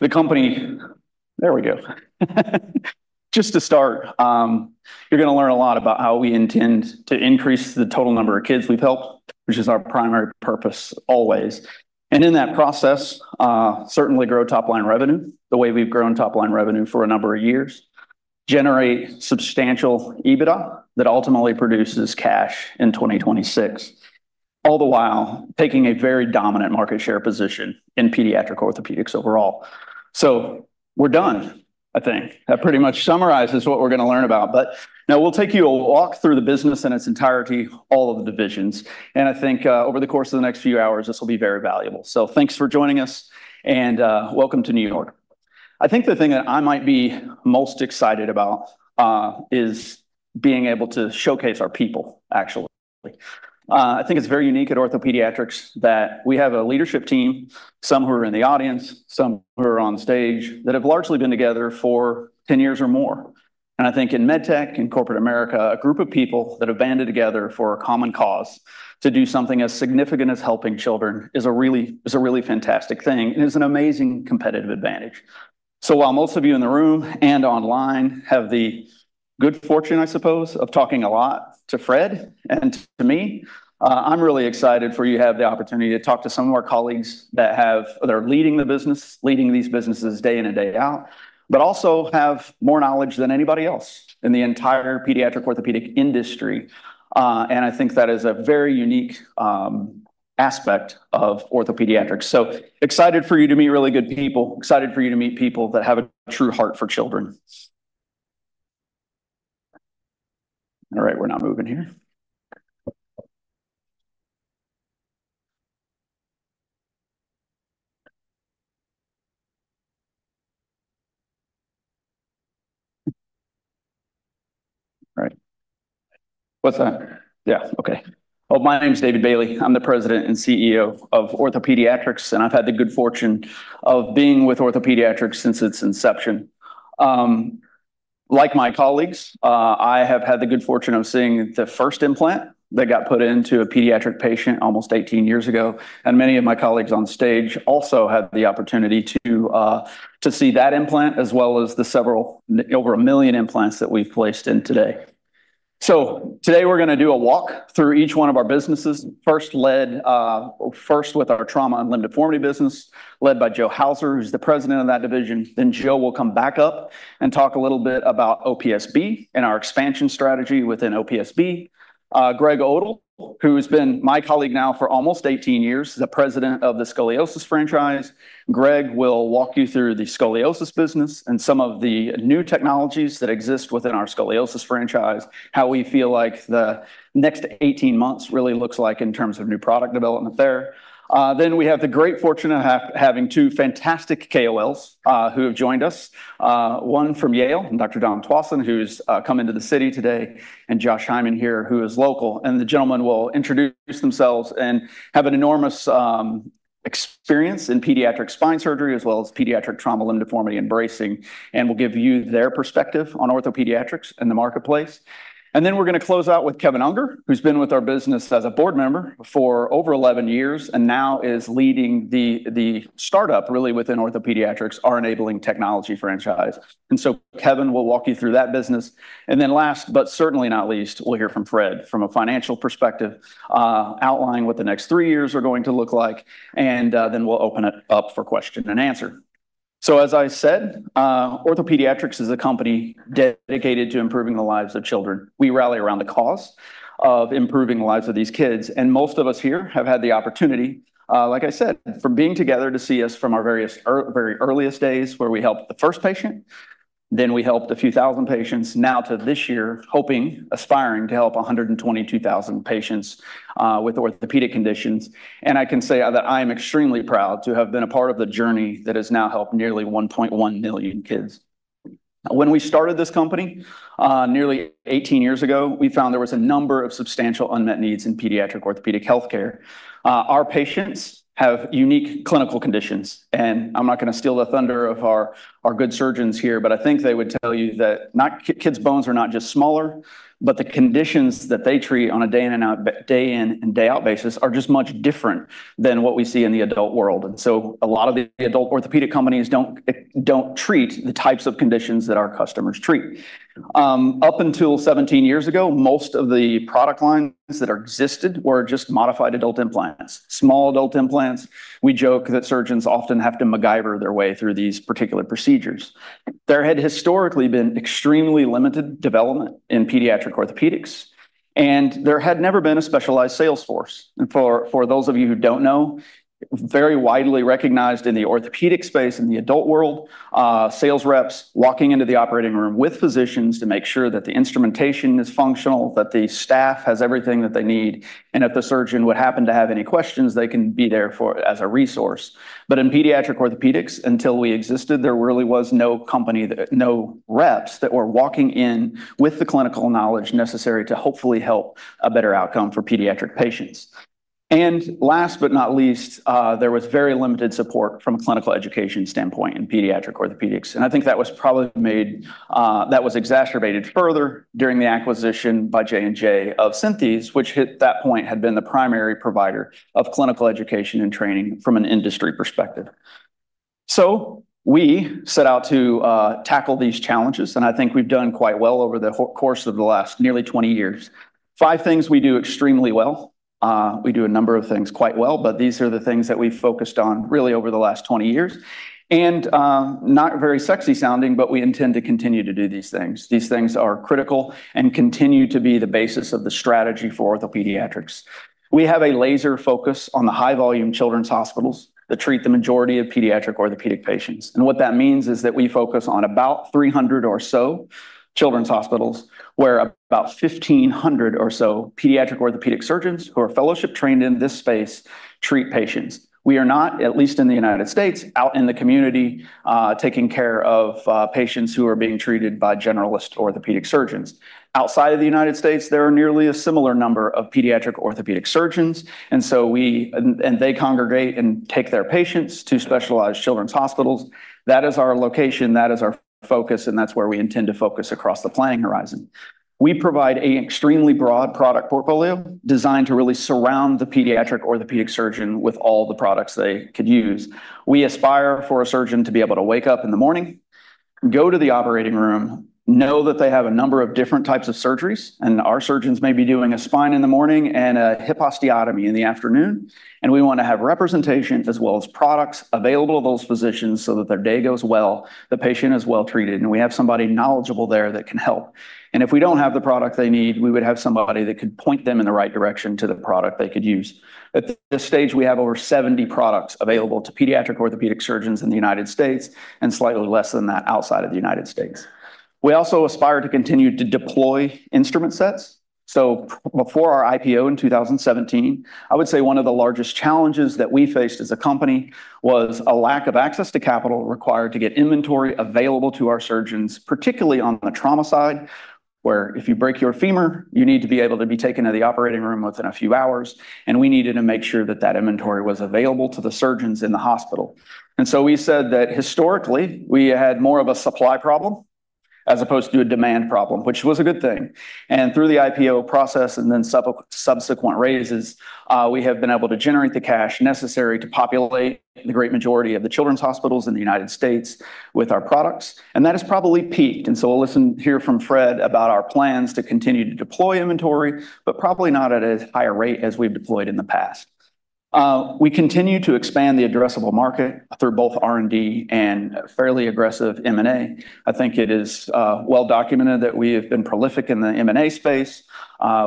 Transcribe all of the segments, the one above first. The company, there we go. Just to start, you're going to learn a lot about how we intend to increase the total number of kids we've helped, which is our primary purpose always. And in that process, certainly grow top-line revenue, the way we've grown top-line revenue for a number of years, generate substantial EBITDA that ultimately produces cash in 2026, all the while taking a very dominant market share position in pediatric orthopedics overall. So we're done, I think. That pretty much summarizes what we're going to learn about, but now we'll take you a walk through the business in its entirety, all of the divisions. And I think, over the course of the next few hours, this will be very valuable. So thanks for joining us, and welcome to New York. I think the thing that I might be most excited about is being able to showcase our people, actually. I think it's very unique at OrthoPediatrics that we have a leadership team, some who are in the audience, some who are on stage, that have largely been together for ten years or more, and I think in MedTech, in corporate America, a group of people that have banded together for a common cause to do something as significant as helping children is a really, is a really fantastic thing, and is an amazing competitive advantage. So while most of you in the room and online have the good fortune, I suppose, of talking a lot to Fred and to me, I'm really excited for you to have the opportunity to talk to some of our colleagues that are leading the business, leading these businesses day in and day out, but also have more knowledge than anybody else in the entire pediatric orthopedic industry. I think that is a very unique aspect of OrthoPediatrics. Excited for you to meet really good people, excited for you to meet people that have a true heart for children. All right, we're not moving here? Right. What's that? Yeah, okay. My name is David Bailey. I'm the President and CEO of OrthoPediatrics, and I've had the good fortune of being with OrthoPediatrics since its inception. Like my colleagues, I have had the good fortune of seeing the first implant that got put into a pediatric patient almost 18 years ago, and many of my colleagues on stage also had the opportunity to see that implant, as well as the several over a million implants that we've placed in today. Today we're going to do a walk through each one of our businesses. First with our trauma and limb deformity business, led by Joe Hauser, who's the president of that division. Then Joe will come back up and talk a little bit about OPSB and our expansion strategy within OPSB. Greg Odle, who's been my colleague now for almost eighteen years, the president of the Scoliosis franchise. Greg will walk you through the scoliosis business and some of the new technologies that exist within our scoliosis franchise, how we feel like the next eighteen months really looks like in terms of new product development there. Then we have the great fortune of having two fantastic KOLs who have joined us, one from Yale, Dr. Dom Tuason, who's come into the city today, and Josh Hyman here, who is local. And the gentleman will introduce themselves and have an enormous experience in pediatric spine surgery, as well as pediatric trauma, limb deformity, and bracing, and will give you their perspective on OrthoPediatrics in the marketplace. Then we're going to close out with Kevin Unger, who's been with our business as a board member for over eleven years, and now is leading the startup, really, within OrthoPediatrics, our enabling technology franchise. So Kevin will walk you through that business. Then last, but certainly not least, we'll hear from Fred from a financial perspective, outlining what the next three years are going to look like, and then we'll open it up for question and answer. As I said, OrthoPediatrics is a company dedicated to improving the lives of children. We rally around the cause of improving the lives of these kids, and most of us here have had the opportunity, like I said, from being together to see us from our various very earliest days, where we helped the first patient, then we helped a few thousand patients, now to this year, hoping, aspiring to help 122,000 patients with orthopedic conditions. I can say that I am extremely proud to have been a part of the journey that has now helped nearly 1.1 million kids. When we started this company nearly 18 years ago, we found there was a number of substantial unmet needs in pediatric orthopedic health care. Our patients have unique clinical conditions, and I'm not going to steal the thunder of our good surgeons here, but I think they would tell you that kids' bones are not just smaller, but the conditions that they treat on a day in and day out basis are just much different than what we see in the adult world. And so a lot of the adult orthopedic companies don't treat the types of conditions that our customers treat. Up until seventeen years ago, most of the product lines that existed were just modified adult implants, small adult implants. We joke that surgeons often have to MacGyver their way through these particular procedures. There had historically been extremely limited development in pediatric orthopedics, and there had never been a specialized sales force. And for those of you who don't know, very widely recognized in the orthopedic space, in the adult world, sales reps walking into the operating room with physicians to make sure that the instrumentation is functional, that the staff has everything that they need, and if the surgeon would happen to have any questions, they can be there as a resource. But in pediatric orthopedics, until we existed, there really was no company, no reps that were walking in with the clinical knowledge necessary to hopefully help a better outcome for pediatric patients. Last but not least, there was very limited support from a clinical education standpoint in pediatric orthopedics. I think that was probably exacerbated further during the acquisition by J&J of Synthes, which, at that point, had been the primary provider of clinical education and training from an industry perspective. We set out to tackle these challenges, and I think we've done quite well over the whole course of the last nearly 20 years. Five things we do extremely well. We do a number of things quite well, but these are the things that we've focused on really over the last 20 years. Not very sexy sounding, but we intend to continue to do these things. These things are critical and continue to be the basis of the strategy for OrthoPediatrics. We have a laser focus on the high-volume children's hospitals that treat the majority of pediatric orthopedic patients. And what that means is that we focus on about three hundred or so children's hospitals, where about fifteen hundred or so pediatric orthopedic surgeons, who are fellowship trained in this space, treat patients. We are not, at least in the United States, out in the community, taking care of patients who are being treated by generalist orthopedic surgeons. Outside of the United States, there are nearly a similar number of pediatric orthopedic surgeons, and so they congregate and take their patients to specialized children's hospitals. That is our location, that is our focus, and that's where we intend to focus across the planning horizon. We provide a extremely broad product portfolio designed to really surround the pediatric orthopedic surgeon with all the products they could use. We aspire for a surgeon to be able to wake up in the morning, go to the operating room, know that they have a number of different types of surgeries, and our surgeons may be doing a spine in the morning and a hip osteotomy in the afternoon, and we want to have representations as well as products available to those physicians so that their day goes well, the patient is well treated, and we have somebody knowledgeable there that can help, and if we don't have the product they need, we would have somebody that could point them in the right direction to the product they could use. At this stage, we have over seventy products available to pediatric orthopedic surgeons in the United States, and slightly less than that outside of the United States. We also aspire to continue to deploy instrument sets. Before our IPO in 2017, I would say one of the largest challenges that we faced as a company was a lack of access to capital required to get inventory available to our surgeons, particularly on the trauma side, where if you break your femur, you need to be able to be taken to the operating room within a few hours, and we needed to make sure that that inventory was available to the surgeons in the hospital. We said that historically, we had more of a supply problem as opposed to a demand problem, which was a good thing. Through the IPO process and then subsequent raises, we have been able to generate the cash necessary to populate the great majority of the children's hospitals in the United States with our products, and that has probably peaked. And so we'll hear from Fred about our plans to continue to deploy inventory, but probably not at as high a rate as we've deployed in the past. We continue to expand the addressable market through both R&D and fairly aggressive M&A. I think it is well documented that we have been prolific in the M&A space.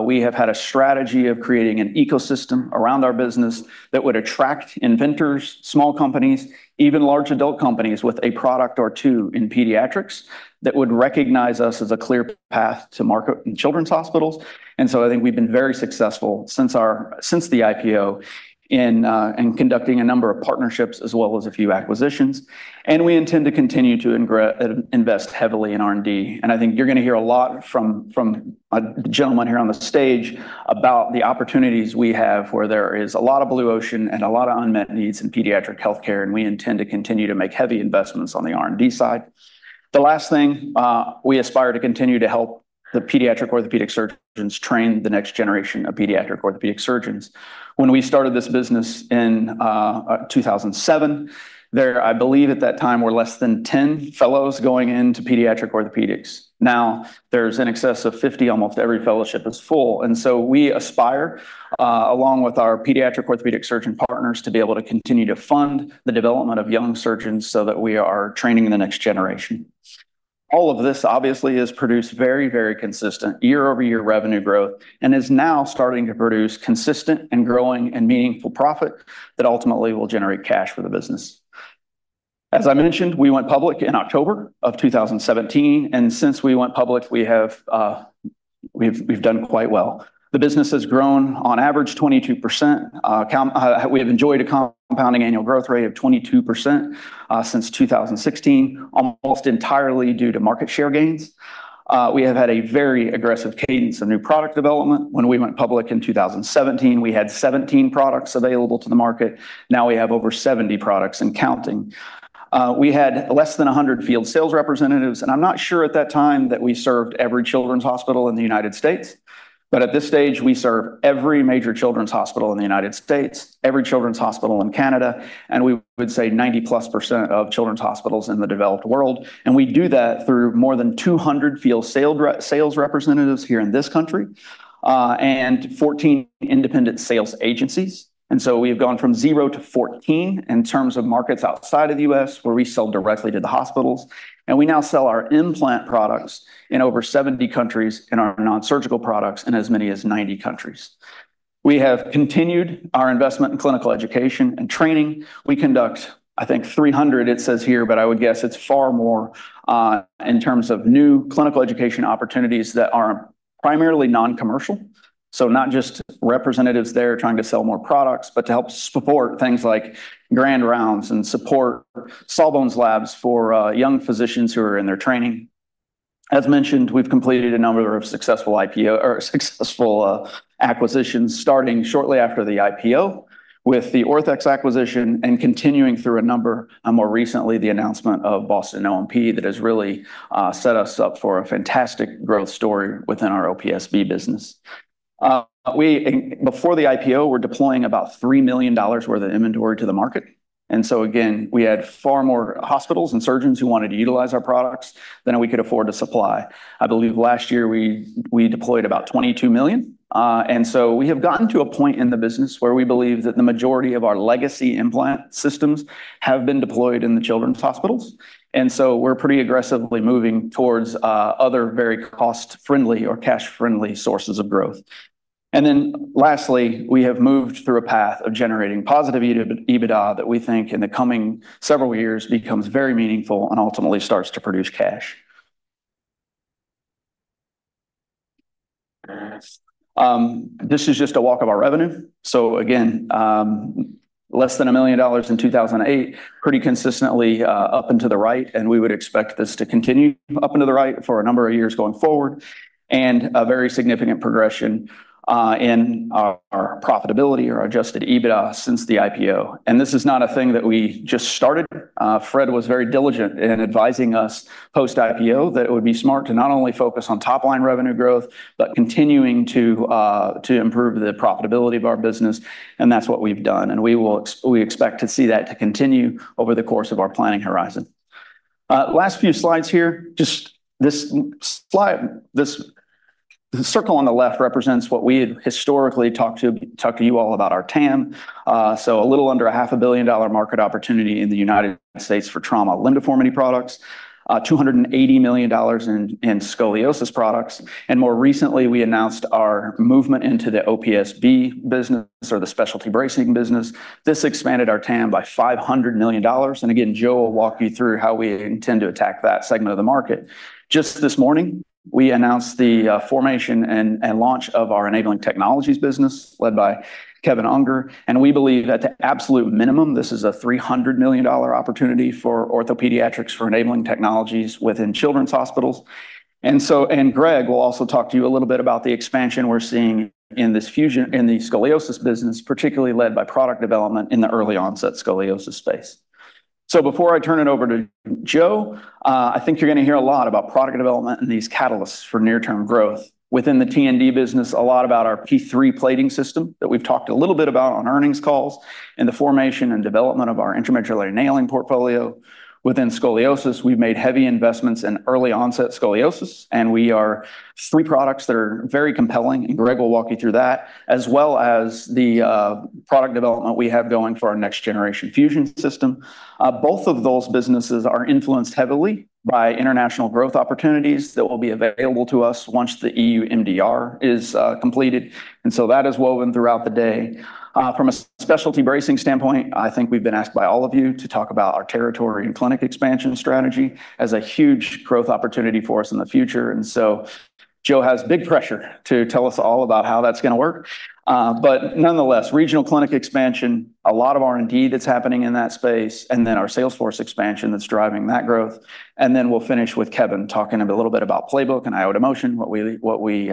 We have had a strategy of creating an ecosystem around our business that would attract inventors, small companies, even large adult companies with a product or two in pediatrics, that would recognize us as a clear path to market in children's hospitals. And so I think we've been very successful since the IPO in conducting a number of partnerships as well as a few acquisitions. And we intend to continue to invest heavily in R&D. I think you're going to hear a lot from a gentleman here on the stage about the opportunities we have, where there is a lot of blue ocean and a lot of unmet needs in pediatric healthcare, and we intend to continue to make heavy investments on the R&D side. The last thing we aspire to continue to help the pediatric orthopedic surgeons train the next generation of pediatric orthopedic surgeons. When we started this business in 2007, there I believe at that time were less than ten fellows going into pediatric orthopedics. Now, there's in excess of fifty, almost every fellowship is full, and so we aspire along with our pediatric orthopedic surgeon partners to be able to continue to fund the development of young surgeons so that we are training the next generation. All of this, obviously, has produced very, very consistent year-over-year revenue growth and is now starting to produce consistent and growing and meaningful profit that ultimately will generate cash for the business. As I mentioned, we went public in October of 2017, and since we went public, we've done quite well. The business has grown on average 22%. We have enjoyed a compounding annual growth rate of 22% since 2016, almost entirely due to market share gains. We have had a very aggressive cadence of new product development. When we went public in 2017, we had 17 products available to the market. Now we have over 70 products and counting. We had less than 100 field sales representatives, and I'm not sure at that time that we served every children's hospital in the United States. But at this stage, we serve every major children's hospital in the United States, every children's hospital in Canada, and we would say 90%+ of children's hospitals in the developed world. And we do that through more than 200 field sales representatives here in this country, and 14 independent sales agencies. And so we've gone from zero to 14 in terms of markets outside of the U.S., where we sell directly to the hospitals, and we now sell our implant products in over 70 countries, and our non-surgical products in as many as 90 countries. We have continued our investment in clinical education and training. We conduct, I think, 300, it says here, but I would guess it's far more, in terms of new clinical education opportunities that are primarily non-commercial. So not just representatives there trying to sell more products, but to help support things like grand rounds and support Sawbones labs for young physicians who are in their training. As mentioned, we've completed a number of successful acquisitions, starting shortly after the IPO, with the Orthex acquisition and continuing through a number, and more recently, the announcement of Boston O&P that has really set us up for a fantastic growth story within our OPSB business. We, before the IPO, were deploying about $3 million worth of inventory to the market. And so again, we had far more hospitals and surgeons who wanted to utilize our products than we could afford to supply. I believe last year we deployed about $22 million. And so we have gotten to a point in the business where we believe that the majority of our legacy implant systems have been deployed in the children's hospitals. And so we're pretty aggressively moving towards other very cost-friendly or cash-friendly sources of growth. And then lastly, we have moved through a path of generating positive EBITDA, EBITDA that we think in the coming several years becomes very meaningful and ultimately starts to produce cash. This is just a walk of our revenue. So again, less than $1 million in 2008, pretty consistently up into the right, and we would expect this to continue up into the right for a number of years going forward, and a very significant progression in our profitability or Adjusted EBITDA since the IPO. And this is not a thing that we just started. Fred was very diligent in advising us post-IPO that it would be smart to not only focus on top line revenue growth, but continuing to improve the profitability of our business, and that's what we've done, and we will expect to see that continue over the course of our planning horizon. Last few slides here, just this slide. This circle on the left represents what we historically talked to you all about our TAM. So a little under $500 million market opportunity in the United States for trauma limb deformity products, $280 million in scoliosis products, and more recently, we announced our movement into the OPSB business or the specialty bracing business. This expanded our TAM by $500 million, and again, Joe will walk you through how we intend to attack that segment of the market. Just this morning, we announced the formation and launch of our enabling technologies business, led by Kevin Unger. And we believe that the absolute minimum, this is a $300 million opportunity for OrthoPediatrics, for enabling technologies within children's hospitals. And so, Greg will also talk to you a little bit about the expansion we're seeing in this fusion, in the scoliosis business, particularly led by product development in the early-onset scoliosis space. So before I turn it over to Joe, I think you're going to hear a lot about product development and these catalysts for near-term growth. Within the T&D business, a lot about our P3 plating system that we've talked a little bit about on earnings calls and the formation and development of our intramedullary nailing portfolio. Within scoliosis, we've made heavy investments in early-onset scoliosis, and we are three products that are very compelling, and Greg will walk you through that, as well as the, product development we have going for our next generation fusion system. Both of those businesses are influenced heavily by international growth opportunities that will be available to us once the EU MDR is, completed, and so that is woven throughout the day. From a specialty bracing standpoint, I think we've been asked by all of you to talk about our territory and clinic expansion strategy as a huge growth opportunity for us in the future. So Joe has big pressure to tell us all about how that's going to work. But nonetheless, regional clinic expansion, a lot of R&D that's happening in that space, and then our sales force expansion that's driving that growth. Then we'll finish with Kevin talking a little bit about Playbook and iotaMotion, what we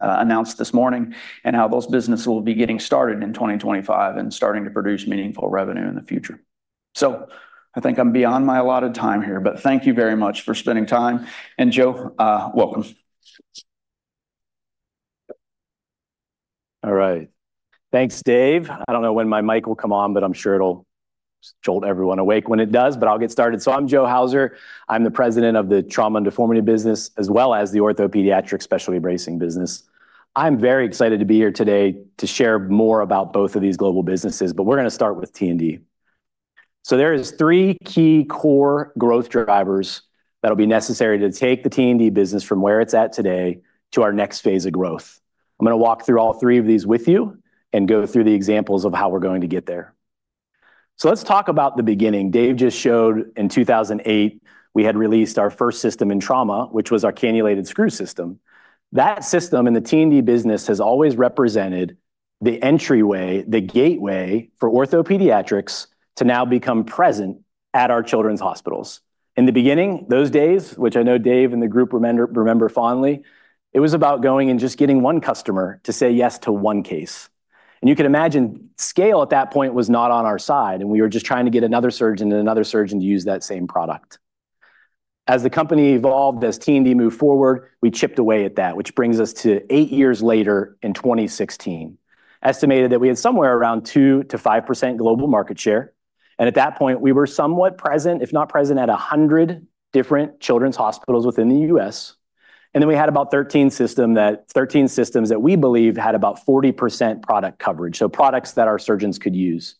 announced this morning, and how those businesses will be getting started in 2025 and starting to produce meaningful revenue in the future. I think I'm beyond my allotted time here, but thank you very much for spending time. Joe, welcome. All right. Thanks, Dave. I don't know when my mic will come on, but I'm sure it'll jolt everyone awake when it does, but I'll get started. So I'm Joe Hauser. I'm the president of the Trauma and Deformity business, as well as the OrthoPediatrics Specialty Bracing business. I'm very excited to be here today to share more about both of these global businesses, but we're going to start with T&D. So there is three key core growth drivers that'll be necessary to take the T&D business from where it's at today to our next phase of growth. I'm going to walk through all three of these with you and go through the examples of how we're going to get there. So let's talk about the beginning. Dave just showed in 2008, we had released our first system in trauma, which was our cannulated screw system. That system in the T&D business has always represented the entryway, the gateway for OrthoPediatrics to now become present at our children's hospitals. In the beginning, those days, which I know Dave and the group remember, remember fondly, it was about going and just getting one customer to say yes to one case. And you can imagine, scale at that point was not on our side, and we were just trying to get another surgeon and another surgeon to use that same product. As the company evolved, as T&D moved forward, we chipped away at that, which brings us to eight years later, in 2016, estimated that we had somewhere around 2%-5% global market share. And at that point, we were somewhat present, if not present, at 100 different children's hospitals within the U.S. And then we had about 13 systems that we believe had about 40% product coverage, so products that our surgeons could use.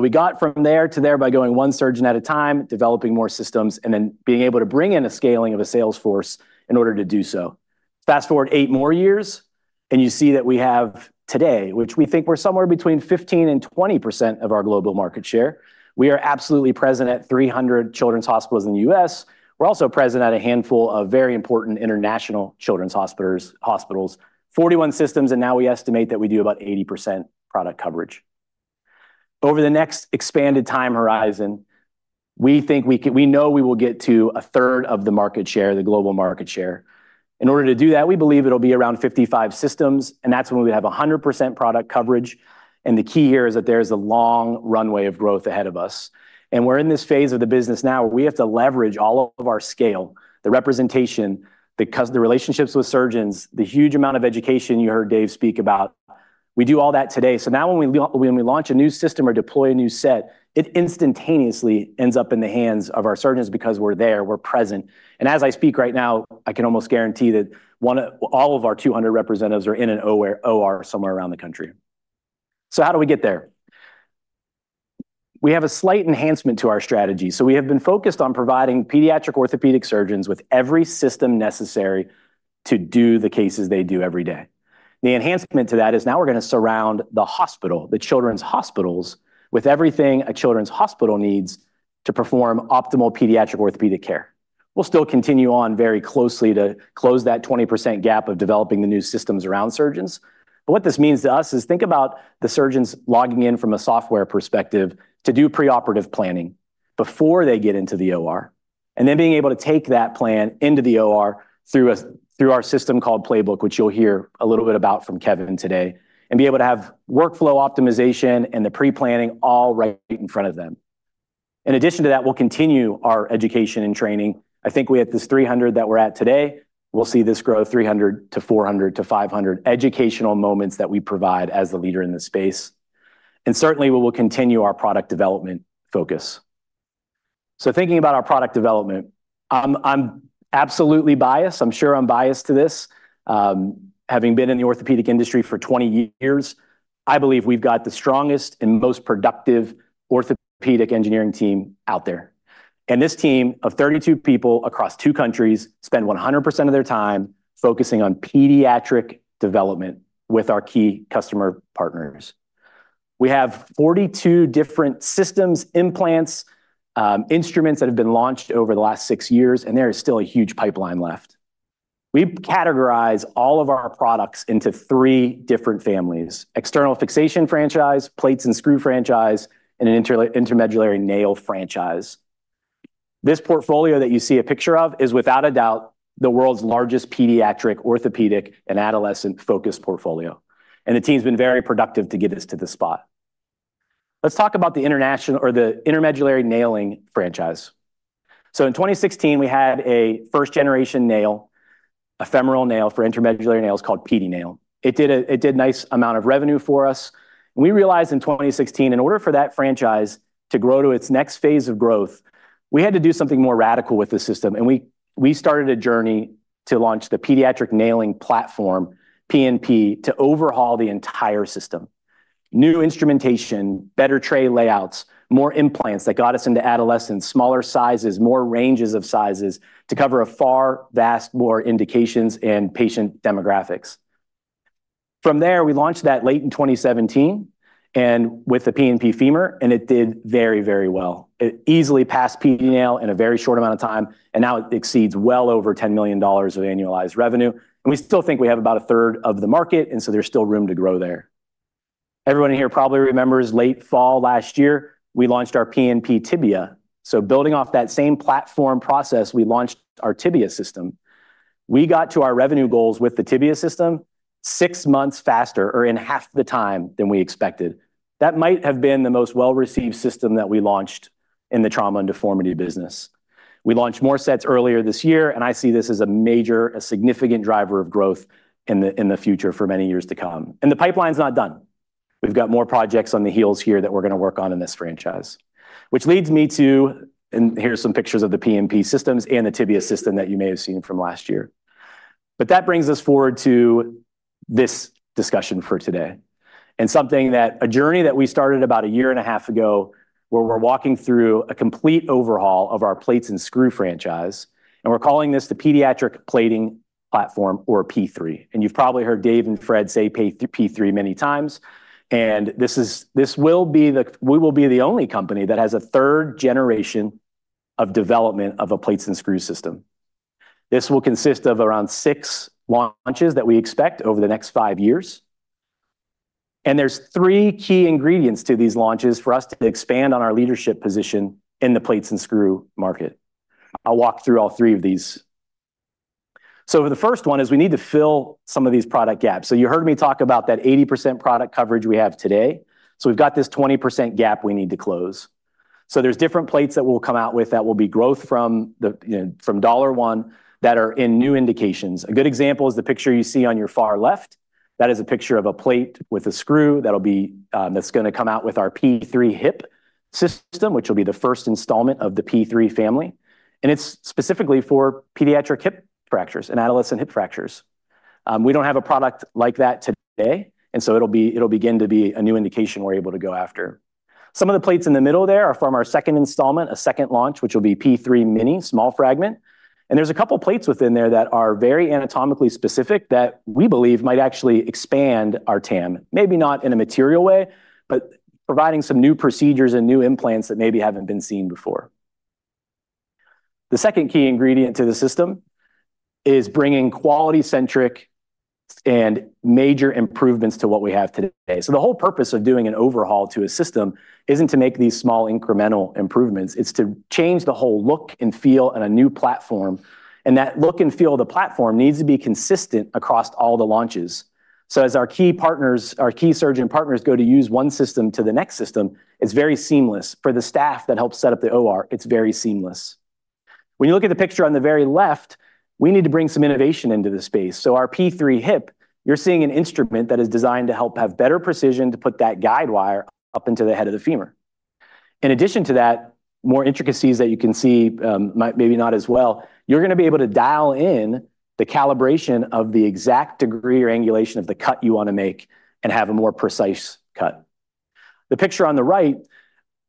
We got from there to there by going one surgeon at a time, developing more systems, and then being able to bring in a scaling of a sales force in order to do so. Fast-forward eight more years, and you see that we have today, which we think we're somewhere between 15% and 20% of our global market share. We are absolutely present at 300 children's hospitals in the U.S. We're also present at a handful of very important international children's hospitals, 41 systems, and now we estimate that we do about 80% product coverage. Over the next expanded time horizon, we think we know we will get to a third of the market share, the global market share. In order to do that, we believe it'll be around 55 systems, and that's when we have 100% product coverage, and the key here is that there's a long runway of growth ahead of us, and we're in this phase of the business now, we have to leverage all of our scale, the representation, the relationships with surgeons, the huge amount of education you heard Dave speak about. We do all that today, so now when we launch a new system or deploy a new set, it instantaneously ends up in the hands of our surgeons because we're there, we're present. And as I speak right now, I can almost guarantee that all of our 200 representatives are in an OR somewhere around the country. So how do we get there? We have a slight enhancement to our strategy. So we have been focused on providing pediatric orthopedic surgeons with every system necessary to do the cases they do every day. The enhancement to that is now we're going to surround the hospital, the children's hospitals, with everything a children's hospital needs to perform optimal pediatric orthopedic care. We'll still continue on very closely to close that 20% gap of developing the new systems around surgeons. But what this means to us is think about the surgeons logging in from a software perspective to do preoperative planning before they get into the OR, and then being able to take that plan into the OR through a, through our system called Playbook, which you'll hear a little bit about from Kevin today, and be able to have workflow optimization and the pre-planning all right in front of them. In addition to that, we'll continue our education and training. I think we have this three hundred that we're at today. We'll see this grow 300-400-500 educational moments that we provide as the leader in this space, and certainly, we will continue our product development focus. So thinking about our product development, I'm absolutely biased. I'm sure I'm biased to this. Having been in the orthopedic industry for 20 years, I believe we've got the strongest and most productive orthopedic engineering team out there. And this team of 32 people across two countries spend 100% of their time focusing on pediatric development with our key customer partners. We have 42 different systems, implants, instruments that have been launched over the last six years, and there is still a huge pipeline left. We've categorized all of our products into three different families: external fixation franchise, plates and screw franchise, and an intramedullary nail franchise. This portfolio that you see a picture of is without a doubt, the world's largest pediatric, orthopedic, and adolescent-focused portfolio, and the team's been very productive to get us to this spot. Let's talk about the international or the intramedullary nailing franchise. So in 2016, we had a first-generation nail, a femoral nail for intramedullary nails called PediNail. It did a nice amount of revenue for us. We realized in 2016, in order for that franchise to grow to its next phase of growth, we had to do something more radical with the system, and we started a journey to launch the pediatric nailing platform, PNP, to overhaul the entire system. New instrumentation, better tray layouts, more implants that got us into adolescence, smaller sizes, more ranges of sizes to cover a far vaster, more indications and patient demographics. From there, we launched that late in 2017, and with the PNP Femur, and it did very, very well. It easily passed PediNail in a very short amount of time, and now it exceeds well over $10 million of annualized revenue, and we still think we have about a third of the market, and so there's still room to grow there. Everyone in here probably remembers late fall last year, we launched our PNP Tibia. So building off that same platform process, we launched our tibia system. We got to our revenue goals with the tibia system six months faster or in half the time than we expected. That might have been the most well-received system that we launched in the trauma and deformity business. We launched more sets earlier this year, and I see this as a major, a significant driver of growth in the, in the future for many years to come, and the pipeline is not done. We've got more projects on the heels here that we're going to work on in this franchise, which leads me to, and here are some pictures of the PNP systems and the tibia system that you may have seen from last year. But that brings us forward to this discussion for today, and a journey that we started about a year and a half ago, where we're walking through a complete overhaul of our plates and screws franchise, and we're calling this the pediatric plating platform or P3. And you've probably heard Dave and Fred say P3 many times, and this will be the. We will be the only company that has a third generation of development of a plates and screws system. This will consist of around six launches that we expect over the next five years, and there's three key ingredients to these launches for us to expand on our leadership position in the plates and screws market. I'll walk through all three of these. So the first one is we need to fill some of these product gaps. So you heard me talk about that 80% product coverage we have today. So we've got this 20% gap we need to close. So there's different plates that we'll come out with that will be growth from the, you know, from dollar one, that are in new indications. A good example is the picture you see on your far left. That is a picture of a plate with a screw that'll be, that's gonna come out with our P3 Hip system, which will be the first installment of the P3 family. And it's specifically for pediatric hip fractures and adolescent hip fractures. We don't have a product like that today, and so it'll be. It'll begin to be a new indication we're able to go after. Some of the plates in the middle there are from our second installment, a second launch, which will be P3 Mini, small fragment. And there's a couple of plates within there that are very anatomically specific that we believe might actually expand our TAM, maybe not in a material way, but providing some new procedures and new implants that maybe haven't been seen before. The second key ingredient to the system is bringing quality-centric and major improvements to what we have today. So the whole purpose of doing an overhaul to a system isn't to make these small incremental improvements. It's to change the whole look and feel in a new platform, and that look and feel of the platform needs to be consistent across all the launches. So as our key partners, our key surgeon partners go to use one system to the next system, it's very seamless. For the staff that help set up the OR, it's very seamless. When you look at the picture on the very left, we need to bring some innovation into the space. So our P3 hip, you're seeing an instrument that is designed to help have better precision to put that guide wire up into the head of the femur. In addition to that, more intricacies that you can see, might maybe not as well, you're going to be able to dial in the calibration of the exact degree or angulation of the cut you want to make and have a more precise cut. The picture on the right,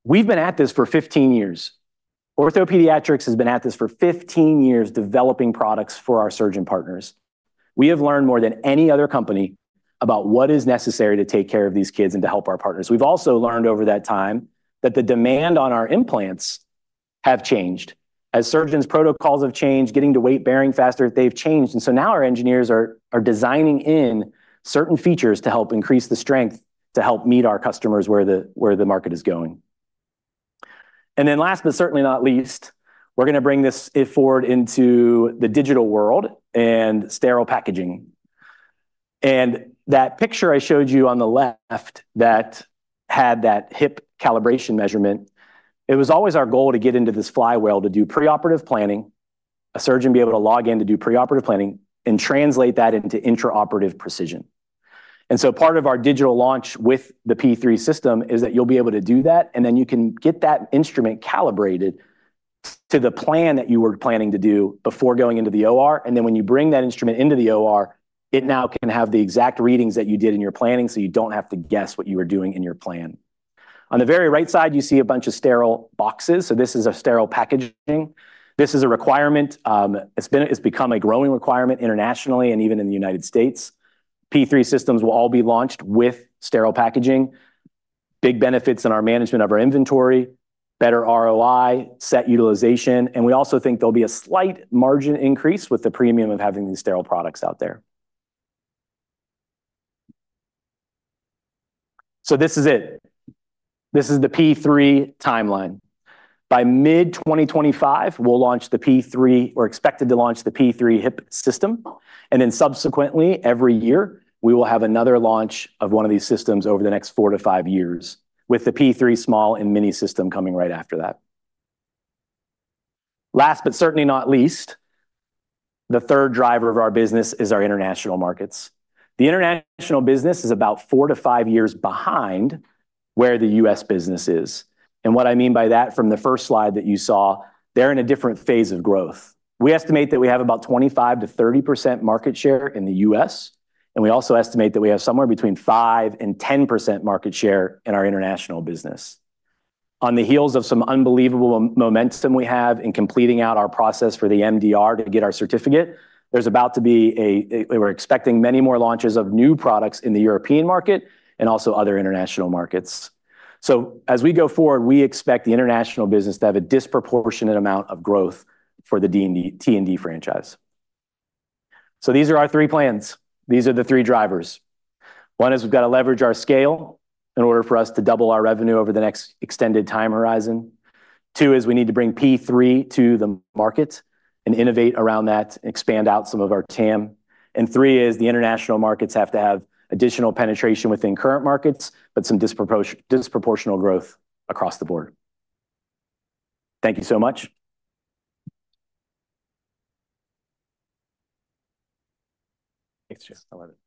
we've been at this for fifteen years. OrthoPediatrics has been at this for fifteen years, developing products for our surgeon partners. We have learned more than any other company about what is necessary to take care of these kids and to help our partners. We've also learned over that time that the demand on our implants have changed. As surgeons, protocols have changed, getting to weight-bearing faster, they've changed. And so now our engineers are designing in certain features to help increase the strength, to help meet our customers where the, where the market is going. And then last, but certainly not least, we're going to bring this forward into the digital world and sterile packaging. And that picture I showed you on the left that had that hip calibration measurement, it was always our goal to get into this flywheel, to do preoperative planning, a surgeon be able to log in to do preoperative planning, and translate that into intraoperative precision. And so part of our digital launch with the P3 system is that you'll be able to do that, and then you can get that instrument calibrated to the plan that you were planning to do before going into the OR. And then when you bring that instrument into the OR, it now can have the exact readings that you did in your planning, so you don't have to guess what you were doing in your plan. On the very right side, you see a bunch of sterile boxes. So this is a sterile packaging. This is a requirement. It's become a growing requirement internationally and even in the United States. P3 systems will all be launched with sterile packaging, big benefits in our management of our inventory, better ROI, set utilization, and we also think there'll be a slight margin increase with the premium of having these sterile products out there. So this is it. This is the P3 timeline. By mid-2025, we'll launch the P3 or expected to launch the P3 hip system, and then subsequently, every year, we will have another launch of one of these systems over the next four to five years, with the P3 Small and Mini system coming right after that. Last, but certainly not least, the third driver of our business is our international markets. The international business is about four to five years behind where the U.S. business is. And what I mean by that, from the first slide that you saw, they're in a different phase of growth. We estimate that we have about 25%-30% market share in the U.S., and we also estimate that we have somewhere between 5% and 10% market share in our international business. On the heels of some unbelievable momentum we have in completing out our process for the MDR to get our certificate, there's about to be. We're expecting many more launches of new products in the European market and also other international markets. So as we go forward, we expect the international business to have a disproportionate amount of growth for the T and D franchise. So these are our three plans. These are the three drivers. One is we've got to leverage our scale in order for us to double our revenue over the next extended time horizon. Two is we need to bring P3 to the market and innovate around that and expand out some of our TAM. And three is the international markets have to have additional penetration within current markets, but some disproportional growth across the board. Thank you so much. Thanks, Joe. I love it.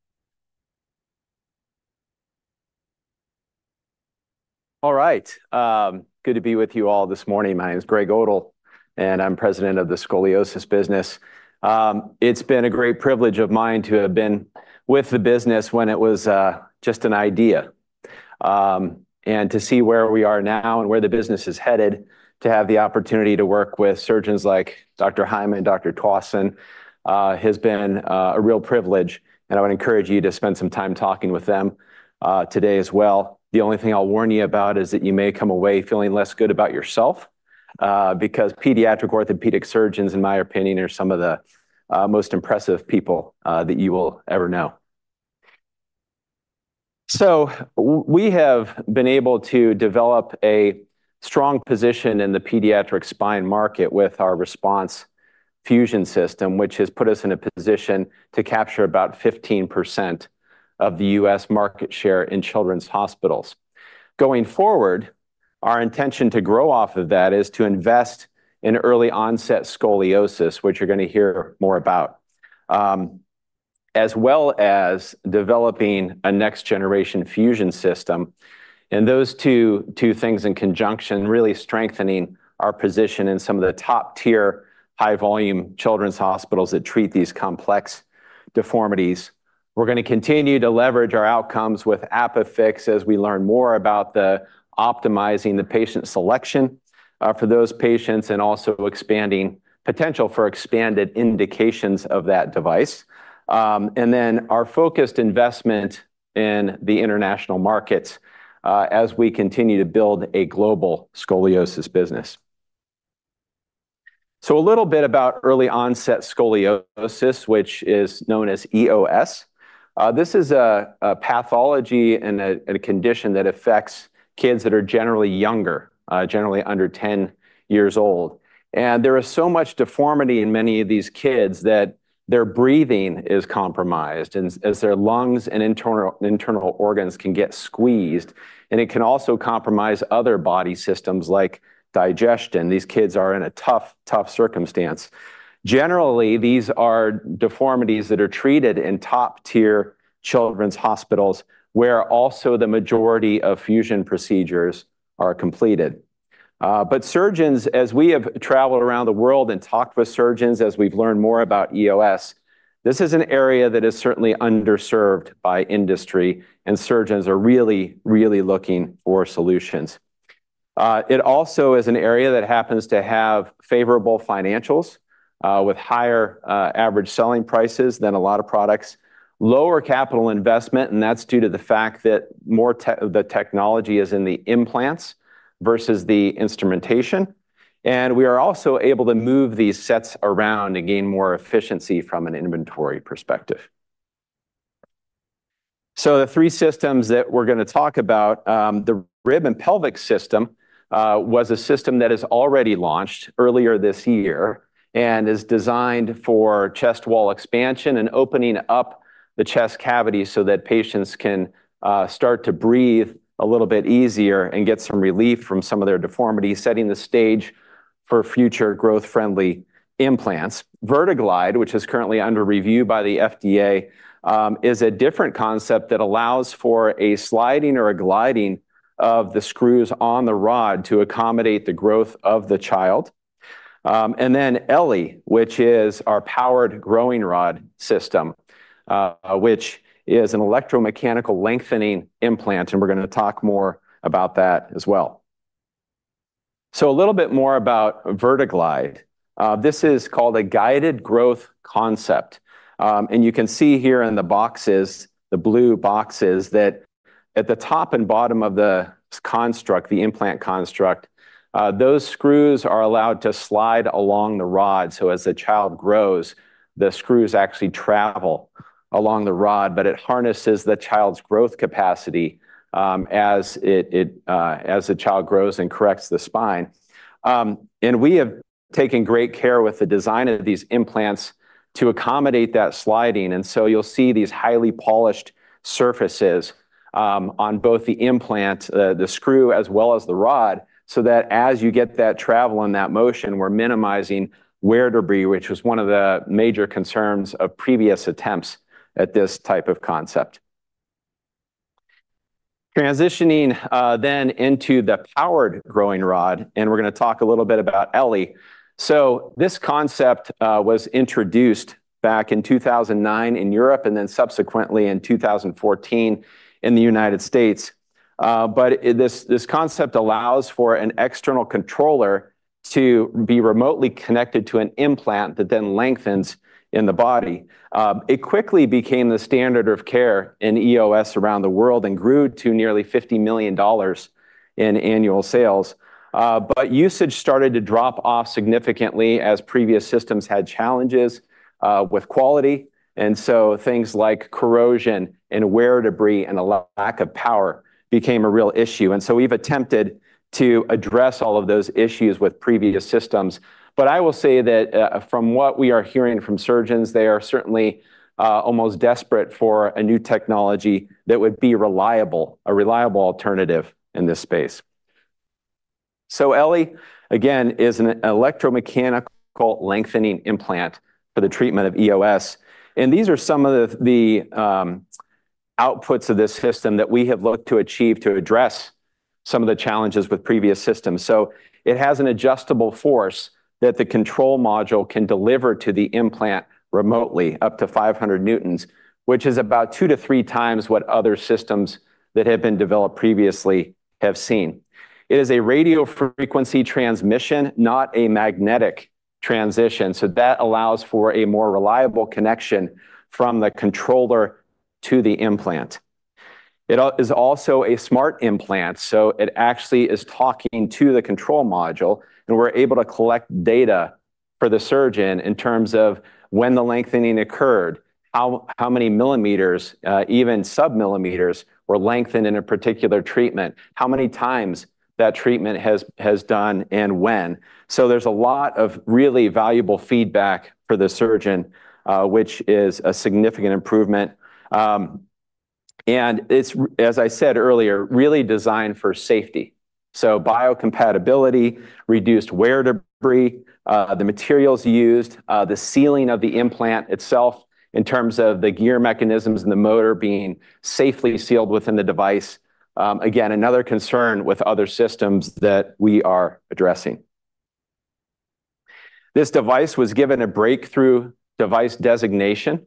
All right, good to be with you all this morning. My name is Greg Odle, and I'm president of the Scoliosis business. It's been a great privilege of mine to have been with the business when it was just an idea, and to see where we are now and where the business is headed, to have the opportunity to work with surgeons like Dr. Hyman and Dr. Tuason has been a real privilege, and I would encourage you to spend some time talking with them today as well. The only thing I'll warn you about is that you may come away feeling less good about yourself because pediatric orthopedic surgeons, in my opinion, are some of the most impressive people that you will ever know. So we have been able to develop a strong position in the pediatric spine market with our RESPONSE fusion system, which has put us in a position to capture about 15% of the U.S. market share in children's hospitals. Going forward, our intention to grow off of that is to invest in Early-Onset Scoliosis, which you're going to hear more about, as well as developing a next-generation fusion system. And those two things in conjunction really strengthening our position in some of the top-tier, high-volume children's hospitals that treat these complex deformities. We're going to continue to leverage our outcomes with ApiFix as we learn more about the optimizing the patient selection for those patients, and also expanding potential for expanded indications of that device. And then our focused investment in the international markets as we continue to build a global scoliosis business. So a little bit about early-onset scoliosis, which is known as EOS. This is a pathology and a condition that affects kids that are generally younger, generally under 10 years old. And there is so much deformity in many of these kids that- Their breathing is compromised as their lungs and internal organs can get squeezed, and it can also compromise other body systems like digestion. These kids are in a tough, tough circumstance. Generally, these are deformities that are treated in top-tier children's hospitals, where also the majority of fusion procedures are completed, but surgeons, as we have traveled around the world and talked with surgeons, as we've learned more about EOS, this is an area that is certainly underserved by industry, and surgeons are really, really looking for solutions. It also is an area that happens to have favorable financials, with higher average selling prices than a lot of products, lower capital investment, and that's due to the fact that the technology is in the implants versus the instrumentation. And we are also able to move these sets around to gain more efficiency from an inventory perspective. So the three systems that we're going to talk about, the rib and pelvic system, was a system that is already launched earlier this year and is designed for chest wall expansion and opening up the chest cavity so that patients can start to breathe a little bit easier and get some relief from some of their deformities, setting the stage for future growth-friendly implants. VertiGlide, which is currently under review by the FDA, is a different concept that allows for a sliding or a gliding of the screws on the rod to accommodate the growth of the child. And then ELLI, which is our powered growing rod system, which is an electromechanical lengthening implant, and we're going to talk more about that as well. A little bit more about VertiGlide. This is called a guided growth concept. And you can see here in the boxes, the blue boxes, that at the top and bottom of the construct, the implant construct, those screws are allowed to slide along the rod, so as the child grows, the screws actually travel along the rod, but it harnesses the child's growth capacity, as the child grows and corrects the spine. And we have taken great care with the design of these implants to accommodate that sliding, and so you'll see these highly polished surfaces on both the implant, the screw, as well as the rod, so that as you get that travel and that motion, we're minimizing wear debris, which was one of the major concerns of previous attempts at this type of concept. Transitioning, then into the powered growing rod, and we're going to talk a little bit about elli. So this concept was introduced back in 2009 in Europe and then subsequently in 2014 in the United States. But this, this concept allows for an external controller to be remotely connected to an implant that then lengthens in the body. It quickly became the standard of care in EOS around the world and grew to nearly $50 million in annual sales. But usage started to drop off significantly as previous systems had challenges with quality, and so things like corrosion and wear debris, and a lack of power became a real issue. And so we've attempted to address all of those issues with previous systems. But I will say that, from what we are hearing from surgeons, they are certainly almost desperate for a new technology that would be reliable, a reliable alternative in this space. So ELLI, again, is an electromechanical lengthening implant for the treatment of EOS, and these are some of the outputs of this system that we have looked to achieve to address some of the challenges with previous systems. So it has an adjustable force that the control module can deliver to the implant remotely, up to five hundred Newtons, which is about 2x-3x what other systems that have been developed previously have seen. It is a radio frequency transmission, not a magnetic transition, so that allows for a more reliable connection from the controller to the implant. It also is a smart implant, so it actually is talking to the control module, and we're able to collect data for the surgeon in terms of when the lengthening occurred, how many millimeters, even sub millimeters, were lengthened in a particular treatment, how many times that treatment has done, and when. So there's a lot of really valuable feedback for the surgeon, which is a significant improvement. It's, as I said earlier, really designed for safety. So biocompatibility, reduced wear debris, the materials used, the sealing of the implant itself in terms of the gear mechanisms and the motor being safely sealed within the device. Again, another concern with other systems that we are addressing. This device was given a breakthrough device designation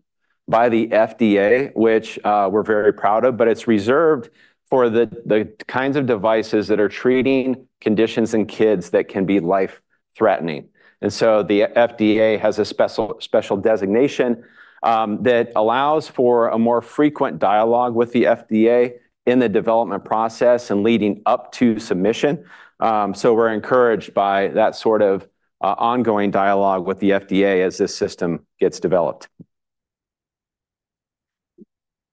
by the FDA, which, we're very proud of, but it's reserved for the kinds of devices that are treating conditions in kids that can be life-threatening. And so the FDA has a special designation that allows for a more frequent dialogue with the FDA in the development process and leading up to submission. So we're encouraged by that sort of ongoing dialogue with the FDA as this system gets developed.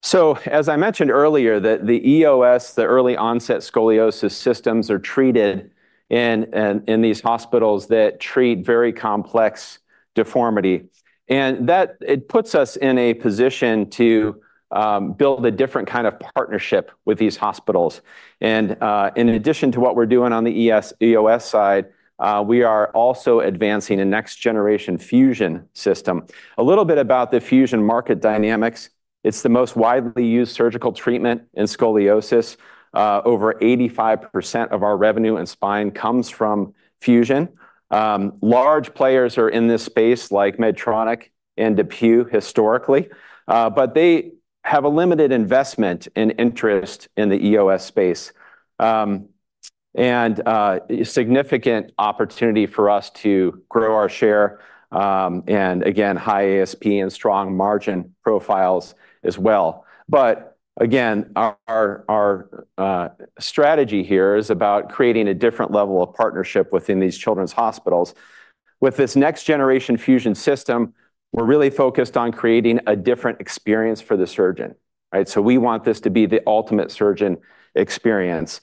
So as I mentioned earlier, the EOS, the early-onset scoliosis systems, are treated in these hospitals that treat very complex deformity. And that it puts us in a position to build a different kind of partnership with these hospitals. And in addition to what we're doing on the EOS side, we are also advancing a next-generation fusion system. A little bit about the fusion market dynamics. It's the most widely used surgical treatment in scoliosis. Over 85% of our revenue in spine comes from fusion. Large players are in this space, like Medtronic and DePuy, historically, but they have a limited investment and interest in the EOS space. And significant opportunity for us to grow our share, and again, high ASP and strong margin profiles as well. But again, our strategy here is about creating a different level of partnership within these children's hospitals. With this next-generation fusion system, we're really focused on creating a different experience for the surgeon, right? So we want this to be the ultimate surgeon experience,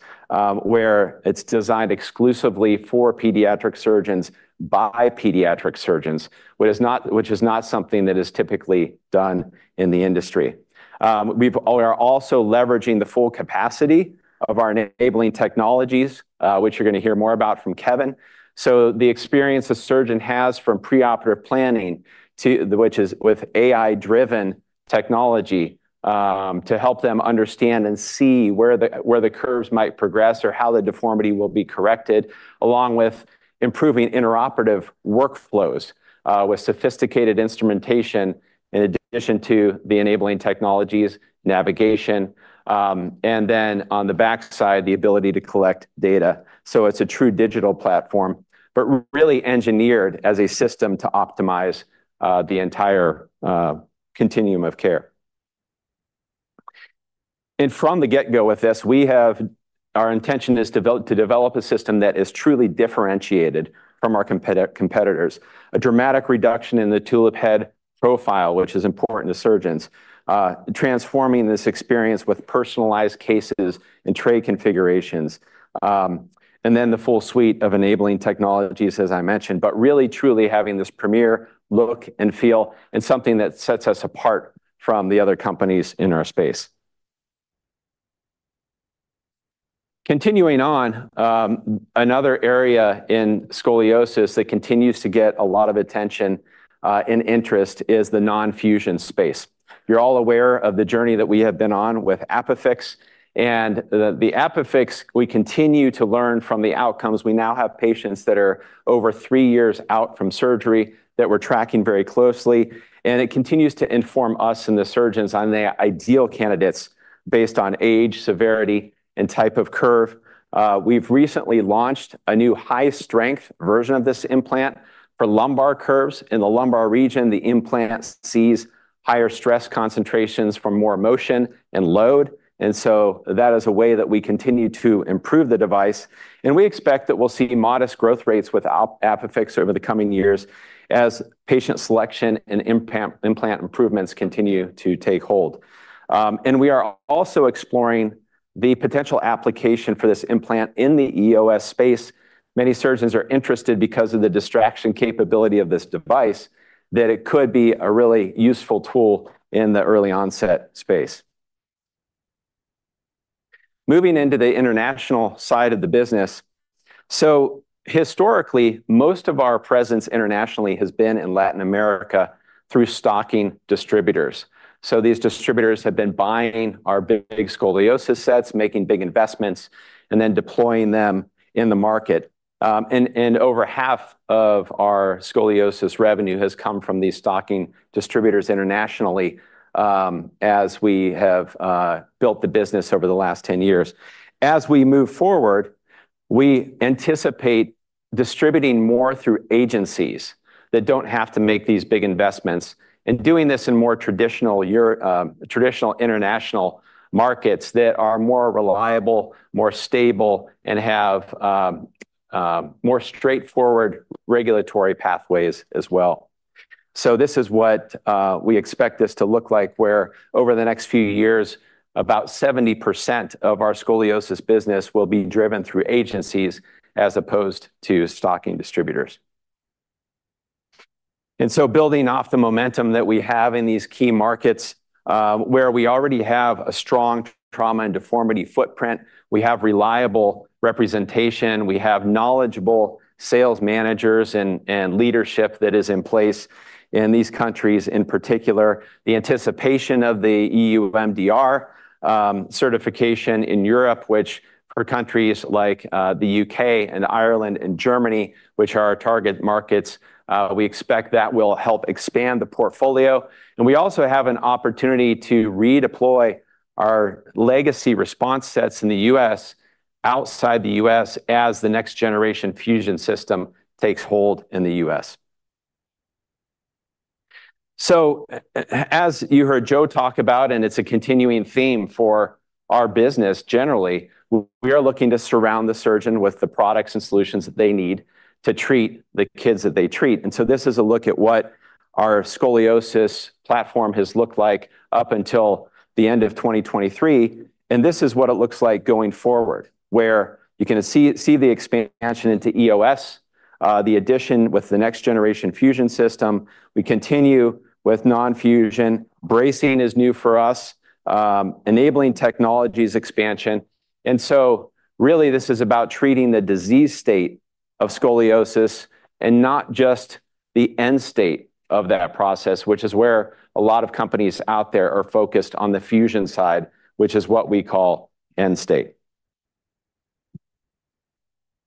where it's designed exclusively for pediatric surgeons by pediatric surgeons, which is not something that is typically done in the industry. We are also leveraging the full capacity of our enabling technologies, which you're going to hear more about from Kevin. So the experience a surgeon has from preoperative planning to which is with AI-driven technology to help them understand and see where the curves might progress or how the deformity will be corrected, along with improving intraoperative workflows with sophisticated instrumentation, in addition to the enabling technologies, navigation, and then on the back side, the ability to collect data. So it's a true digital platform, but really engineered as a system to optimize the entire continuum of care. From the get-go with this, our intention is to develop a system that is truly differentiated from our competitors. A dramatic reduction in the tulip head profile, which is important to surgeons, transforming this experience with personalized cases and tray configurations, and then the full suite of enabling technologies, as I mentioned, but really, truly having this premier look and feel, and something that sets us apart from the other companies in our space. Continuing on, another area in scoliosis that continues to get a lot of attention and interest is the nonfusion space. You're all aware of the journey that we have been on with ApiFix, and the ApiFix, we continue to learn from the outcomes. We now have patients that are over three years out from surgery that we're tracking very closely, and it continues to inform us and the surgeons on the ideal candidates based on age, severity, and type of curve. We've recently launched a new high-strength version of this implant for lumbar curves. In the lumbar region, the implant sees higher stress concentrations from more motion and load, and so that is a way that we continue to improve the device, and we expect that we'll see modest growth rates with ApiFix over the coming years as patient selection and implant improvements continue to take hold. And we are also exploring the potential application for this implant in the EOS space. Many surgeons are interested because of the distraction capability of this device, that it could be a really useful tool in the early-onset space. Moving into the international side of the business. Historically, most of our presence internationally has been in Latin America through stocking distributors. These distributors have been buying our big scoliosis sets, making big investments, and then deploying them in the market. Over 1/2 of our scoliosis revenue has come from these stocking distributors internationally, as we have built the business over the last 10 years. As we move forward, we anticipate distributing more through agencies that don't have to make these big investments, and doing this in more traditional international markets that are more reliable, more stable, and have more straightforward regulatory pathways as well. This is what we expect this to look like, where over the next few years, about 70% of our scoliosis business will be driven through agencies as opposed to stocking distributors. And so building off the momentum that we have in these key markets, where we already have a strong trauma and deformity footprint, we have reliable representation, we have knowledgeable sales managers and, and leadership that is in place in these countries. In particular, the anticipation of the E.U. MDR certification in Europe, which for countries like the U.K. and Ireland and Germany, which are our target markets, we expect that will help expand the portfolio. And we also have an opportunity to redeploy our legacy RESPONSE sets in the U.S., outside the U.S., as the next-generation fusion system takes hold in the U.S. So as you heard Joe talk about, and it is a continuing theme our business generally, we are looking to surround the surgeon with the products and solutions that they need to treat the kids that they treat. And so this is a look at what our scoliosis platform has looked like up until the end of 2023, and this is what it looks like going forward, where you can see the expansion into EOS, the addition with the next generation fusion system. We continue with non-fusion. Bracing is new for us, enabling technologies expansion. And so really this is about treating the disease state of scoliosis and not just the end state of that process, which is where a lot of companies out there are focused on the fusion side, which is what we call end state.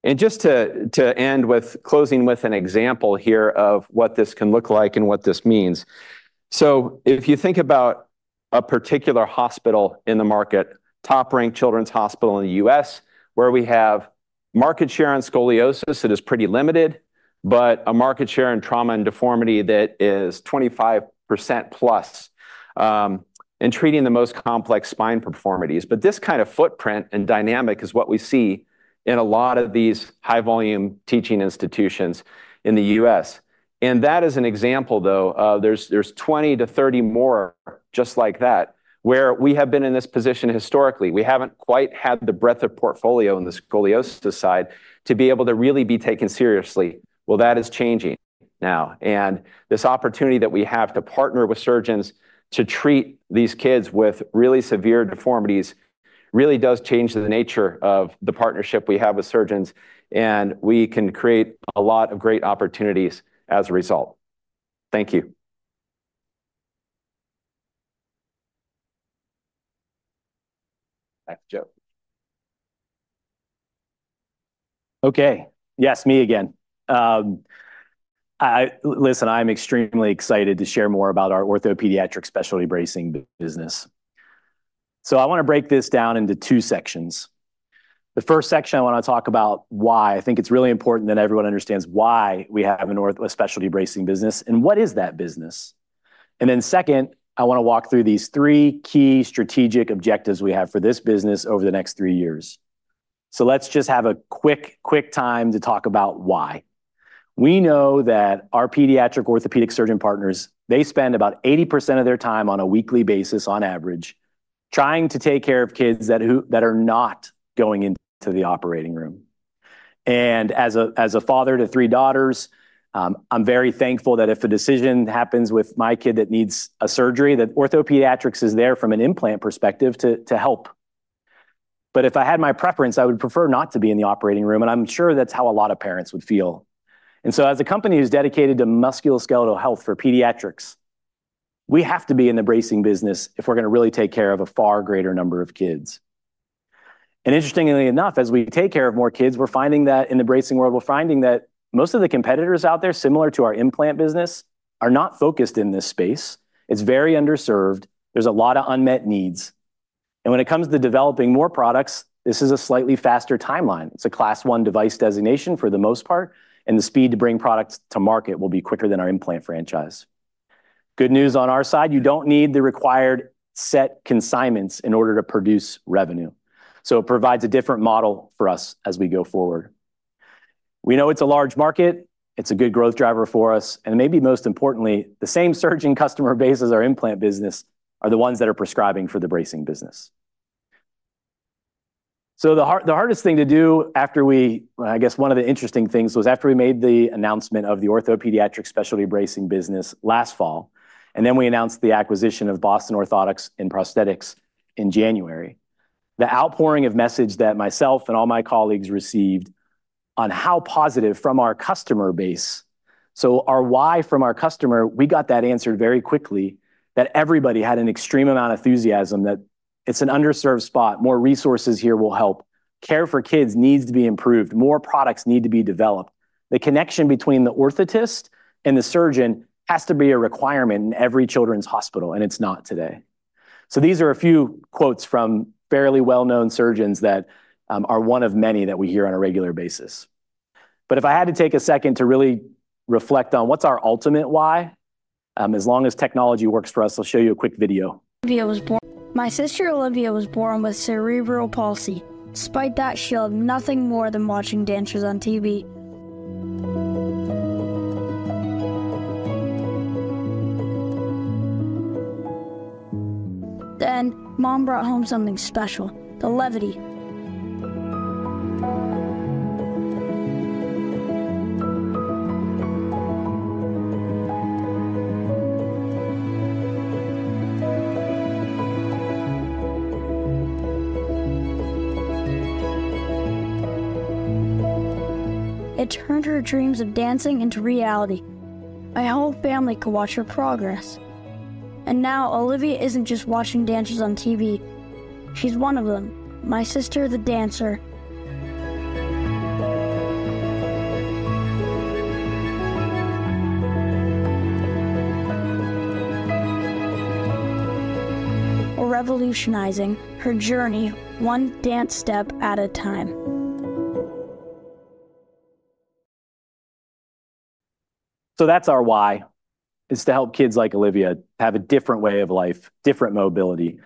And just to end with closing with an example here of what this can look like and what this means. So if you think about a particular hospital in the market, top-ranked children's hospital in the U.S., where we have market share on scoliosis, it is pretty limited, but a market share in Trauma and Deformity that is 25%+, in treating the most complex spine deformities. But this kind of footprint and dynamic is what we see in a lot of these high-volume teaching institutions in the U.S. And that is an example, though, there's 20-30 more just like that, where we have been in this position historically. We haven't quite had the breadth of portfolio in the scoliosis side to be able to really be taken seriously. That is changing now, and this opportunity that we have to partner with surgeons to treat these kids with really severe deformities, really does change the nature of the partnership we have with surgeons, and we can create a lot of great opportunities as a result. Thank you. Back to Joe. Okay. Yes, me again. Listen, I'm extremely excited to share more about our orthopedic specialty bracing business. So I want to break this down into two sections. The first section, I want to talk about why. I think it's really important that everyone understands why we have an orthopedic specialty bracing business, and what is that business? And then second, I want to walk through these three key strategic objectives we have for this business over the next three years. So let's just have a quick time to talk about why. We know that our pediatric orthopedic surgeon partners, they spend about 80% of their time on a weekly basis, on average, trying to take care of kids that are not going into the operating room. As a father to three daughters, I'm very thankful that if a decision happens with my kid that needs a surgery, that orthopedics is there from an implant perspective to help. But if I had my preference, I would prefer not to be in the operating room, and I'm sure that's how a lot of parents would feel. As a company who's dedicated to musculoskeletal health for pediatrics, we have to be in the bracing business if we're going to really take care of a far greater number of kids. Interestingly enough, as we take care of more kids, we're finding that in the bracing world, most of the competitors out there, similar to our implant business, are not focused in this space. It's very underserved. There's a lot of unmet needs. When it comes to developing more products, this is a slightly faster timeline. It's a Class One device designation for the most part, and the speed to bring products to market will be quicker than our implant franchise. Good news on our side, you don't need the required set consignments in order to produce revenue. So it provides a different model for us as we go forward. We know it's a large market, it's a good growth driver for us, and maybe most importantly, the same surgeon customer base as our implant business are the ones that are prescribing for the bracing business. I guess one of the interesting things was after we made the announcement of the orthopedic specialty bracing business last fall, and then we announced the acquisition of Boston Orthotics & Prosthetics in January, the outpouring of messages that myself and all my colleagues received on how positive from our customer base. Our why from our customer, we got that answered very quickly, that everybody had an extreme amount of enthusiasm, that it's an underserved spot. More resources here will help. Care for kids needs to be improved. More products need to be developed. The connection between the orthotist and the surgeon has to be a requirement in every children's hospital, and it's not today. These are a few quotes from fairly well-known surgeons that are one of many that we hear on a regular basis. But if I had to take a second to really reflect on what's our ultimate why, as long as technology works for us, I'll show you a quick video. Olivia was born. My sister Olivia was born with cerebral palsy. Despite that, she loved nothing more than watching dancers on TV. Then, Mom brought home something special, the Levity. It turned her dreams of dancing into reality. My whole family could watch her progress. And now, Olivia isn't just watching dancers on TV, she's one of them. My sister, the dancer. We're revolutionizing her journey, one dance step at a time. So that's our why, is to help kids like Olivia have a different way of life, different mobility.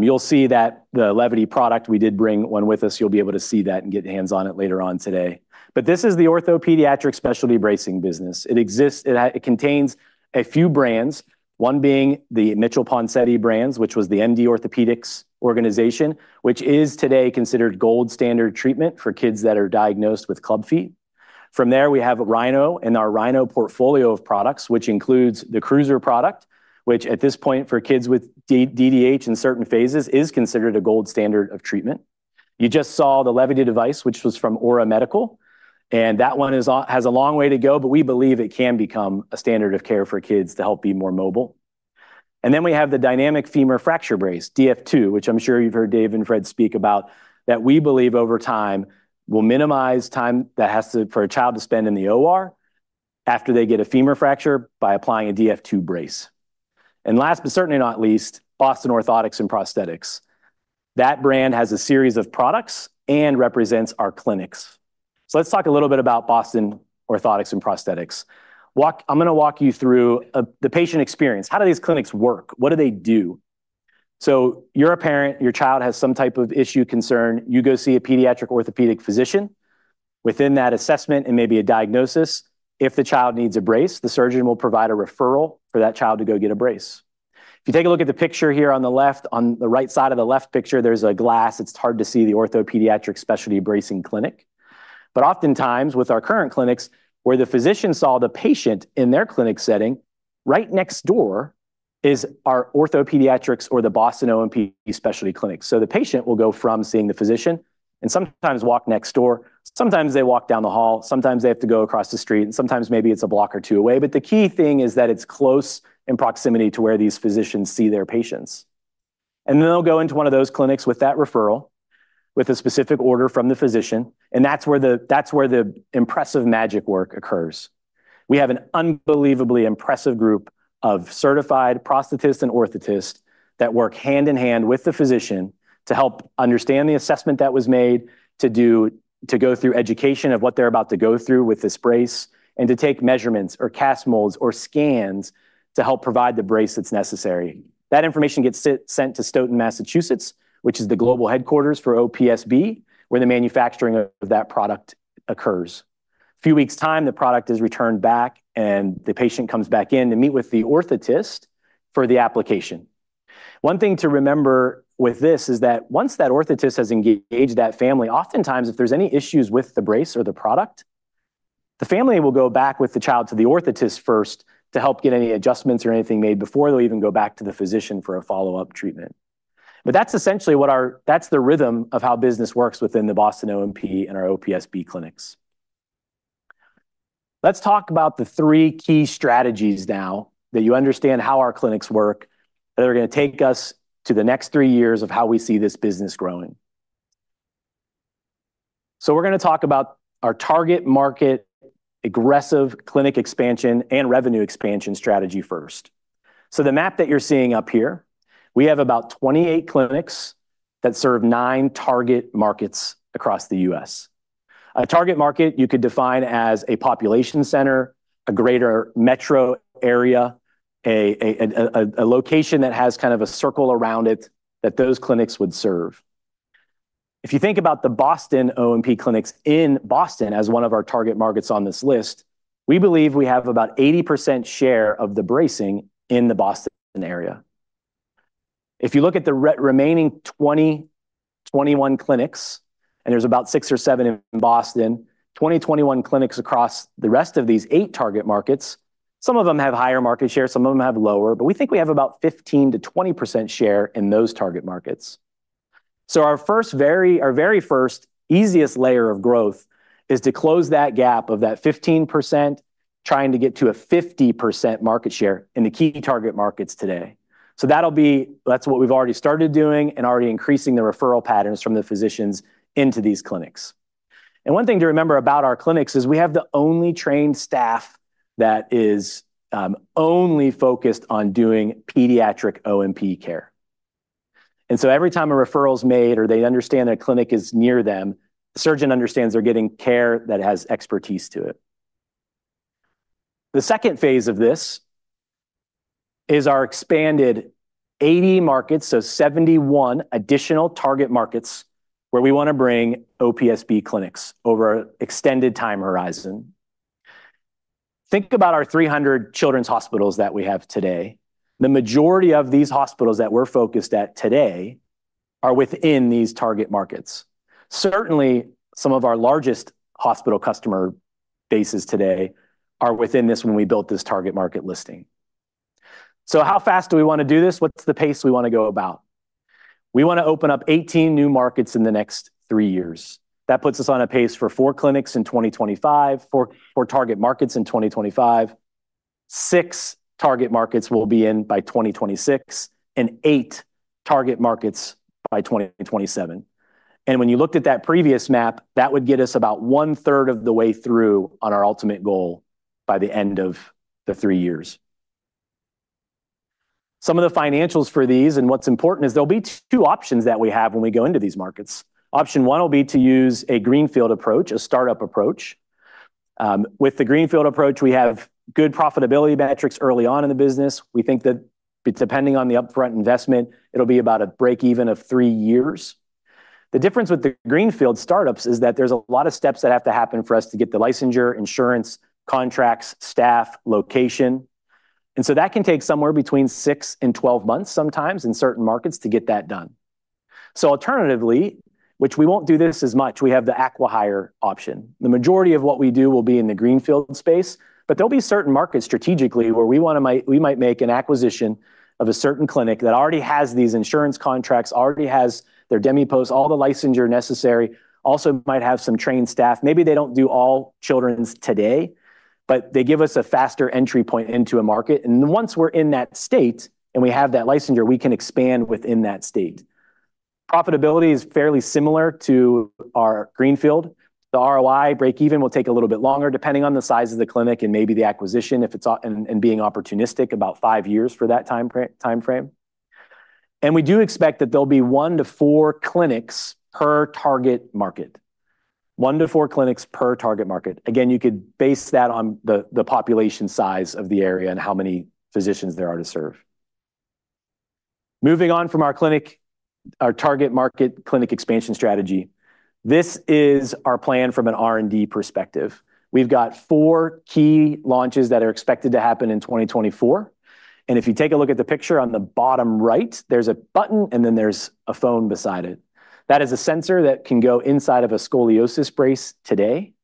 You'll see that the Levity product, we did bring one with us, you'll be able to see that and get hands-on it later on today. But this is the orthopedic specialty bracing business. It exists. It contains a few brands, one being the Mitchell Ponseti brands, which was the MD Orthopedics organization, which is today considered gold standard treatment for kids that are diagnosed with club feet. From there, we have RINO and our RINO portfolio of products, which includes the Cruiser product, which at this point for kids with DDH in certain phases, is considered a gold standard of treatment. You just saw the Levity device, which was from Ora Medical, and that one has a long way to go, but we believe it can become a standard of care for kids to help be more mobile. And then we have the dynamic femur fracture brace, DF2, which I'm sure you've heard Dave and Fred speak about, that we believe over time will minimize time for a child to spend in the OR after they get a femur fracture by applying a DF2 brace. And last, but certainly not least, Boston Orthotics and Prosthetics. That brand has a series of products and represents our clinics. So let's talk a little bit about Boston Orthotics and Prosthetics. I'm gonna walk you through the patient experience. How do these clinics work? What do they do? You're a parent, your child has some type of issue, concern, you go see a pediatric orthopedic physician. Within that assessment and maybe a diagnosis, if the child needs a brace, the surgeon will provide a referral for that child to go get a brace. If you take a look at the picture here on the left, on the right side of the left picture, there's a glimpse. It's hard to see the orthopedic specialty bracing clinic. But oftentimes, with our current clinics, where the physician saw the patient in their clinic setting, right next door is our OrthoPediatrics or the Boston O&P specialty clinic. The patient will go from seeing the physician and sometimes walk next door. Sometimes they walk down the hall, sometimes they have to go across the street, and sometimes maybe it's a block or two away. But the key thing is that it's close in proximity to where these physicians see their patients. And then they'll go into one of those clinics with that referral, with a specific order from the physician, and that's where the impressive magic work occurs. We have an unbelievably impressive group of certified prosthetists and orthotists that work hand-in-hand with the physician to help understand the assessment that was made, to go through education of what they're about to go through with this brace, and to take measurements or cast molds or scans to help provide the brace that's necessary. That information gets sent to Stoughton, Massachusetts, which is the global headquarters for OPSB, where the manufacturing of that product occurs. A few weeks time, the product is returned back, and the patient comes back in to meet with the orthotist for the application. One thing to remember with this is that once that orthotist has engaged that family, oftentimes, if there's any issues with the brace or the product, the family will go back with the child to the orthotist first to help get any adjustments or anything made before they'll even go back to the physician for a follow-up treatment. But that's essentially the rhythm of how business works within the Boston O&P and our OPSB clinics. Let's talk about the three key strategies now that you understand how our clinics work, that are gonna take us to the next three years of how we see this business growing. So we're gonna talk about our target market, aggressive clinic expansion, and revenue expansion strategy first. So the map that you're seeing up here, we have about 28 clinics that serve nine target markets across the U.S. A target market you could define as a population center, a greater metro area, a location that has kind of a circle around it that those clinics would serve. If you think about the Boston O&P clinics in Boston as one of our target markets on this list, we believe we have about 80% share of the bracing in the Boston area. If you look at the remaining 21 clinics, and there's about 6 or 7 in Boston, 21 clinics across the rest of these 8 target markets, some of them have higher market share, some of them have lower, but we think we have about 15%-20% share in those target markets. So our very first easiest layer of growth is to close that gap of that 15%, trying to get to a 50% market share in the key target markets today. So that's what we've already started doing and already increasing the referral patterns from the physicians into these clinics. And one thing to remember about our clinics is we have the only trained staff that is only focused on doing pediatric O&P care. And so every time a referral is made or they understand that a clinic is near them, the surgeon understands they're getting care that has expertise to it. The second phase of this is our expanded 80 markets, so 71 additional target markets, where we want to bring OPSB clinics over extended time horizon. Think about our 300 children's hospitals that we have today. The majority of these hospitals that we're focused at today are within these target markets. Certainly, some of our largest hospital customer bases today are within this when we built this target market listing. So how fast do we want to do this? What's the pace we want to go about? We want to open up eighteen new markets in the next three years. That puts us on a pace for four clinics in 2025, four, four target markets in 2025, six target markets we'll be in by 2026, and eight target markets by 2027. And when you looked at that previous map, that would get us about one-third of the way through on our ultimate goal by the end of the three years. Some of the financials for these, and what's important, is there'll be two options that we have when we go into these markets. Option one will be to use a greenfield approach, a startup approach. With the greenfield approach, we have good profitability metrics early on in the business. We think that depending on the upfront investment, it'll be about a break even of three years. The difference with the greenfield startups is that there's a lot of steps that have to happen for us to get the licensure, insurance, contracts, staff, location. And so that can take somewhere between six and twelve months, sometimes in certain markets, to get that done. So alternatively, which we won't do this as much, we have the acquihire option. The majority of what we do will be in the greenfield space, but there'll be certain markets strategically where we might make an acquisition of a certain clinic that already has these insurance contracts, already has their DMEPOS, all the licensure necessary, also might have some trained staff. Maybe they don't do all children's today, but they give us a faster entry point into a market. And then once we're in that state and we have that licensure, we can expand within that state. Profitability is fairly similar to our greenfield. The ROI break even will take a little bit longer, depending on the size of the clinic and maybe the acquisition, if it's, being opportunistic, about five years for that time frame. And we do expect that there'll be one to four clinics per target market. One to four clinics per target market. Again, you could base that on the population size of the area and how many physicians there are to serve. Moving on from our clinic, our target market clinic expansion strategy, this is our plan from an R&D perspective. We've got four key launches that are expected to happen in 2024. If you take a look at the picture on the bottom right, there's a button, and then there's a phone beside it. That is a sensor that can go inside of a scoliosis brace today,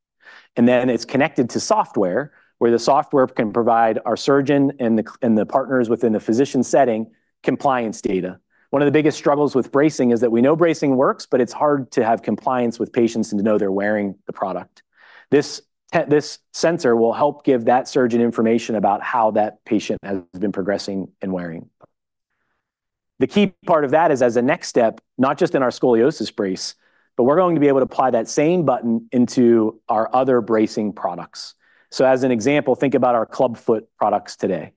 and then it's connected to software, where the software can provide our surgeon and the clinic and the partners within the physician setting, compliance data. One of the biggest struggles with bracing is that we know bracing works, but it's hard to have compliance with patients and to know they're wearing the product. This sensor will help give that surgeon information about how that patient has been progressing and wearing. The key part of that is, as a next step, not just in our scoliosis brace, but we're going to be able to apply that same button into our other bracing products. So as an example, think about our clubfoot products today,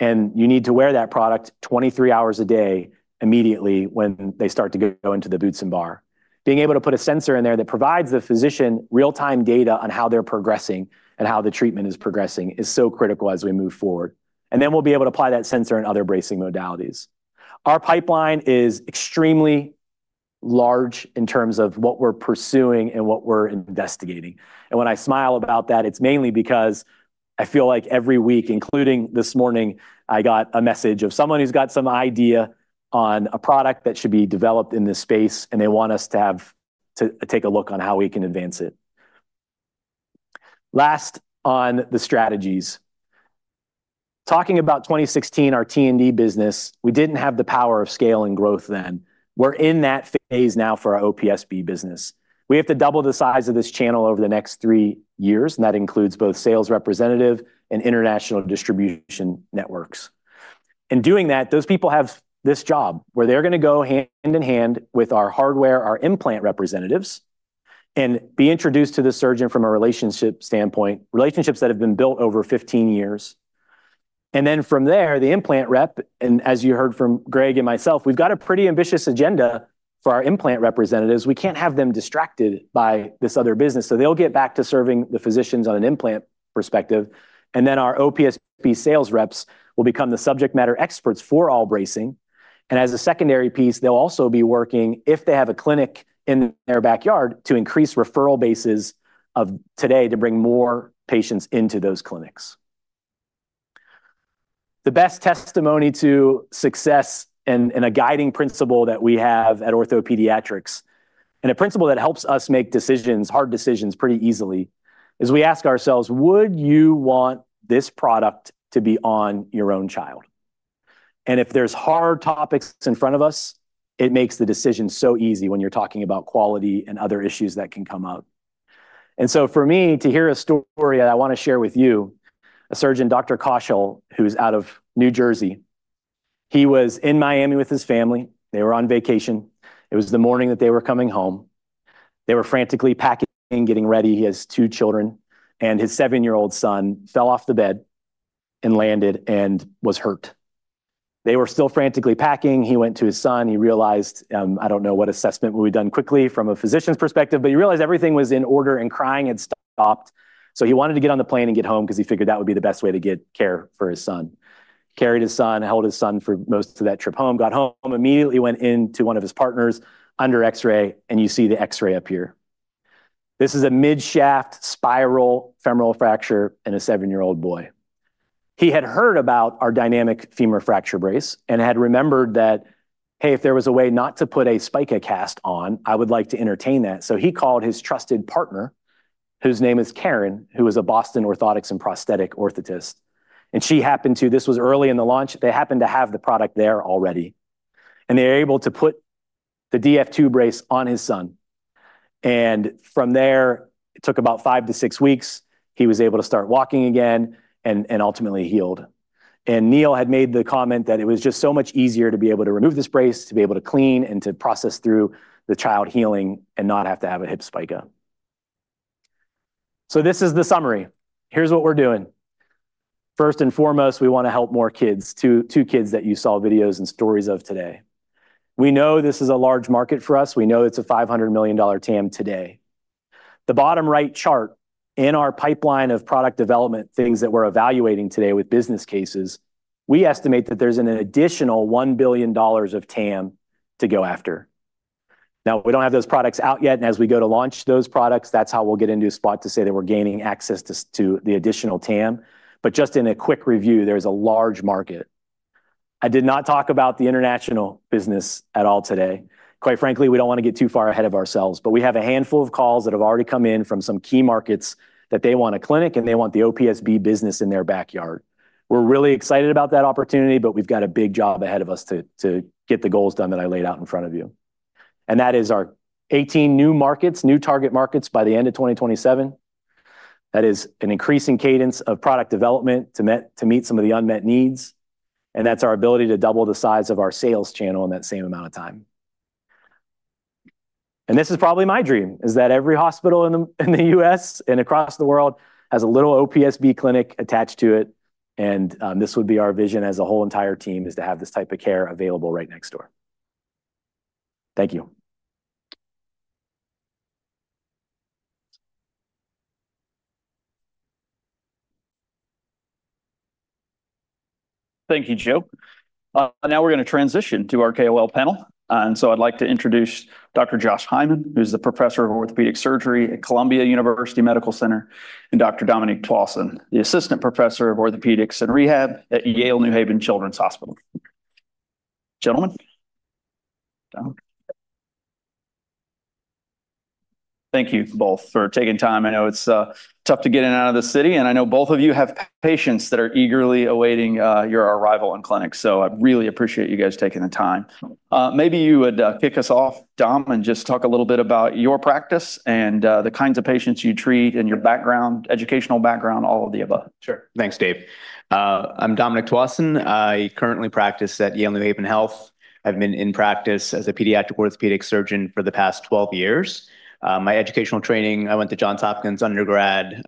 and you need to wear that product 23 hours a day immediately when they start to go into the boots and bar. Being able to put a sensor in there that provides the physician real-time data on how they're progressing and how the treatment is progressing is so critical as we move forward. And then we'll be able to apply that sensor in other bracing modalities. Our pipeline is extremely large in terms of what we're pursuing and what we're investigating. And when I smile about that, it's mainly because I feel like every week, including this morning, I got a message of someone who's got some idea on a product that should be developed in this space, and they want us to have to take a look on how we can advance it. Last on the strategies. Talking about 2016, our T&D business, we didn't have the power of scale and growth then. We're in that phase now for our OPSB business. We have to double the size of this channel over the next three years, and that includes both sales representative and international distribution networks. In doing that, those people have this job where they're gonna go hand in hand with our hardware, our implant representatives, and be introduced to the surgeon from a relationship standpoint, relationships that have been built over 15 years. From there, the implant rep, and as you heard from Greg and myself, we've got a pretty ambitious agenda for our implant representatives. We can't have them distracted by this other business. So they'll get back to serving the physicians on an implant perspective, and then our OPSB sales reps will become the subject matter experts for all bracing. And as a secondary piece, they'll also be working, if they have a clinic in their backyard, to increase referral bases of today to bring more patients into those clinics. The best testimony to success and, and a guiding principle that we have at OrthoPediatrics, and a principle that helps us make decisions, hard decisions, pretty easily, is we ask ourselves: Would you want this product to be on your own child? And if there's hard topics in front of us, it makes the decision so easy when you're talking about quality and other issues that can come out. And so for me to hear a story that I want to share with you, a surgeon, Dr. Kaushal, who's out of New Jersey, he was in Miami with his family. They were on vacation. It was the morning that they were coming home. They were frantically packing, getting ready. He has two children, and his seven-year-old son fell off the bed and landed and was hurt. They were still frantically packing. He went to his son. He realized, I don't know what assessment would be done quickly from a physician's perspective, but he realized everything was in order and crying had stopped. He wanted to get on the plane and get home because he figured that would be the best way to get care for his son. He carried his son, held his son for most of that trip home, got home, immediately went into one of his partners under X-ray, and you see the X-ray up here. This is a midshaft spiral femoral fracture in a seven-year-old boy. He had heard about our dynamic femur fracture brace and had remembered that, "Hey, if there was a way not to put a spica cast on, I would like to entertain that." He called his trusted partner, whose name is Karen, who is a Boston Orthotics & Prosthetics orthotist. She happened to. This was early in the launch. They happened to have the product there already, and they were able to put the DF2 brace on his son. From there, it took about five to six weeks. He was able to start walking again and ultimately healed. Neil had made the comment that it was just so much easier to be able to remove this brace, to be able to clean and to process through the child healing and not have to have a hip spica. This is the summary. Here's what we're doing. First and foremost, we wanna help more kids, too, the kids that you saw videos and stories of today. We know this is a large market for us. We know it's a $500 million TAM today. The bottom right chart in our pipeline of product development, things that we're evaluating today with business cases, we estimate that there's an additional $1 billion of TAM to go after. Now, we don't have those products out yet, and as we go to launch those products, that's how we'll get into a spot to say that we're gaining access to the additional TAM. But just in a quick review, there's a large market. I did not talk about the international business at all today. Quite frankly, we don't wanna get too far ahead of ourselves, but we have a handful of calls that have already come in from some key markets, that they want a clinic, and they want the OPSB business in their backyard. We're really excited about that opportunity, but we've got a big job ahead of us to get the goals done that I laid out in front of you, and that is our 18 new markets, new target markets by the end of 2027. That is an increasing cadence of product development to meet some of the unmet needs, and that's our ability to double the size of our sales channel in that same amount of time. And this is probably my dream, is that every hospital in the U.S. and across the world has a little OPSB clinic attached to it, and this would be our vision as a whole entire team, is to have this type of care available right next door. Thank you. Thank you, Joe. Now we're gonna transition to our KOL panel, and so I'd like to introduce Dr. Josh Hyman, who's the professor of Orthopedic Surgery at Columbia University Medical Center, and Dr. Dominic Tuason, the assistant professor of Orthopedics and Rehab at Yale New Haven Children's Hospital. Gentlemen? Dom. Thank you both for taking time. I know it's tough to get in and out of the city, and I know both of you have patients that are eagerly awaiting your arrival in clinic. So I really appreciate you guys taking the time. Maybe you would kick us off, Dom, and just talk a little bit about your practice and the kinds of patients you treat, and your background, educational background, all of the above. Sure. Thanks, Dave. I'm Dominic Tuason. I currently practice at Yale New Haven Health. I've been in practice as a pediatric orthopedic surgeon for the past 12 years. My educational training, I went to Johns Hopkins undergrad,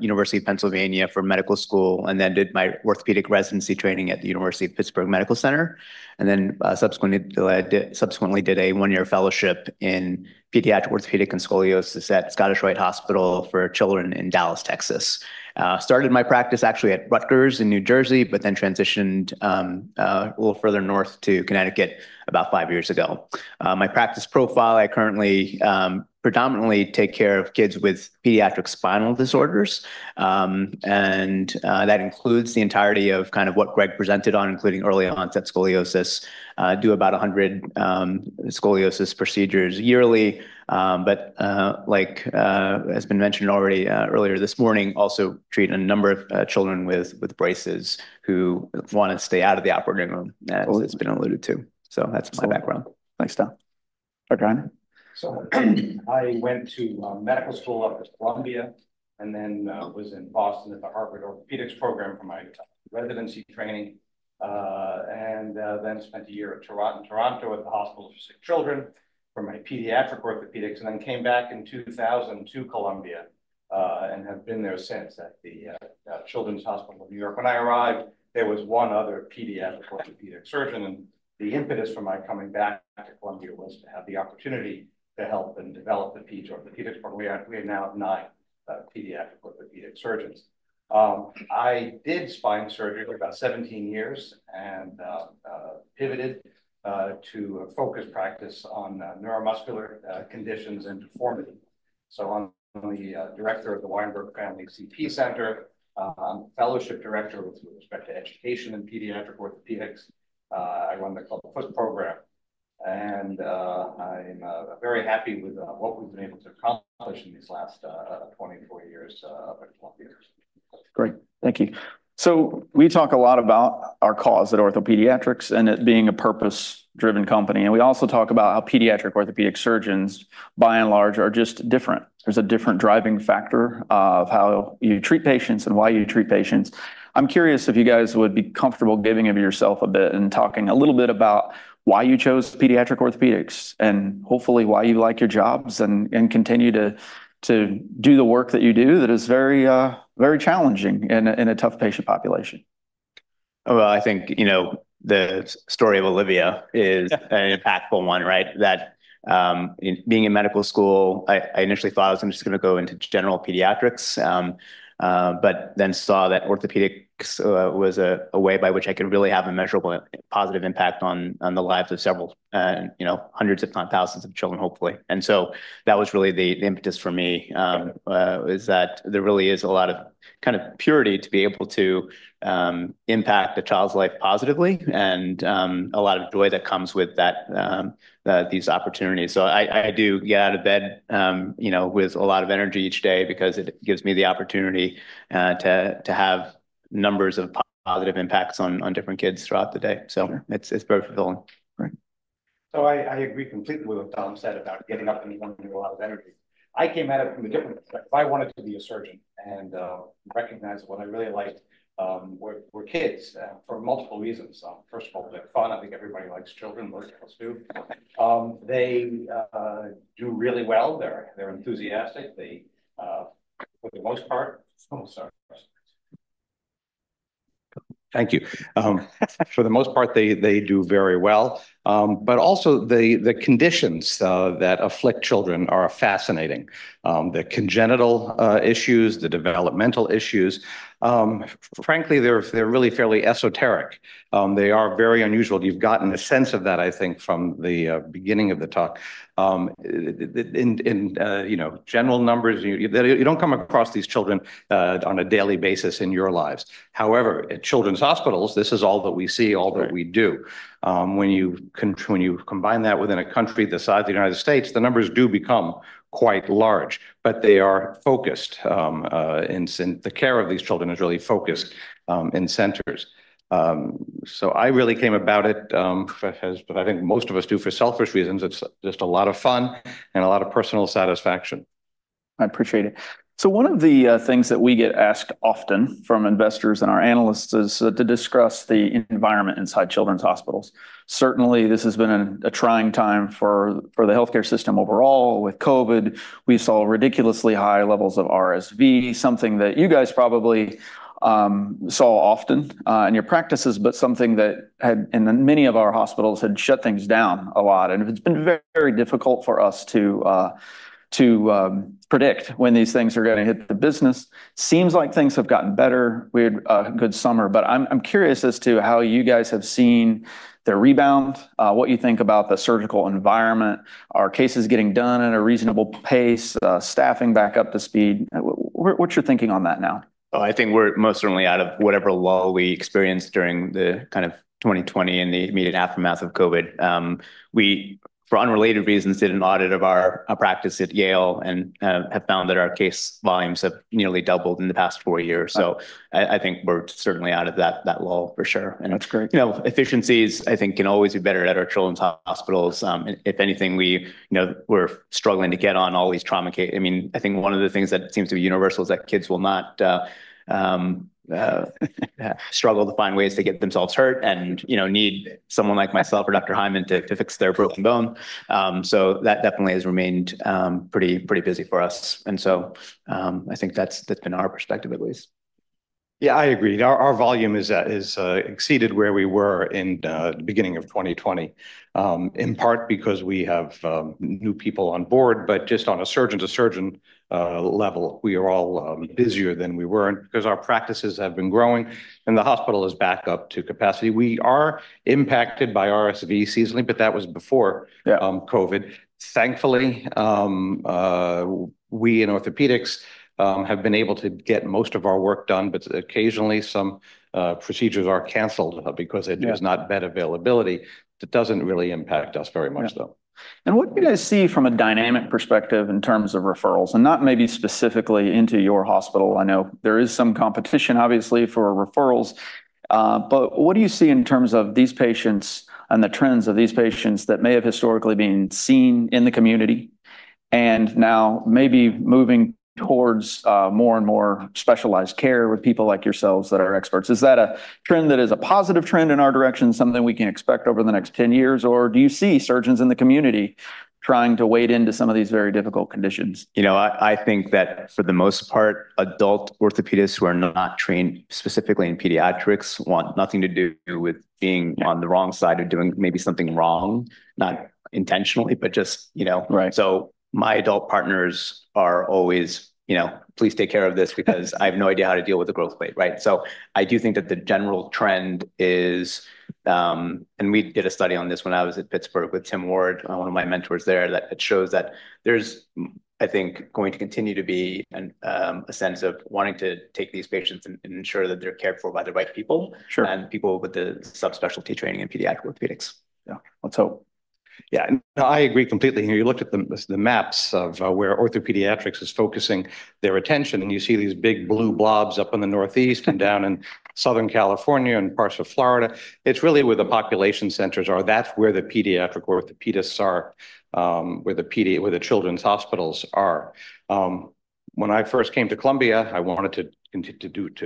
University of Pennsylvania for medical school, and then did my orthopedic residency training at the University of Pittsburgh Medical Center, and then subsequently did a one-year fellowship in pediatric orthopedic and scoliosis at Scottish Rite Hospital for Children in Dallas, Texas. Started my practice, actually, at Rutgers in New Jersey, but then transitioned a little further north to Connecticut about 5 years ago. My practice profile. I currently predominantly take care of kids with pediatric spinal disorders, and that includes the entirety of kind of what Greg presented on, including early onset scoliosis. Do about 100 scoliosis procedures yearly, but like has been mentioned already earlier this morning, also treat a number of children with braces who wanna stay out of the operating room, as it's been alluded to. So that's my background. Thanks, Dom. Dr. Hyman? So I went to medical school up at Columbia, and then was in Boston at the Harvard Orthopedics Program for my residency training, and then spent a year at Toronto at the Hospital for Sick Children for my pediatric orthopedics, and then came back in 2000 to Columbia, and have been there since at the Children's Hospital of New York. When I arrived, there was one other pediatric orthopedic surgeon, and the impetus for my coming back to Columbia was to have the opportunity to help them develop the pediatrics. We now have nine pediatric orthopedic surgeons. I did spine surgery for about 17 years and pivoted to a focus practice on neuromuscular conditions and deformity. So I'm the director of the Weinberg Family CP Center, fellowship director with respect to education and pediatric orthopedics. I run the Clubfoot program, and I'm very happy with what we've been able to accomplish in these last 24 years at Columbia. Great. Thank you. So we talk a lot about our cause at OrthoPediatrics and it being a purpose-driven company, and we also talk about how pediatric orthopedic surgeons, by and large, are just different. There's a different driving factor of how you treat patients and why you treat patients. I'm curious if you guys would be comfortable giving of yourself a bit and talking a little bit about why you chose pediatric orthopedics, and hopefully, why you like your jobs and continue to do the work that you do that is very, very challenging in a, in a tough patient population. I think, you know, the story of Olivia is an impactful one, right? That in being in medical school, I initially thought I was just gonna go into general pediatrics, but then saw that orthopedics was a way by which I could really have a measurable positive impact on the lives of several, you know, hundreds, if not thousands, of children, hopefully. And so that was really the impetus for me, is that there really is a lot of kind of purity to be able to impact a child's life positively and a lot of joy that comes with that these opportunities. So I do get out of bed, you know, with a lot of energy each day because it gives me the opportunity to have numbers of positive impacts on different kids throughout the day. So it's very fulfilling. Right. I agree completely with what Dom said about getting up in the morning with a lot of energy. I came at it from a different perspective. I wanted to be a surgeon and recognize what I really liked were kids for multiple reasons. First of all, they're fun. I think everybody likes children, most of us do. They do really well. They're enthusiastic. They for the most part. Oh, sorry. Thank you. For the most part, they do very well. But also the conditions that afflict children are fascinating. The congenital issues, the developmental issues, frankly, they're really fairly esoteric. They are very unusual. You've gotten a sense of that, I think, from the beginning of the talk. In, you know, general numbers, you don't come across these children on a daily basis in your lives. However, at children's hospitals, this is all that we see, all that we do. Right. When you combine that within a country the size of the United States, the numbers do become quite large, but they are focused. In a sense, the care of these children is really focused in centers. So I really came about it, but I think most of us do, for selfish reasons. It's just a lot of fun and a lot of personal satisfaction. I appreciate it, so one of the things that we get asked often from investors and our analysts is to discuss the environment inside children's hospitals. Certainly, this has been a trying time for the healthcare system overall. With COVID, we saw ridiculously high levels of RSV, something that you guys probably saw often in your practices, but something that had, and then many of our hospitals had shut things down a lot, and it's been very difficult for us to predict when these things are gonna hit the business. Seems like things have gotten better. We had a good summer, but I'm curious as to how you guys have seen the rebound, what you think about the surgical environment. Are cases getting done at a reasonable pace, staffing back up to speed? What's your thinking on that now? Oh, I think we're most certainly out of whatever lull we experienced during the kind of 2020 and the immediate aftermath of COVID. We, for unrelated reasons, did an audit of our practice at Yale and have found that our case volumes have nearly doubled in the past four years. Wow! So I think we're certainly out of that lull, for sure. That's great. You know, efficiencies, I think, can always be better at our children's hospitals. If anything, we, you know, we're struggling to get on all these trauma cases. I mean, I think one of the things that seems to be universal is that kids will not struggle to find ways to get themselves hurt and, you know, need someone like myself or Dr. Hyman to fix their broken bone. So that definitely has remained pretty, pretty busy for us. And so, I think that's been our perspective, at least. Yeah, I agree. Our volume is exceeded where we were in the beginning of 2020, in part because we have new people on board, but just on a surgeon-to-surgeon level, we are all busier than we were because our practices have been growing, and the hospital is back up to capacity. We are impacted by RSV seasonally, but that was before- Yeah COVID. Thankfully, we, in orthopedics, have been able to get most of our work done, but occasionally some procedures are canceled because there's no bed availability. That doesn't really impact us very much, though. Yeah. And what do you guys see from a dynamic perspective in terms of referrals, and not maybe specifically into your hospital? I know there is some competition, obviously, for referrals, but what do you see in terms of these patients and the trends of these patients that may have historically been seen in the community, and now maybe moving towards, more and more specialized care with people like yourselves that are experts? Is that a trend that is a positive trend in our direction, something we can expect over the next ten years, or do you see surgeons in the community trying to wade into some of these very difficult conditions? You know, I think that for the most part, adult orthopedists who are not trained specifically in pediatrics want nothing to do with being on the wrong side of doing maybe something wrong, not intentionally, but just, you know. Right. So my adult partners are always, you know, "Please take care of this because I have no idea how to deal with the growth plate," right? So I do think that the general trend is, and we did a study on this when I was at Pittsburgh with Tim Ward, one of my mentors there, that it shows that there's, I think, going to continue to be a sense of wanting to take these patients and ensure that they're cared for by the right people. Sure Than people with the subspecialty training in pediatric orthopedics. Yeah. Let's hope. Yeah, and I agree completely. When you looked at the maps of where OrthoPediatrics is focusing their attention, and you see these big blue blobs up in the Northeast and down in Southern California and parts of Florida, it's really where the population centers are. That's where the pediatric orthopedists are, where the children's hospitals are. When I first came to Columbia, I wanted to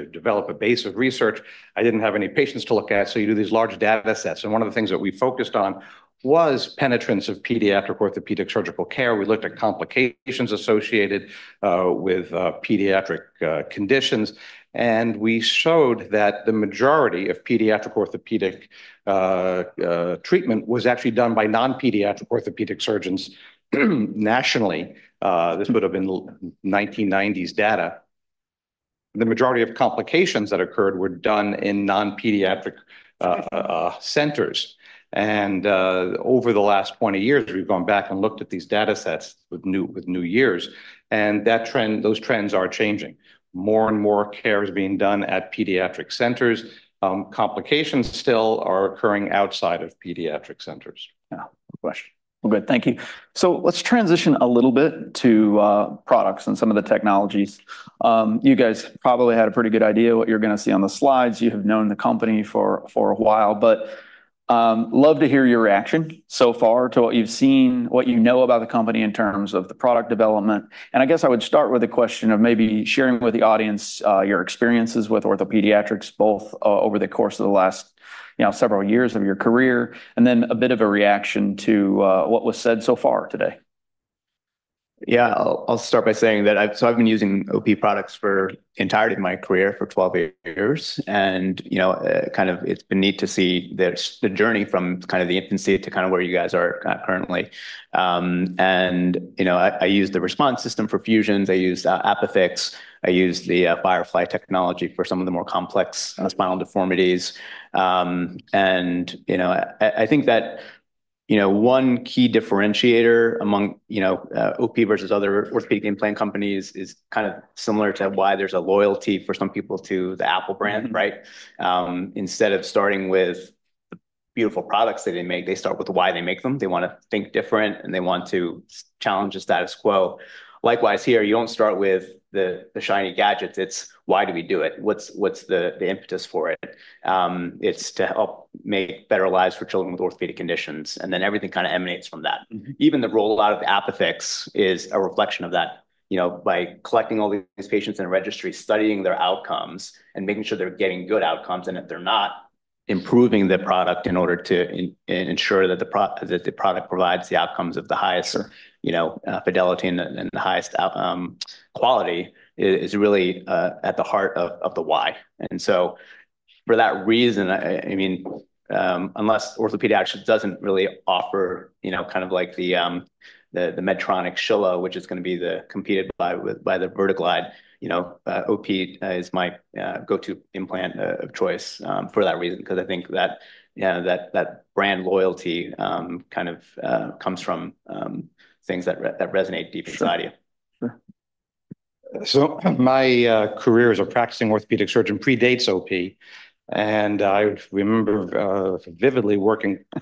develop a base of research. I didn't have any patients to look at, so you do these large datasets, and one of the things that we focused on was penetrance of pediatric orthopedic surgical care. We looked at complications associated with pediatric conditions, and we showed that the majority of pediatric orthopedic treatment was actually done by non-pediatric orthopedic surgeons, nationally. This would've been late 1990s data. The majority of complications that occurred were done in non-pediatric centers. And over the last 20 years, we've gone back and looked at these datasets with new eyes, and that trend, those trends are changing. More and more care is being done at pediatric centers. Complications still are occurring outside of pediatric centers. Yeah. No question. Well, good, thank you. So let's transition a little bit to products and some of the technologies. You guys probably had a pretty good idea what you're gonna see on the slides. You have known the company for a while, but love to hear your reaction so far to what you've seen, what you know about the company in terms of the product development. And I guess I would start with a question of maybe sharing with the audience your experiences with OrthoPediatrics, both over the course of the last, you know, several years of your career, and then a bit of a reaction to what was said so far today. Yeah, I'll start by saying that I've been using OP products for the entirety of my career, for 12 years, and, you know, kind of it's been neat to see the journey from kind of the infancy to kind of where you guys are currently. And, you know, I use the RESPONSE system for fusions, I use ApiFix, I use the Firefly technology for some of the more complex spinal deformities. And, you know, I think that, you know, one key differentiator among OP versus other orthopedic implant companies is kind of similar to why there's a loyalty for some people to the Apple brand, right? Instead of starting with the beautiful products that they make, they start with why they make them. They want to think different, and they want to challenge the status quo. Likewise, here, you don't start with the shiny gadgets. It's why do we do it? What's the impetus for it? It's to help make better lives for children with orthopedic conditions, and then everything kind of emanates from that. Even the roll-out of the ApiFix is a reflection of that, you know, by collecting all these patients in a registry, studying their outcomes, and making sure they're getting good outcomes, and if they're not, improving the product in order to ensure that the product provides the outcomes of the highest, you know, fidelity and the, and the highest outcome quality, is really at the heart of the why. So for that reason, I mean, unless OrthoPediatrics actually doesn't really offer, you know, kind of like the Medtronic Shilla, which is gonna be competed with by the VertiGlide, you know, OP is my go-to implant of choice for that reason, because I think that, you know, that brand loyalty kind of comes from things that resonate deep inside you. Sure. Sure. So my career as a practicing orthopedic surgeon predates OP, and I remember vividly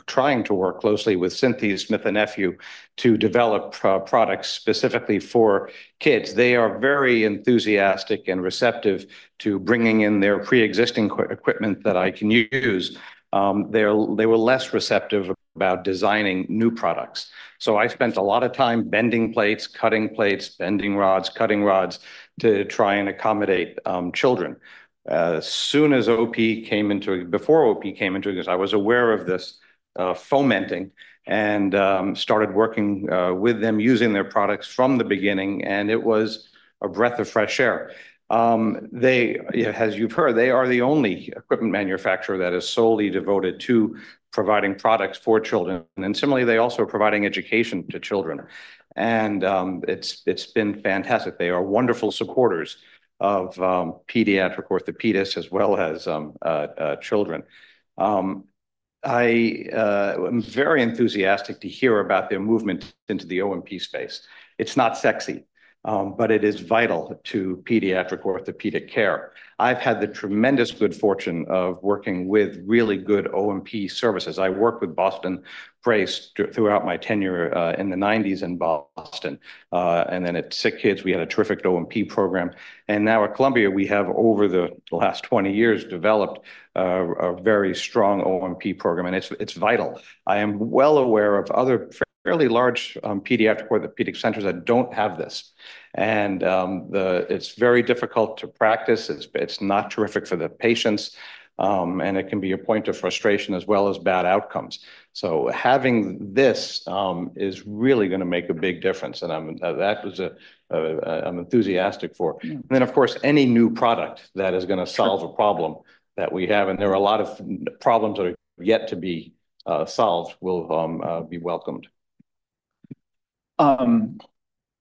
trying to work closely with Synthes, Smith & Nephew, to develop products specifically for kids. They are very enthusiastic and receptive to bringing in their pre-existing equipment that I can use. They were less receptive about designing new products. So I spent a lot of time bending plates, cutting plates, bending rods, cutting rods, to try and accommodate children. Before OP came into this, I was aware of this fomenting and started working with them, using their products from the beginning, and it was a breath of fresh air. They, as you've heard, are the only equipment manufacturer that is solely devoted to providing products for children, and similarly, they're also providing education to children. It's been fantastic. They are wonderful supporters of pediatric orthopedists as well as children. I'm very enthusiastic to hear about their movement into the OMP space. It's not sexy, but it is vital to pediatric orthopedic care. I've had the tremendous good fortune of working with really good OMP services. I worked with Boston Brace throughout my tenure in the nineties in Boston, and then at SickKids, we had a terrific OMP program. Now at Columbia, we have, over the last 20 years, developed a very strong OMP program, and it's vital. I am well aware of other fairly large pediatric orthopedic centers that don't have this. It's very difficult to practice. It's not terrific for the patients, and it can be a point of frustration as well as bad outcomes. Having this is really gonna make a big difference, and I'm enthusiastic for. Of course, any new product that is gonna solve a problem that we have, and there are a lot of problems that are yet to be solved, will be welcomed.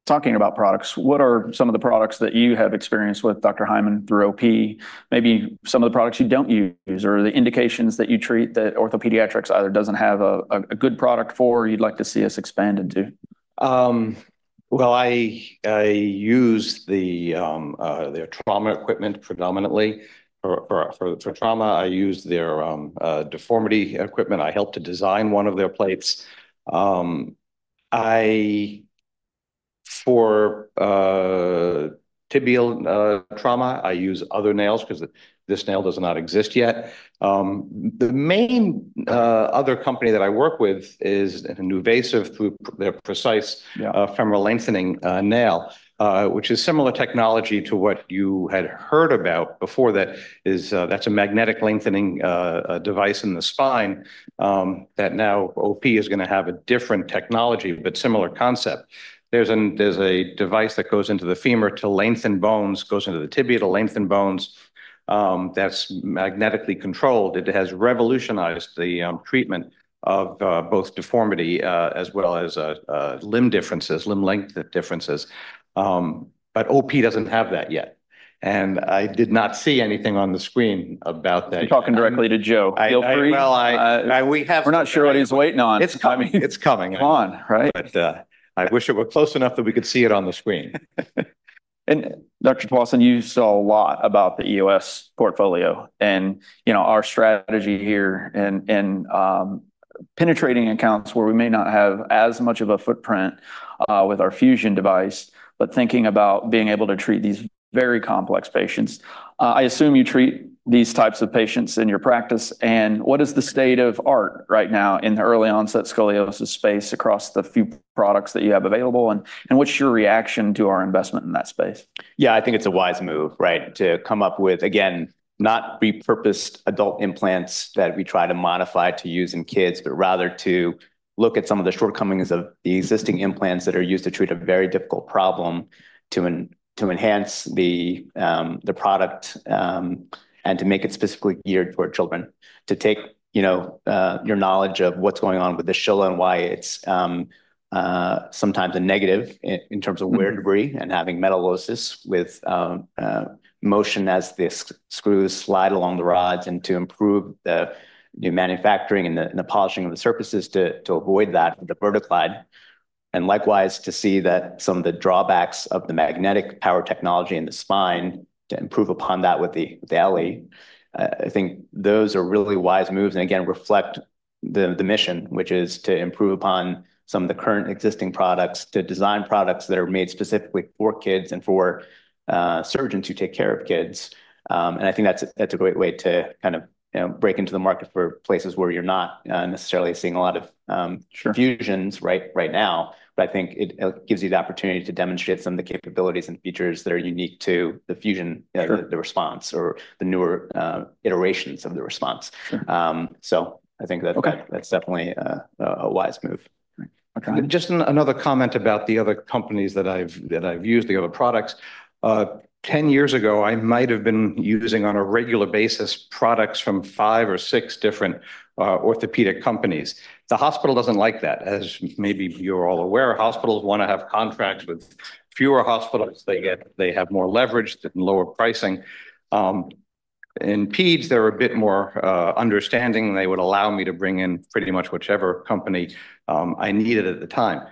Talking about products, what are some of the products that you have experienced with Dr. Hyman through OP? Maybe some of the products you don't use or the indications that you treat that OrthoPediatrics either doesn't have a good product for, or you'd like to see us expand into. I use their trauma equipment predominantly. For trauma, I use their deformity equipment. I helped to design one of their plates. For tibial trauma, I use other nails because this nail does not exist yet. The main other company that I work with is NuVasive through their Precice femoral lengthening nail, which is similar technology to what you had heard about before that is, that's a magnetic lengthening device in the spine, that now OP is gonna have a different technology, but similar concept. There's a device that goes into the femur to lengthen bones, goes into the tibia to lengthen bones, that's magnetically controlled. It has revolutionized the treatment of both deformity as well as limb differences, limb length differences. But OP doesn't have that yet, and I did not see anything on the screen about that. You're talking directly to Joe. I, I. Feel free. Well, we have. We're not sure what he's waiting on. It's coming. It's coming. Come on, right? But, I wish it were close enough that we could see it on the screen. Dr. Tuason, you saw a lot about the EOS portfolio and, you know, our strategy here and penetrating accounts where we may not have as much of a footprint with our fusion device, but thinking about being able to treat these very complex patients. I assume you treat these types of patients in your practice, and what is the state of the art right now in the early-onset scoliosis space across the few products that you have available, and what's your reaction to our investment in that space? Yeah, I think it's a wise move, right? To come up with, again, not repurposed adult implants that we try to modify to use in kids, but rather to look at some of the shortcomings of the existing implants that are used to treat a very difficult problem, to enhance the product, and to make it specifically geared toward children. To take, you know, your knowledge of what's going on with the Shilla and why it's sometimes a negative in terms of wear debris and having metallosis with motion as the screws slide along the rods, and to improve the manufacturing and the polishing of the surfaces to avoid that with the VertiGlide. And likewise, to see that some of the drawbacks of the magnetic power technology in the spine, to improve upon that with the ELLI. I think those are really wise moves, and again, reflect the mission, which is to improve upon some of the current existing products, to design products that are made specifically for kids and for surgeons who take care of kids. And I think that's a great way to kind of, you know, break into the market for places where you're not necessarily seeing a lot of fusions right, right now, but I think it gives you the opportunity to demonstrate some of the capabilities and features that are unique to the fusion- Sure The RESPONSE or the newer iterations of the RESPONSE. Sure. I think that that's definitely a wise move. Okay. Just another comment about the other companies that I've used, the other products. Ten years ago, I might have been using, on a regular basis, products from five or six different orthopedic companies. The hospital doesn't like that, as maybe you're all aware. Hospitals wanna have contracts with fewer hospitals. They get more leverage for lower pricing. In peds, they're a bit more understanding, and they would allow me to bring in pretty much whichever company I needed at the time.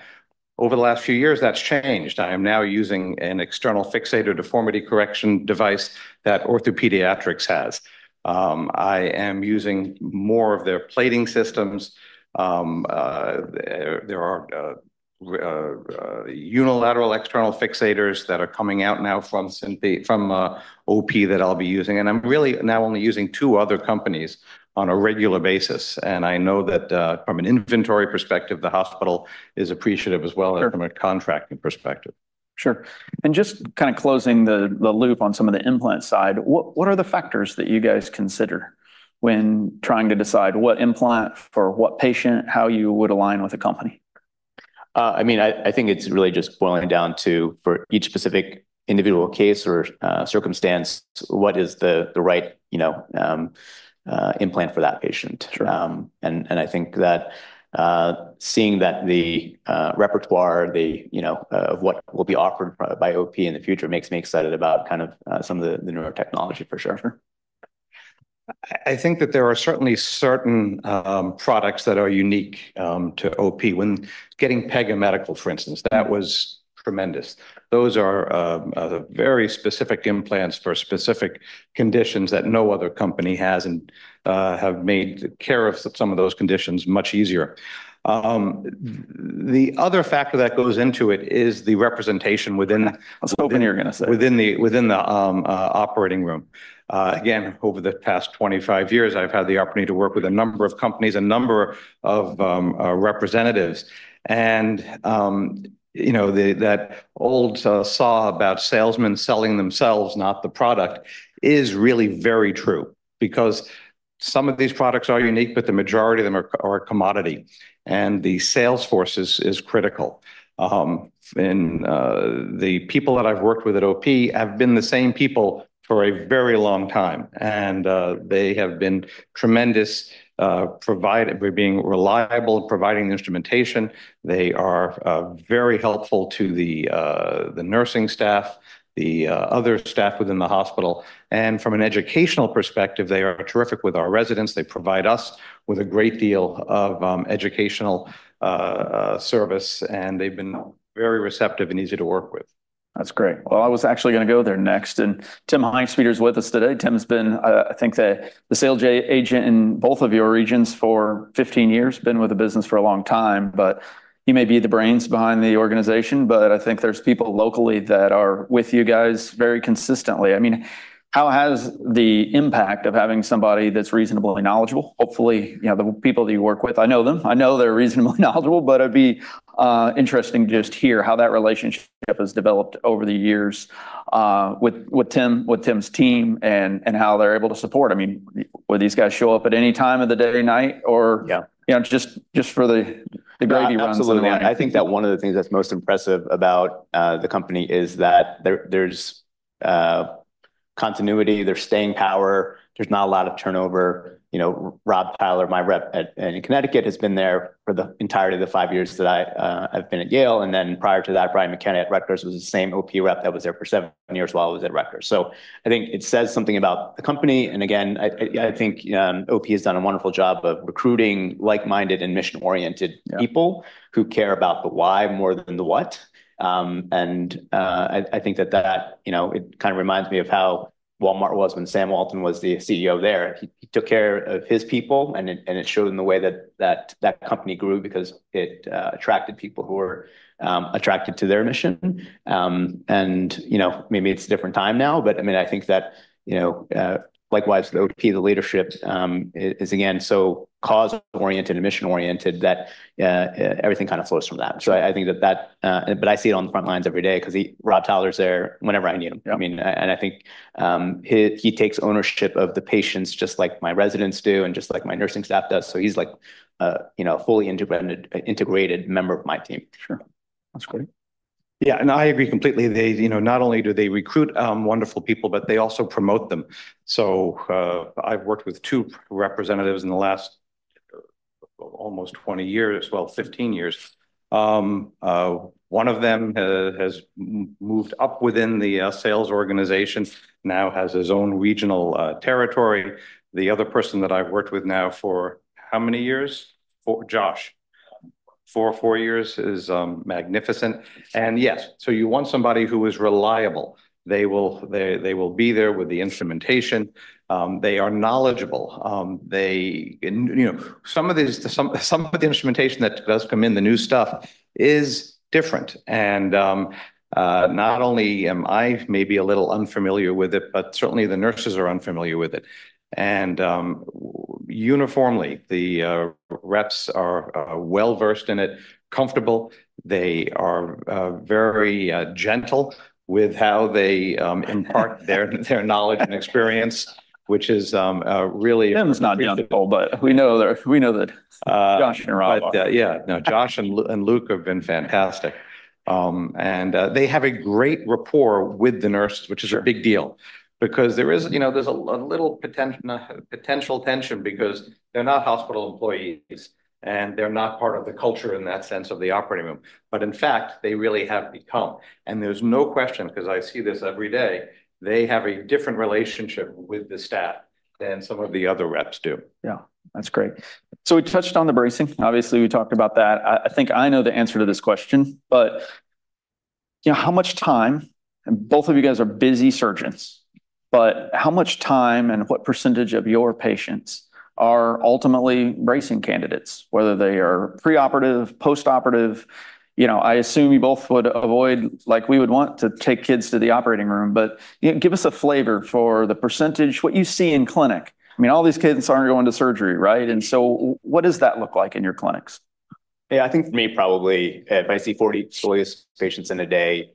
Over the last few years, that's changed. I am now using an external fixator deformity correction device that OrthoPediatrics has. I am using more of their plating systems. There are unilateral external fixators that are coming out now from Synthes, from OP that I'll be using, and I'm really now only using two other companies on a regular basis. And I know that from an inventory perspective, the hospital is appreciative as well from a contracting perspective. Sure. And just kind of closing the loop on some of the implant side, what are the factors that you guys consider when trying to decide what implant for what patient, how you would align with a company? I mean, I think it's really just boiling down to, for each specific individual case or circumstance, what is the right, you know, implant for that patient? I think that seeing that the repertoire, you know, of what will be offered by OP in the future makes me excited about kind of some of the newer technology, for sure. Sure. I think that there are certainly certain products that are unique to OP. When getting Pega Medical, for instance, that was tremendous. Those are very specific implants for specific conditions that no other company has and have made the care of some of those conditions much easier. The other factor that goes into it is the representation within. That's what I thought you're gonna say. Within the operating room. Again, over the past 25 years, I've had the opportunity to work with a number of companies, representatives. And, you know, that old saw about salesmen selling themselves, not the product, is really very true, because some of these products are unique, but the majority of them are a commodity, and the sales force is critical. And, the people that I've worked with at OP have been the same people for a very long time, and they have been tremendous with being reliable, providing the instrumentation. They are very helpful to the nursing staff, the other staff within the hospital, and from an educational perspective, they are terrific with our residents. They provide us with a great deal of educational service, and they've been very receptive and easy to work with. That's great. Well, I was actually gonna go there next, and Tim Hinzpeter is with us today. Tim has been, I think, the sales agent in both of your regions for 15 years, been with the business for a long time, but he may be the brains behind the organization, but I think there's people locally that are with you guys very consistently. I mean, how has the impact of having somebody that's reasonably knowledgeable? Hopefully, you know, the people that you work with, I know them, I know they're reasonably knowledgeable, but it'd be interesting to just hear how that relationship has developed over the years, with Tim, with Tim's team, and how they're able to support. I mean, would these guys show up at any time of the day, night, or. Yeah You know, just for the gravy runs in the morning? Absolutely. I think that one of the things that's most impressive about the company is that there's continuity, they're staying power, there's not a lot of turnover. You know, Rob Tyler, my rep at in Connecticut, has been there for the entirety of the five years that I've been at Yale, and then prior to that, Brian McKenna at Rutgers was the same OP rep that was there for seven years while I was at Rutgers. So I think it says something about the company, and again, I think OP has done a wonderful job of recruiting like-minded and mission-oriented people who care about the why more than the what. And, I think that, you know, it kinda reminds me of how Walmart was when Sam Walton was the CEO there. He took care of his people, and it showed in the way that company grew because it attracted people who were attracted to their mission. And, you know, maybe it's a different time now, but, I mean, I think that, you know, likewise, the OP, the leadership, is, again, so cause-oriented and mission-oriented that everything kinda flows from that. Sure. So I think that. But I see it on the front lines every day 'cause he, Rob Tyler's there whenever I need him. Yeah. I mean, and I think, he takes ownership of the patients, just like my residents do, and just like my nursing staff does. So he's like, you know, a fully integrated member of my team. Sure. That's great. Yeah, and I agree completely. They, you know, not only do they recruit wonderful people, but they also promote them. So, I've worked with two representatives in the last almost 20 years, well, fifteen years. One of them has moved up within the sales organization, now has his own regional territory. The other person that I've worked with now for how many years? Four, Josh. Four years is magnificent. And yes, so you want somebody who is reliable. They will be there with the instrumentation. They are knowledgeable. And, you know, some of these, some of the instrumentation that does come in, the new stuff, is different. And not only am I maybe a little unfamiliar with it, but certainly the nurses are unfamiliar with it. Uniformly, the reps are well-versed in it, comfortable. They are very gentle with how they impart their knowledge and experience, which is really. Jim's not gentle, but we know that Josh and Dom are. Yeah, no, Josh and Luke have been fantastic, and they have a great rapport with the nurseswhich is a big deal because there is, you know, there's a little potential tension because they're not hospital employees, and they're not part of the culture in that sense of the operating room. But in fact, they really have become, and there's no question, 'cause I see this every day, they have a different relationship with the staff than some of the other reps do. Yeah, that's great. So we touched on the bracing. Obviously, we talked about that. I, I think I know the answer to this question, but, you know, how much time, and both of you guys are busy surgeons, but how much time and what percentage of your patients are ultimately bracing candidates, whether they are preoperative, postoperative? You know, I assume you both would avoid, like, we would want to take kids to the operating room, but, you know, give us a flavor for the percentage, what you see in clinic. I mean, all these kids aren't going to surgery, right? And so what does that look like in your clinics? Yeah, I think for me, probably, if I see 40 scoliosis patients in a day,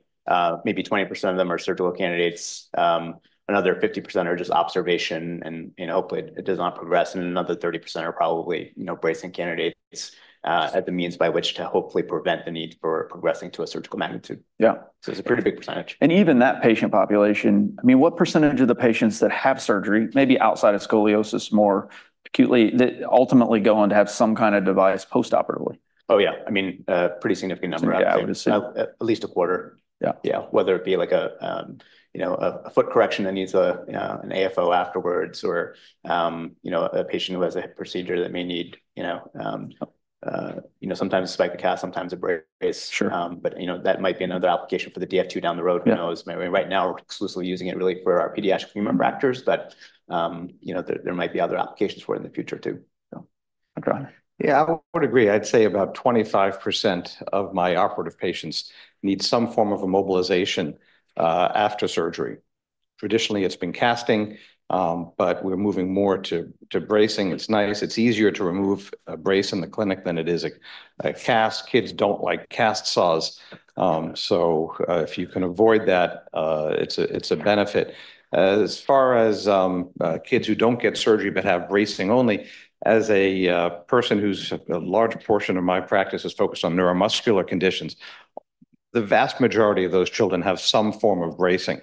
maybe 20% of them are surgical candidates, another 50% are just observation, and, you know, hopefully, it does not progress, and another 30% are probably, you know, bracing candidates, at the means by which to hopefully prevent the need for progressing to a surgical magnitude. Yeah. So it's a pretty big percentage. Even that patient population, I mean, what percentage of the patients that have surgery, maybe outside of scoliosis, more acutely, that ultimately go on to have some kinda device postoperatively? Oh, yeah. I mean, a pretty significant number. Yeah, obviously. At least a quarter. Yeah. Yeah. Whether it be like a, you know, a foot correction that needs an AFO afterwards or, you know, a patient who has a procedure that may need, you know, sometimes a spica cast, sometimes a brace. Sure. But you know, that might be another application for the DF2 down the road. Yeah. Who knows? Maybe right now, we're exclusively using it really for our pediatric femur fractures, but, you know, there might be other applications for it in the future, too. Yeah, I would agree. I'd say about 25% of my operative patients need some form of immobilization after surgery. Traditionally, it's been casting, but we're moving more to bracing. It's nice. It's easier to remove a brace in the clinic than it is a cast. Kids don't like cast saws, so if you can avoid that, it's a benefit. As far as kids who don't get surgery but have bracing only, as a person who's a large portion of my practice is focused on neuromuscular conditions, the vast majority of those children have some form of bracing.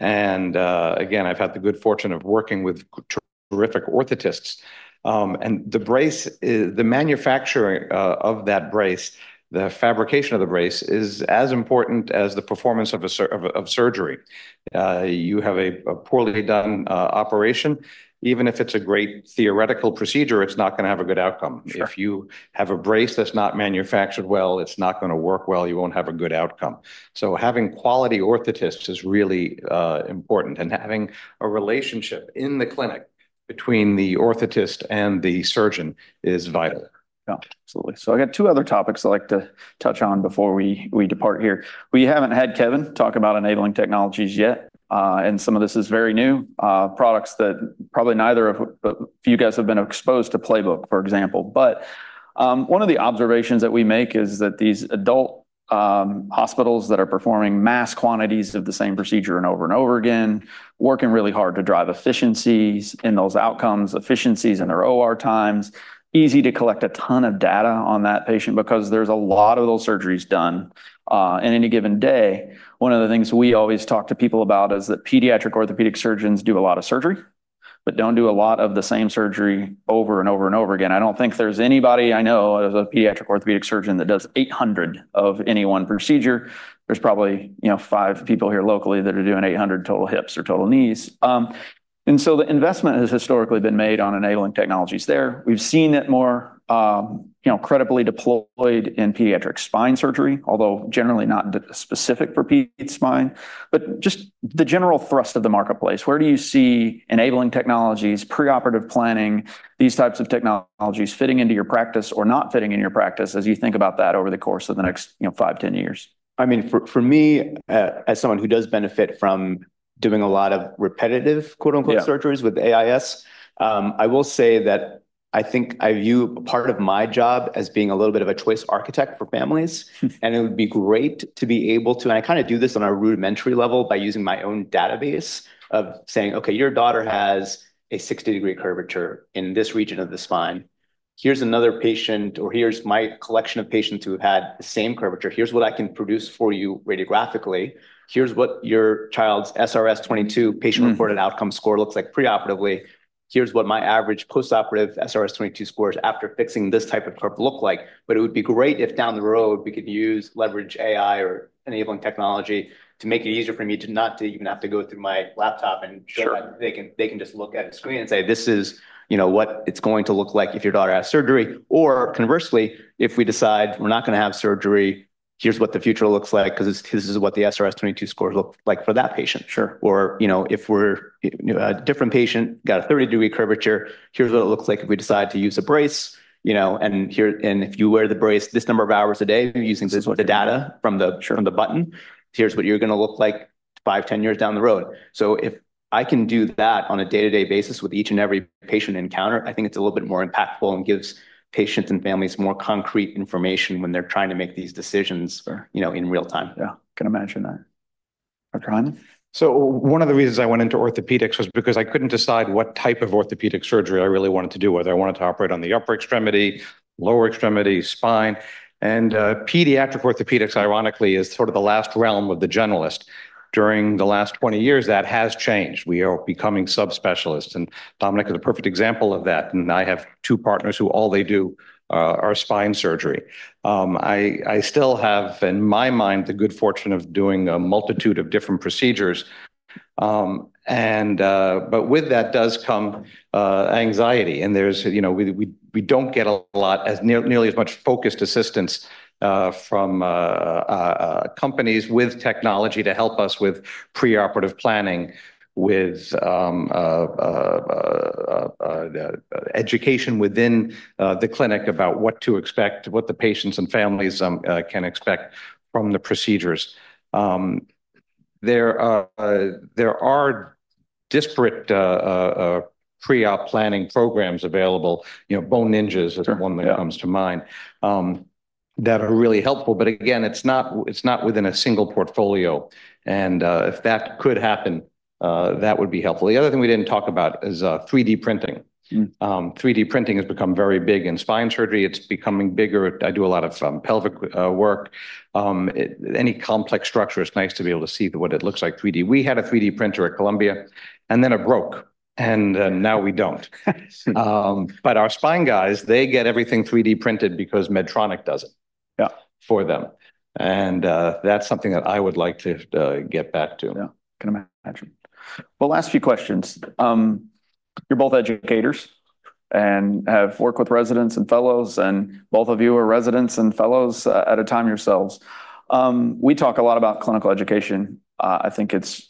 And again, I've had the good fortune of working with terrific orthotists. And the brace, the manufacturing of that brace, the fabrication of the brace is as important as the performance of a surgery. You have a poorly done operation, even if it's a great theoretical procedure, it's not gonna have a good outcome. Sure. If you have a brace that's not manufactured well, it's not gonna work well, you won't have a good outcome. So having quality orthotists is really important, and having a relationship in the clinic between the orthotist and the surgeon is vital. Yeah, absolutely. So I got two other topics I'd like to touch on before we depart here. We haven't had Kevin talk about enabling technologies yet, and some of this is very new products that probably neither of you guys have been exposed to Playbook, for example. But one of the observations that we make is that these adult hospitals that are performing mass quantities of the same procedure over and over again, working really hard to drive efficiencies in those outcomes, efficiencies in their OR times, easy to collect a ton of data on that patient because there's a lot of those surgeries done in any given day. One of the things we always talk to people about is that pediatric orthopedic surgeons do a lot of surgery. But don't do a lot of the same surgery over and over and over again. I don't think there's anybody I know as a pediatric orthopedic surgeon that does 800 of any one procedure. There's probably, you know, five people here locally that are doing 800 total hips or total knees. And so the investment has historically been made on enabling technologies there. We've seen it more, you know, credibly deployed in pediatric spine surgery, although generally not specific for ped spine, but just the general thrust of the marketplace. Where do you see enabling technologies, preoperative planning, these types of technologies fitting into your practice or not fitting in your practice as you think about that over the course of the next, you know, five, ten years? I mean, for me, as someone who does benefit from doing a lot of repetitive. Yeah "Surgeries with AIs" I will say that I think I view part of my job as being a little bit of a choice architect for families. And it would be great to be able to, and I kinda do this on a rudimentary level by using my own database of saying: "Okay, your daughter has a 60-degree curvature in this region of the spine. Here's another patient, or here's my collection of patients who have had the same curvature. Here's what I can produce for you radiographically. Here's what your child's SRS-22 patient-reported outcome score looks like preoperatively. Here's what my average postoperative SRS-22 scores after fixing this type of curve look like." But it would be great if down the road, we could use leverage AI or enabling technology to make it easier for me to not even have to go through my laptop and- Sure. They can, they can just look at a screen and say, "This is, you know, what it's going to look like if your daughter has surgery." Or conversely, if we decide we're not gonna have surgery, here's what the future looks like, 'cause this, this is what the SRS-22 scores look like for that patient. Sure. Or, you know, if we're, you know, a different patient, got a 30-degree curvature, here's what it looks like if we decide to use a brace, you know, and here and if you wear the brace this number of hours a day, using the data from the button, here's what you're gonna look like five, 10 years down the road. So if I can do that on a day-to-day basis with each and every patient encounter, I think it's a little bit more impactful and gives patients and families more concrete information when they're trying to make these decisions. Sure You know, in real time. Yeah. I can imagine that. Dr. Hyman? So one of the reasons I went into orthopedics was because I couldn't decide what type of orthopedic surgery I really wanted to do, whether I wanted to operate on the upper extremity, lower extremity, spine. And pediatric orthopedics, ironically, is sort of the last realm of the generalist. During the last 20 years, that has changed. We are becoming subspecialists, and Dominic is a perfect example of that, and I have two partners who all they do are spine surgery. I still have, in my mind, the good fortune of doing a multitude of different procedures. But with that does come anxiety, and there's, you know, we don't get nearly as much focused assistance from companies with technology to help us with preoperative planning, with education within the clinic about what to expect, what the patients and families can expect from the procedures. There are disparate pre-op planning programs available, you know, Bone Ninja. Sure, yeah Is one that comes to mind that are really helpful, but again, it's not within a single portfolio, and if that could happen, that would be helpful. The other thing we didn't talk about is 3D printing 3D printing has become very big in spine surgery. It's becoming bigger. I do a lot of pelvic work. Any complex structure, it's nice to be able to see what it looks like 3D. We had a 3D printer at Columbia, and then it broke, and now we don't. But our spine guys, they get everything 3D printed because Medtronic does it- for them. And that's something that I would like to get back to. Yeah, can imagine. Well, last few questions. You're both educators and have worked with residents and fellows, and both of you are residents and fellows at a time yourselves. We talk a lot about clinical education. I think it's.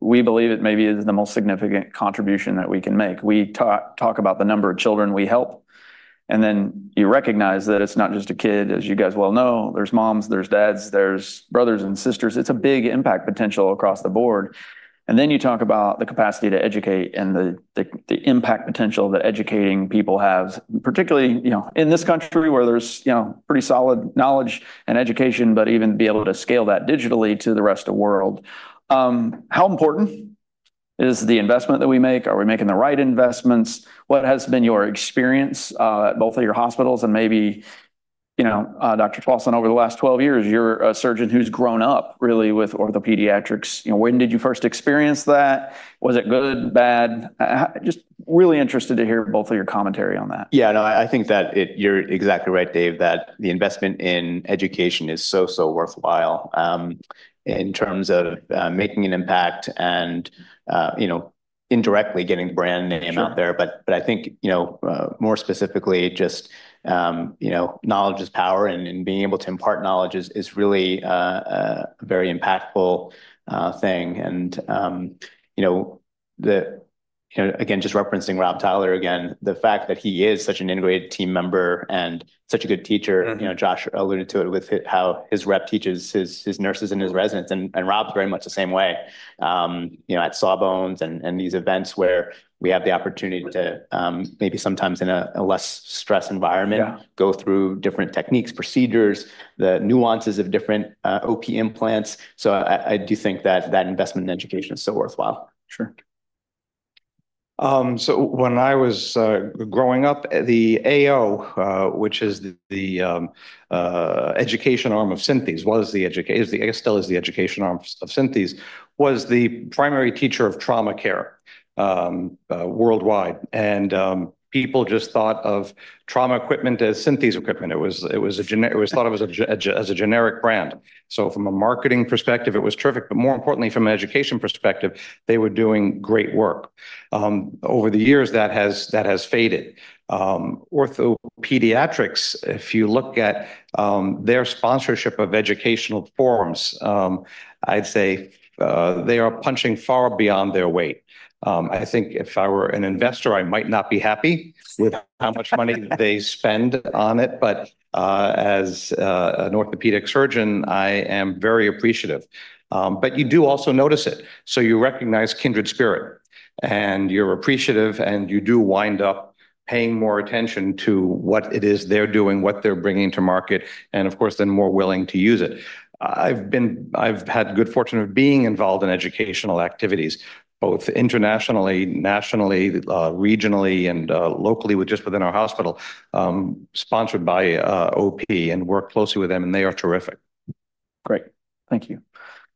We believe it maybe is the most significant contribution that we can make. We talk about the number of children we help, and then you recognize that it's not just a kid, as you guys well know. There's moms, there's dads, there's brothers and sisters. It's a big impact potential across the board. Then, you talk about the capacity to educate and the impact potential that educating people have, particularly, you know, in this country, where there's, you know, pretty solid knowledge and education, but even be able to scale that digitally to the rest of world. How important is the investment that we make? Are we making the right investments? What has been your experience at both of your hospitals and maybe, you know, Dr. Tuason, over the last twelve years, you're a surgeon who's grown up really with OrthoPediatrics. You know, when did you first experience that? Was it good, bad? Just really interested to hear both of your commentary on that. Yeah, no, I think that you're exactly right, Dave, that the investment in education is so, so worthwhile, in terms of, making an impact and, you know, indirectly getting brand name out there, but I think, you know, more specifically, just, you know, knowledge is power, and being able to impart knowledge is really very impactful thing. And, you know, the, again, just referencing Rob Tyler again, the fact that he is such an integrated team member and such a good teacher you know, Josh alluded to it with how his rep teaches his nurses and his residents, and Rob's very much the same way. You know, at Sawbones and these events where we have the opportunity to maybe sometimes in a less stress environment go through different techniques, procedures, the nuances of different, OP implants. So I do think that that investment in education is so worthwhile. Sure. So when I was growing up, the AO, which is the education arm of Synthes, was the is the, I guess, still is the education arm of Synthes, was the primary teacher of trauma care worldwide. And people just thought of trauma equipment as Synthes equipment. It was thought of as a generic brand. So from a marketing perspective, it was terrific, but more importantly, from an education perspective, they were doing great work. Over the years, that has faded. OrthoPediatrics, if you look at their sponsorship of educational forums, I'd say they are punching far beyond their weight. I think if I were an investor, I might not be happy with how much money they spend on it. But as an orthopedic surgeon, I am very appreciative. But you do also notice it. So you recognize kindred spirit, and you're appreciative, and you do wind up paying more attention to what it is they're doing, what they're bringing to market, and of course, then more willing to use it. I've had the good fortune of being involved in educational activities, both internationally, nationally, regionally, and locally, with just within our hospital, sponsored by OP, and worked closely with them, and they are terrific. Great. Thank you.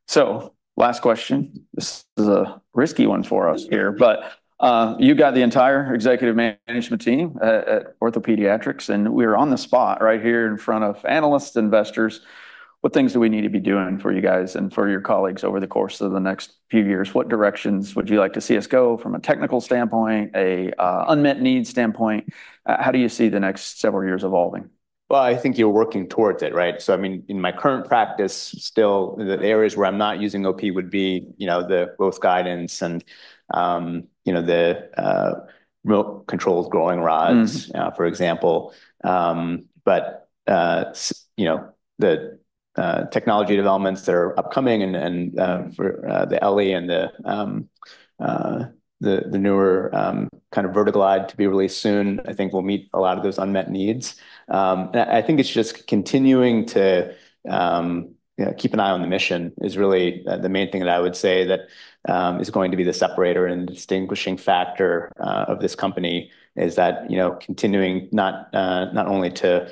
So last question. This is a risky one for us here, but, you got the entire executive management team, at OrthoPediatrics, and we are on the spot right here in front of analysts, investors. What things do we need to be doing for you guys and for your colleagues over the course of the next few years? What directions would you like to see us go from a technical standpoint, a, unmet need standpoint? How do you see the next several years evolving? I think you're working towards it, right? So I mean, in my current practice, still, the areas where I'm not using OP would be, you know, the growth guidance and, you know, the remote controlled growing rods, for example, but you know, the technology developments that are upcoming and for the LE and the newer kind of VertiGlide to be released soon, I think will meet a lot of those unmet needs. And I think it's just continuing to, you know, keep an eye on the mission is really the main thing that I would say that is going to be the separator and distinguishing factor of this company, is that, you know, continuing not only to,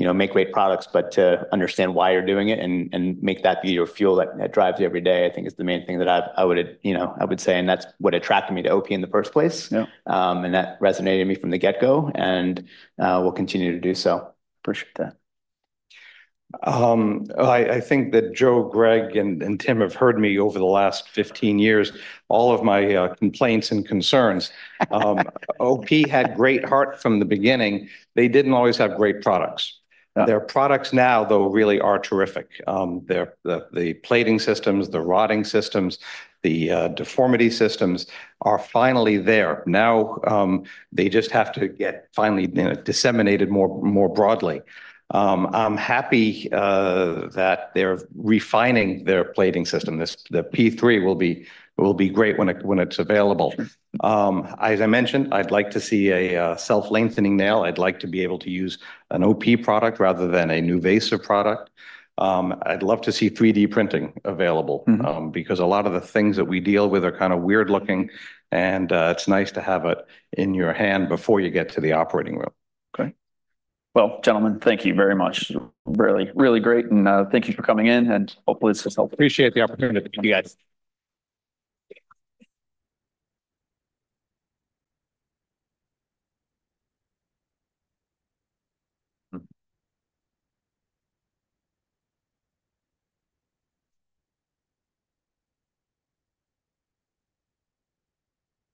you know, make great products, but to understand why you're doing it and make that be your fuel that drives you every day, I think, is the main thing that I would, you know, say, and that's what attracted me to OP in the first place. Yeah. And that resonated with me from the get-go, and will continue to do so. Appreciate that. I think that Joe, Greg, and Tim have heard me over the last fifteen years, all of my complaints and concerns. OP had great heart from the beginning. They didn't always have great products. Yeah. Their products now, though, really are terrific. The plating systems, the rodding systems, the deformity systems are finally there. Now, they just have to get finally, you know, disseminated more broadly. I'm happy that they're refining their plating system. The P3 will be great when it's available. As I mentioned, I'd like to see a self-lengthening nail. I'd like to be able to use an OP product rather than a NuVasive product. I'd love to see 3D printing available-because a lot of the things that we deal with are kind of weird looking, and, it's nice to have it in your hand before you get to the operating room. Okay. Well, gentlemen, thank you very much. Really, really great, and thank you for coming in, and hopefully, this has helped. Appreciate the opportunity. Thank you, guys.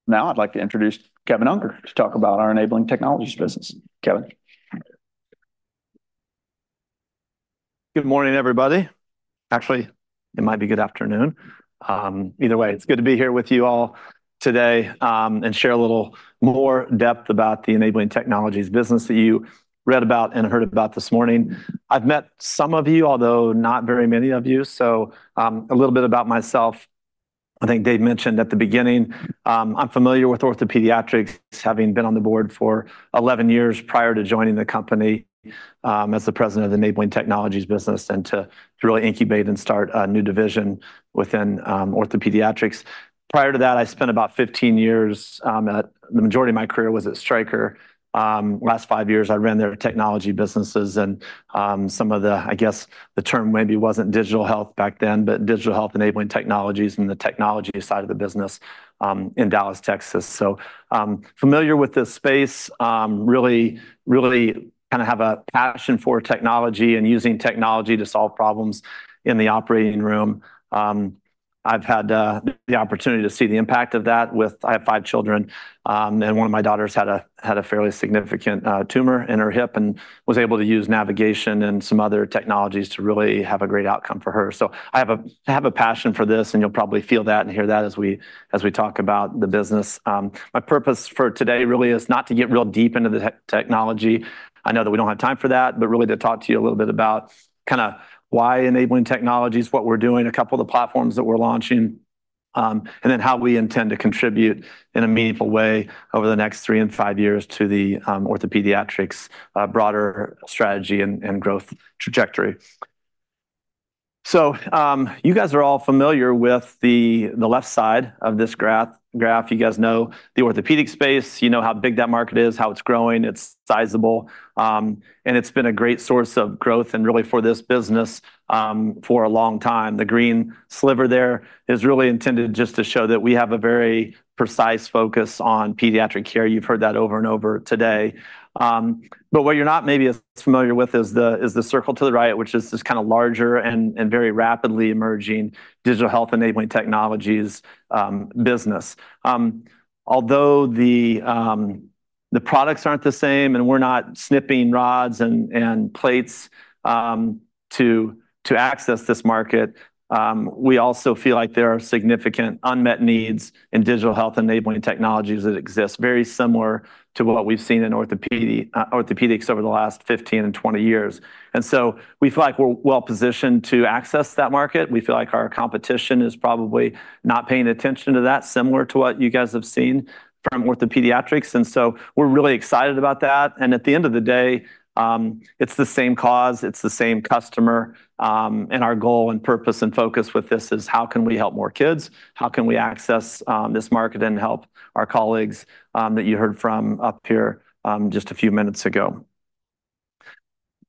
Now, I'd like to introduce Kevin Unger to talk about our enabling technologies business. Kevin? Good morning, everybody. Actually, it might be good afternoon. Either way, it's good to be here with you all today, and share a little more depth about the Enabling Technologies business that you read about and heard about this morning. I've met some of you, although not very many of you, so a little bit about myself. I think Dave mentioned at the beginning, I'm familiar with OrthoPediatrics, having been on the board for 11 years prior to joining the company, as the president of the Enabling Technologies business, and to really incubate and start a new division within OrthoPediatrics. Prior to that, I spent about 15 years, at the majority of my career was at Stryker. Last five years, I ran their technology businesses and some of the, I guess, the term maybe wasn't digital health back then, but digital health enabling technologies and the technology side of the business in Dallas, Texas. So, familiar with this space, really, really kind of have a passion for technology and using technology to solve problems in the operating room. I've had the opportunity to see the impact of that with. I have five children, and one of my daughters had a fairly significant tumor in her hip and was able to use navigation and some other technologies to really have a great outcome for her. So I have a passion for this, and you'll probably feel that and hear that as we talk about the business. My purpose for today really is not to get real deep into the technology. I know that we don't have time for that, but really to talk to you a little bit about kind of why enabling technology is what we're doing, a couple of the platforms that we're launching, and then how we intend to contribute in a meaningful way over the next three and five years to the OrthoPediatrics broader strategy and growth trajectory. So, you guys are all familiar with the left side of this graph. You guys know the orthopedic space. You know how big that market is, how it's growing, it's sizable, and it's been a great source of growth, and really for this business, for a long time. The green sliver there is really intended just to show that we have a very precise focus on pediatric care. You've heard that over and over today, but what you're not maybe as familiar with is the circle to the right, which is this kinda larger and very rapidly emerging digital health-enabling technologies business. Although the products aren't the same, and we're not snipping rods and plates to access this market, we also feel like there are significant unmet needs in digital health-enabling technologies that exist very similar to what we've seen in orthopedics over the last fifteen and 20 years, and so we feel like we're well-positioned to access that market. We feel like our competition is probably not paying attention to that, similar to what you guys have seen from OrthoPediatrics, and so we're really excited about that. And at the end of the day, it's the same cause, it's the same customer, and our goal and purpose and focus with this is: how can we help more kids? How can we access this market and help our colleagues that you heard from up here just a few minutes ago?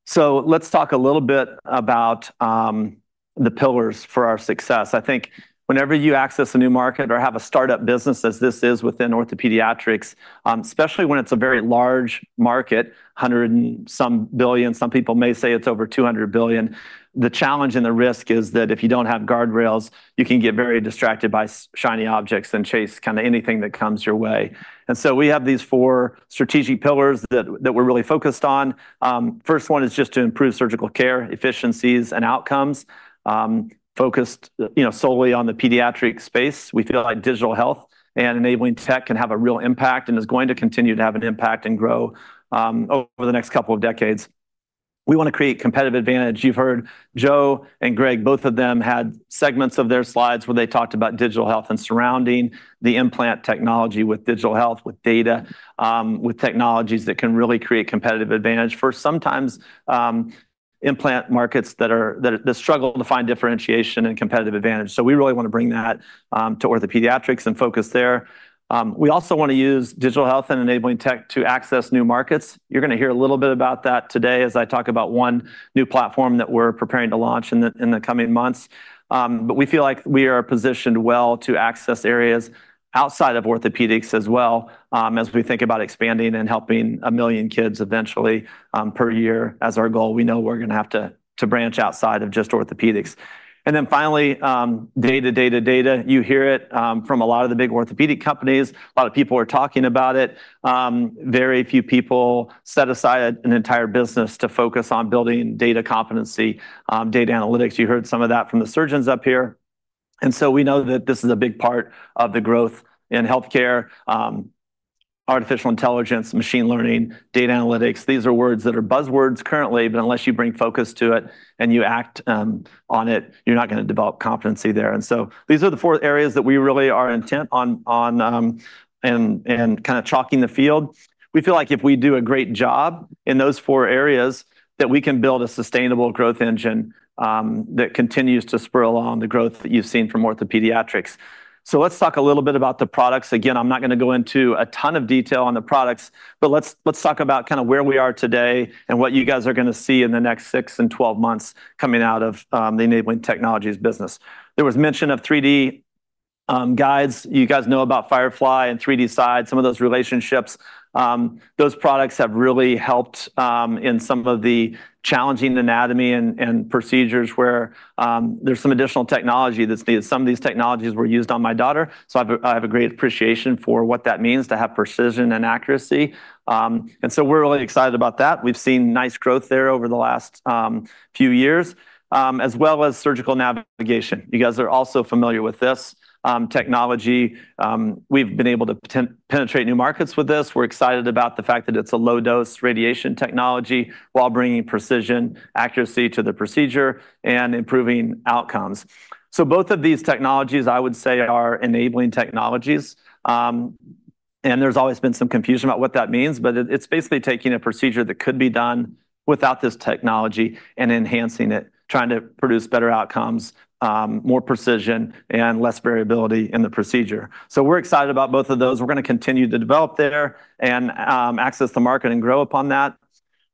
So let's talk a little bit about the pillars for our success. I think whenever you access a new market or have a startup business, as this is within OrthoPediatrics, especially when it's a very large market, hundred and some billion, some people may say it's over 200 billion. The challenge and the risk is that if you don't have guardrails, you can get very distracted by so many shiny objects and chase kinda anything that comes your way, and so we have these four strategic pillars that we're really focused on. First one is just to improve surgical care, efficiencies, and outcomes, focused, you know, solely on the pediatric space. We feel like digital health and enabling tech can have a real impact and is going to continue to have an impact and grow over the next couple of decades. We wanna create competitive advantage. You've heard Joe and Greg, both of them had segments of their slides where they talked about digital health and surrounding the implant technology with digital health, with data, with technologies that can really create competitive advantage. Sometimes, implant markets that struggle to find differentiation and competitive advantage. So we really want to bring that to OrthoPediatrics and focus there. We also want to use digital health and enabling tech to access new markets. You're gonna hear a little bit about that today as I talk about one new platform that we're preparing to launch in the coming months. But we feel like we are positioned well to access areas outside of orthopedics as well, as we think about expanding and helping a million kids eventually, per year as our goal. We know we're gonna have to branch outside of just orthopedics. And then finally, data, data, data. You hear it from a lot of the big orthopedic companies. A lot of people are talking about it. Very few people set aside an entire business to focus on building data competency, data analytics. You heard some of that from the surgeons up here. And so we know that this is a big part of the growth in healthcare, artificial intelligence, machine learning, data analytics. These are words that are buzzwords currently, but unless you bring focus to it and you act on it, you're not gonna develop competency there. And so these are the four areas that we really are intent on in kinda chalking the field. We feel like if we do a great job in those four areas, that we can build a sustainable growth engine that continues to spur along the growth that you've seen from OrthoPediatrics. So let's talk a little bit about the products. Again, I'm not gonna go into a ton of detail on the products, but let's talk about kinda where we are today and what you guys are gonna see in the next six and twelve months coming out of the enabling technologies business. There was mention of 3D guides. You guys know about Firefly and 3D-Side, some of those relationships. Those products have really helped in some of the challenging anatomy and procedures where there's some additional technology that's needed. Some of these technologies were used on my daughter, so I have a great appreciation for what that means to have precision and accuracy. So we're really excited about that. We've seen nice growth there over the last few years as well as surgical navigation. You guys are also familiar with this technology. We've been able to penetrate new markets with this. We're excited about the fact that it's a low-dose radiation technology while bringing precision, accuracy to the procedure and improving outcomes. So both of these technologies, I would say, are enabling technologies, and there's always been some confusion about what that means, but it, it's basically taking a procedure that could be done without this technology and enhancing it, trying to produce better outcomes, more precision, and less variability in the procedure. So we're excited about both of those. We're gonna continue to develop there and access the market and grow upon that.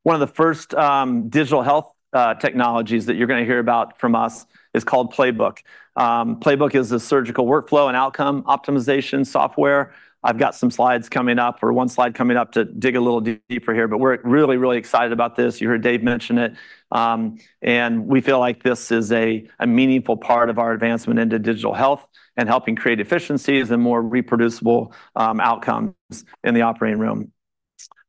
One of the first digital health technologies that you're gonna hear about from us is called Playbook. Playbook is a surgical workflow and outcome optimization software. I've got some slides coming up or one slide coming up to dig a little deeper here, but we're really, really excited about this. You heard Dave mention it, and we feel like this is a meaningful part of our advancement into digital health and helping create efficiencies and more reproducible outcomes in the operating room.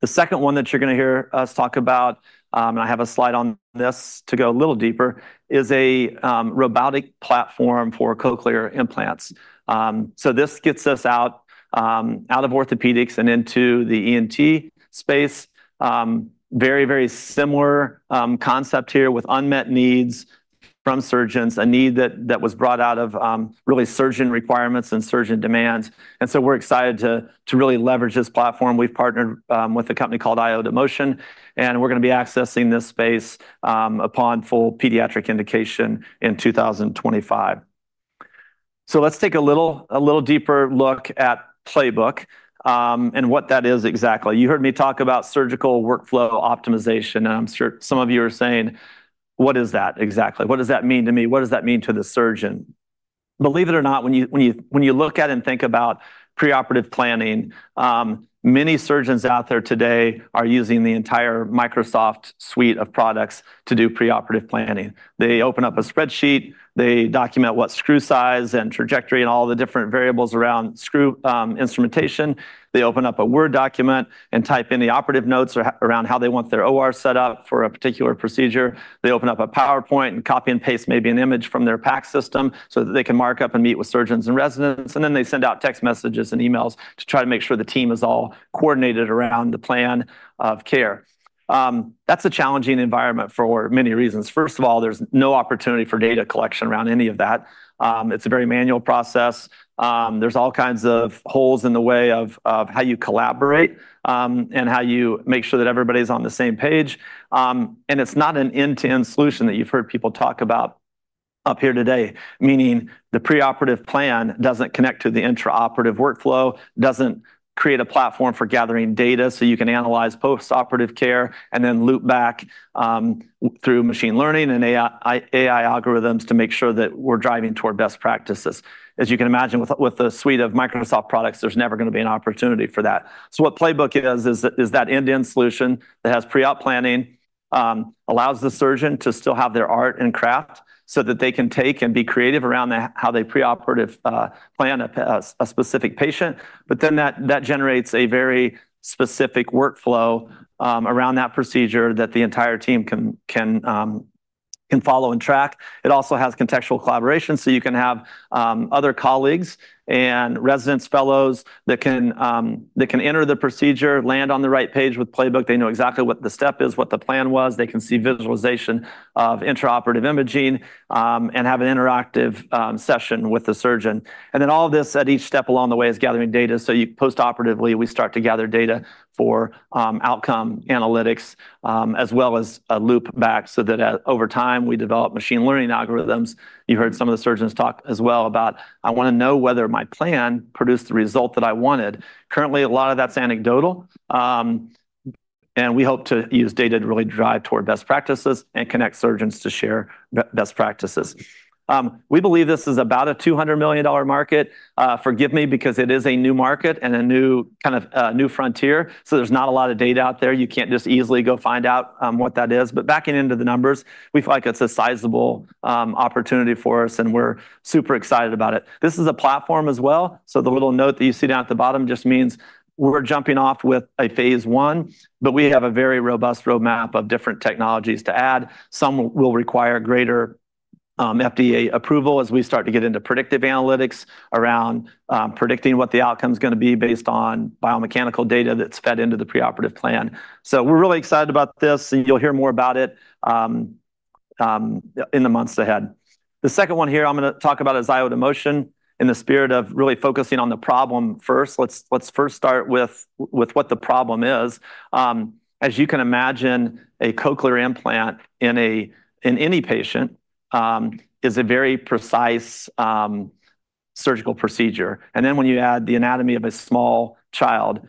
The second one that you're gonna hear us talk about, and I have a slide on this to go a little deeper, is a robotic platform for cochlear implants. So this gets us out of orthopedics and into the ENT space. Very, very similar concept here with unmet needs from surgeons, a need that was brought out of really surgeon requirements and surgeon demands. And so we're excited to really leverage this platform. We've partnered with a company called iotaMOTION, and we're gonna be accessing this space upon full pediatric indication in 2025, so let's take a little deeper look at Playbook, and what that is exactly. You heard me talk about surgical workflow optimization, and I'm sure some of you are saying: "What is that exactly? What does that mean to me? What does that mean to the surgeon?" Believe it or not, when you look at and think about preoperative planning, many surgeons out there today are using the entire Microsoft suite of products to do preoperative planning. They open up a spreadsheet, they document what screw size and trajectory and all the different variables around screw instrumentation. They open up a Word document and type in the operative notes around how they want their OR set up for a particular procedure. They open up a PowerPoint and copy and paste maybe an image from their PACS, so that they can mark up and meet with surgeons and residents, and then they send out text messages and emails to try to make sure the team is all coordinated around the plan of care. That's a challenging environment for many reasons. First of all, there's no opportunity for data collection around any of that. It's a very manual process. There's all kinds of holes in the way of how you collaborate, and how you make sure that everybody's on the same page. And it's not an end-to-end solution that you've heard people talk about up here today. Meaning, the preoperative plan doesn't connect to the intraoperative workflow, doesn't create a platform for gathering data, so you can analyze post-operative care and then loop back through machine learning and AI algorithms to make sure that we're driving toward best practices. As you can imagine, with the suite of Microsoft products, there's never gonna be an opportunity for that. So what Playbook is that end-to-end solution that has pre-op planning, allows the surgeon to still have their art and craft, so that they can take and be creative around how they preoperative plan a specific patient. But then that generates a very specific workflow around that procedure that the entire team can follow and track. It also has contextual collaboration, so you can have other colleagues and residents, fellows that can enter the procedure, land on the right page with Playbook. They know exactly what the step is, what the plan was. They can see visualization of intraoperative imaging and have an interactive session with the surgeon. And then all of this, at each step along the way, is gathering data. So post-operatively, we start to gather data for outcome analytics as well as a loop back, so that over time, we develop machine learning algorithms. You heard some of the surgeons talk as well about, "I want to know whether my plan produced the result that I wanted." Currently, a lot of that's anecdotal, and we hope to use data to really drive toward best practices and connect surgeons to share best practices. We believe this is about a $200 million market. Forgive me, because it is a new market and a new, kind of, new frontier, so there's not a lot of data out there. You can't just easily go find out, what that is. But backing into the numbers, we feel like it's a sizable, opportunity for us, and we're super excited about it. This is a platform as well. So the little note that you see down at the bottom just means we're jumping off with a phase one, but we have a very robust roadmap of different technologies to add. Some will require greater FDA approval as we start to get into predictive analytics around predicting what the outcome's gonna be based on biomechanical data that's fed into the preoperative plan. So we're really excited about this, and you'll hear more about it in the months ahead. The second one here I'm gonna talk about is iotaMOTION. In the spirit of really focusing on the problem first, let's first start with what the problem is. As you can imagine, a cochlear implant in any patient is a very precise surgical procedure. And then, when you add the anatomy of a small child,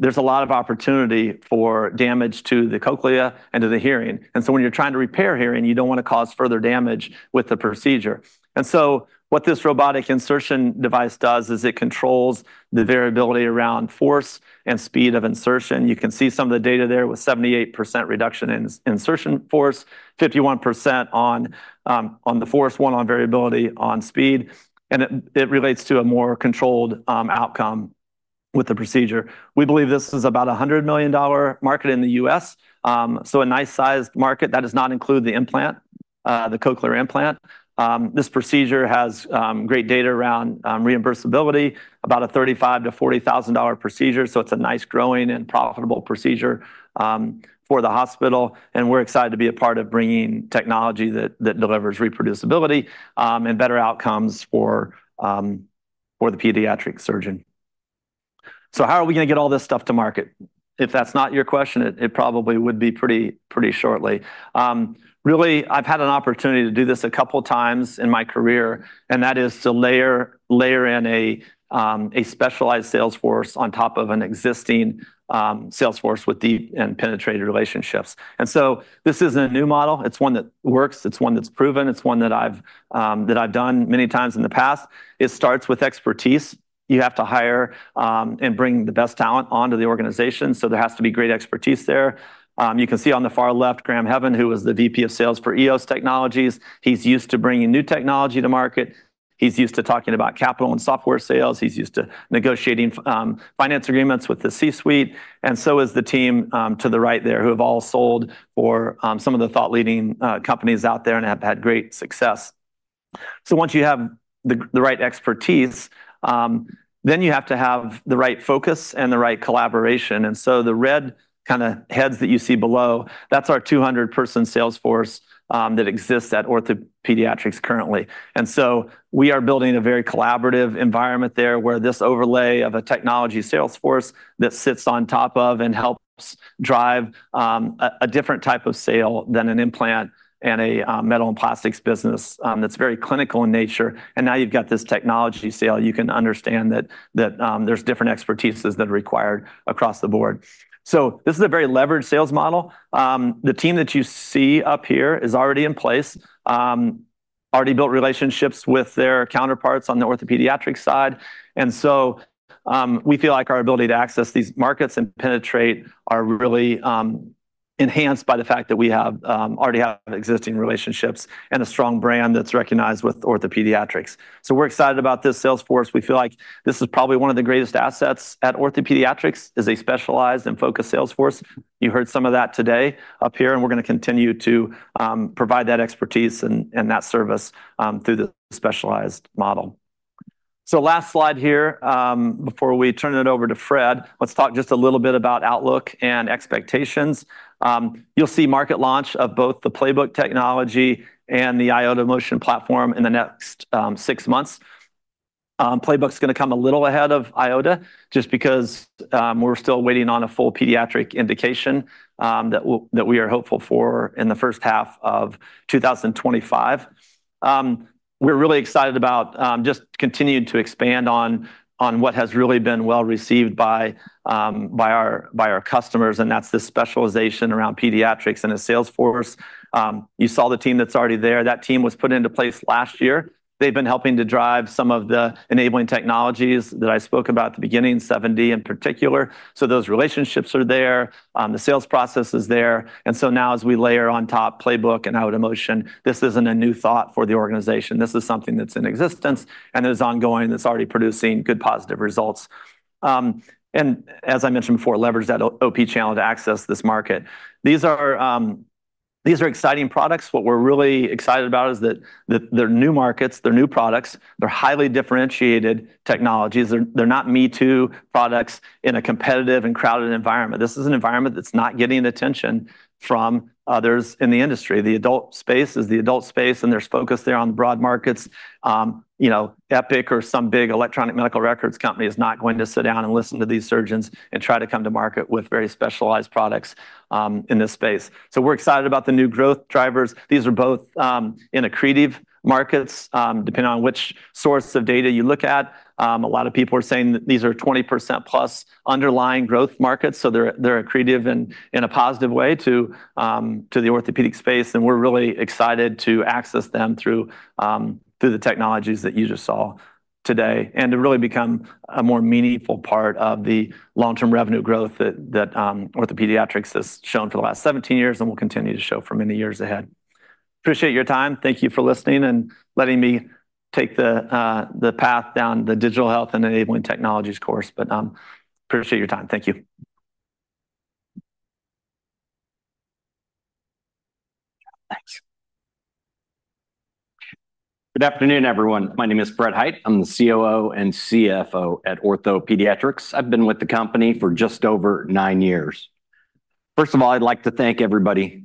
there's a lot of opportunity for damage to the cochlea and to the hearing. And so when you're trying to repair hearing, you don't want to cause further damage with the procedure. And so what this robotic insertion device does is it controls the variability around force and speed of insertion. You can see some of the data there with 78% reduction in insertion force, 51% on the force, 1 on variability on speed, and it relates to a more controlled outcome with the procedure. We believe this is about a $100 million market in the U.S., so a nice-sized market. That does not include the implant, the cochlear implant. This procedure has great data around reimbursability, about a $35,000-$40,000 procedure, so it's a nice, growing, and profitable procedure for the hospital, and we're excited to be a part of bringing technology that delivers reproducibility and better outcomes for the pediatric surgeon. So how are we gonna get all this stuff to market? If that's not your question, it probably would be pretty shortly. Really, I've had an opportunity to do this a couple times in my career, and that is to layer in a specialized sales force on top of an existing sales force with deep and penetrated relationships. And so this isn't a new model. It's one that works. It's one that's proven. It's one that I've done many times in the past. It starts with expertise. You have to hire and bring the best talent onto the organization, so there has to be great expertise there. You can see on the far left, Graham Heaven, who was the VP of Sales for EOS imaging. He's used to bringing new technology to market. He's used to talking about capital and software sales. He's used to negotiating finance agreements with the C-suite, and so is the team to the right there, who have all sold for some of the thought-leading companies out there and have had great success. So once you have the, the right expertise, then you have to have the right focus and the right collaboration. The red kind of heads that you see below, that's our 200-person sales force that exists at OrthoPediatrics currently. And so we are building a very collaborative environment there, where this overlay of a technology sales force that sits on top of and helps drive a different type of sale than an implant and a metal and plastics business, that's very clinical in nature. And now you've got this technology sale. You can understand that there's different expertises that are required across the board. So this is a very leveraged sales model. The team that you see up here is already in place, already built relationships with their counterparts on the OrthoPediatrics side. And so we feel like our ability to access these markets and penetrate are really enhanced by the fact that we already have existing relationships and a strong brand that's recognized with OrthoPediatrics. So we're excited about this sales force. We feel like this is probably one of the greatest assets at OrthoPediatrics, is a specialized and focused sales force. You heard some of that today up here, and we're going to continue to provide that expertise and that service through the specialized model. So last slide here, before we turn it over to Fred, let's talk just a little bit about outlook and expectations. You'll see market launch of both the Playbook technology and the iotaMOTION platform in the next six months. Playbook's going to come a little ahead of Iota, just because we're still waiting on a full pediatric indication that we are hopeful for in the first half of 2025. We're really excited about just continuing to expand on what has really been well received by our customers, and that's the specialization around pediatrics and the sales force. You saw the team that's already there. That team was put into place last year. They've been helping to drive some of the enabling technologies that I spoke about at the beginning, 7D in particular. So those relationships are there, the sales process is there, and so now as we layer on top Playbook and iotaMOTION, this isn't a new thought for the organization. This is something that's in existence, and it is ongoing, that's already producing good, positive results. And as I mentioned before, leverage that OP channel to access this market. These are exciting products. What we're really excited about is that they're new markets, they're new products, they're highly differentiated technologies. They're not me-too products in a competitive and crowded environment. This is an environment that's not getting attention from others in the industry. The adult space is the adult space, and there's focus there on the broad markets. You know, Epic or some big electronic medical records company is not going to sit down and listen to these surgeons and try to come to market with very specialized products in this space. So we're excited about the new growth drivers. These are both in accretive markets, depending on which source of data you look at. A lot of people are saying that these are 20%+ underlying growth markets, so they're accretive in a positive way to the orthopedic space, and we're really excited to access them through the technologies that you just saw today, and to really become a more meaningful part of the long-term revenue growth that OrthoPediatrics has shown for the last 17 years and will continue to show for many years ahead. Appreciate your time. Thank you for listening and letting me take the path down the digital health and enabling technologies course, but appreciate your time. Thank you. Thanks. Good afternoon, everyone. My name is Fred Hite. I'm the COO and CFO at OrthoPediatrics. I've been with the company for just over nine years. First of all, I'd like to thank everybody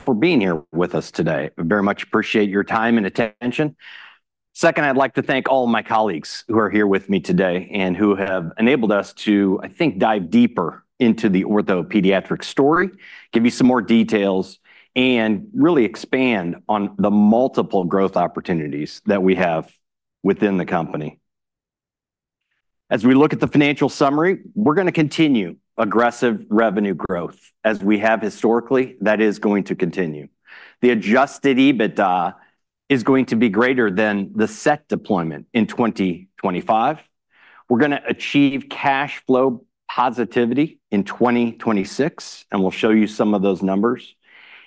for being here with us today. I very much appreciate your time and attention. Second, I'd like to thank all of my colleagues who are here with me today and who have enabled us to, I think, dive deeper into the OrthoPediatrics story, give you some more details, and really expand on the multiple growth opportunities that we have within the company. As we look at the financial summary, we're going to continue aggressive revenue growth, as we have historically. That is going to continue. The Adjusted EBITDA is going to be greater than the debt deployment in 2025. We're going to achieve cash flow positivity in 2026, and we'll show you some of those numbers,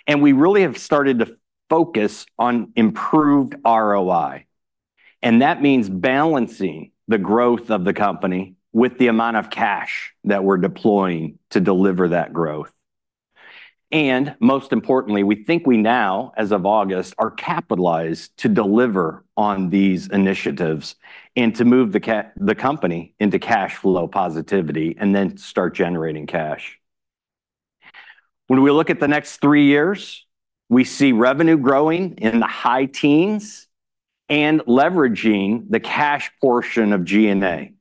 and we really have started to focus on improved ROI, and that means balancing the growth of the company with the amount of cash that we're deploying to deliver that growth. And most importantly, we think we now, as of August, are capitalized to deliver on these initiatives and to move the company into cash flow positivity, and then start generating cash. When we look at the next three years, we see revenue growing in the high teens% and leveraging the cash portion of G&A.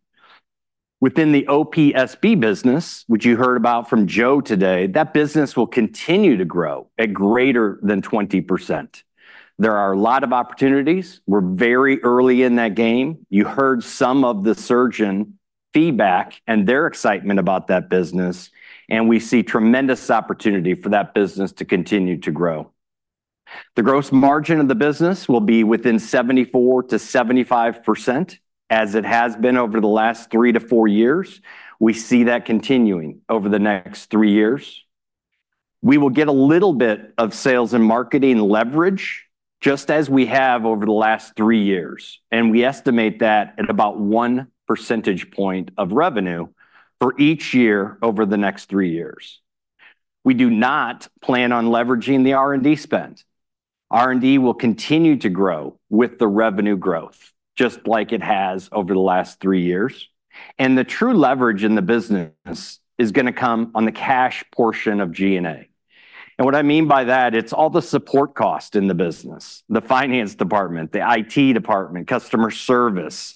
Within the OPSB business, which you heard about from Joe today, that business will continue to grow at greater than 20%. There are a lot of opportunities. We're very early in that game. You heard some of the surgeon feedback and their excitement about that business, and we see tremendous opportunity for that business to continue to grow. The gross margin of the business will be within 74%-75%, as it has been over the last three to four years. We see that continuing over the next three years. We will get a little bit of sales and marketing leverage, just as we have over the last three years, and we estimate that at about one percentage point of revenue for each year over the next three years. We do not plan on leveraging the R&D spend. R&D will continue to grow with the revenue growth, just like it has over the last three years, and the true leverage in the business is going to come on the cash portion of G&A. What I mean by that is all the support cost in the business, the finance department, the IT department, customer service,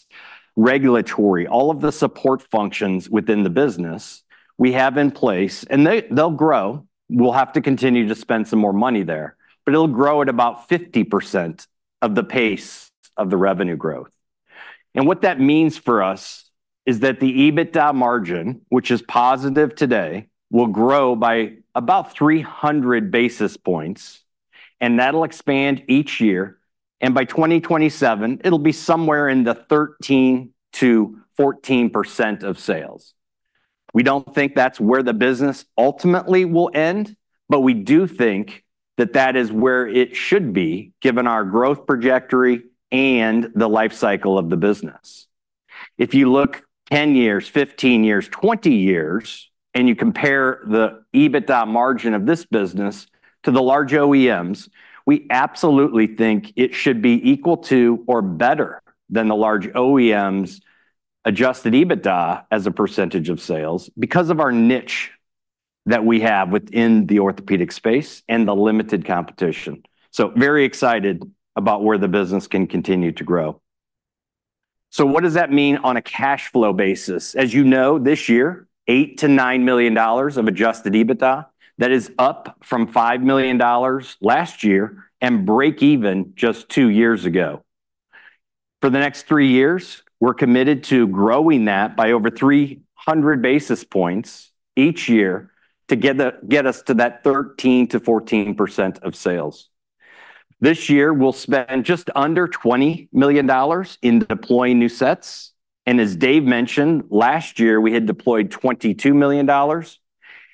regulatory, all of the support functions within the business we have in place, and they'll grow. We'll have to continue to spend some more money there, but it'll grow at about 50% of te pace of the revenue growth. What that means for us is that the EBITDA margin, which is positive today, will grow by about 300 basis points, and that'll expand each year, and by 2027, it'll be somewhere in the 13%-14% of sales. We don't think that's where the business ultimately will end, but we do think that that is where it should be, given our growth trajectory and the life cycle of the business. If you look 10 years, 15 years, 20 years, and you compare the EBITDA margin of this business to the large OEMs, we absolutely think it should be equal to or better than the large OEMs' Adjusted EBITDA as a percentage of sales because of our niche that we have within the orthopedic space and the limited competition. So very excited about where the business can continue to grow. So what does that mean on a cash flow basis? As you know, this year, $8 million-$9 million of Adjusted EBITDA. That is up from $5 million last year and break even just two years ago. For the next three years, we're committed to growing that by over 300 basis points each year to get us to that 13%-14% of sales. This year, we'll spend just under $20 million in deploying new sets, and as Dave mentioned, last year, we had deployed $22 million,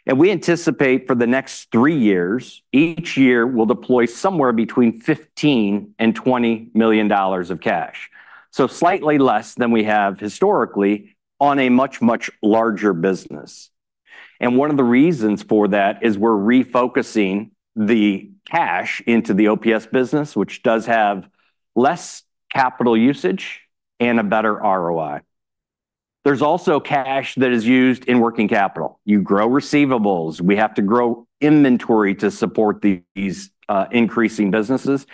and we anticipate for the next three years, each year, we'll deploy somewhere between $15 million and $20 million of cash, so slightly less than we have historically on a much, much larger business, and one of the reasons for that is we're refocusing the cash into the OPSB business, which does have less capital usage and a better ROI. There's also cash that is used in working capital. You grow receivables. We have to grow inventory to support these increasing businesses,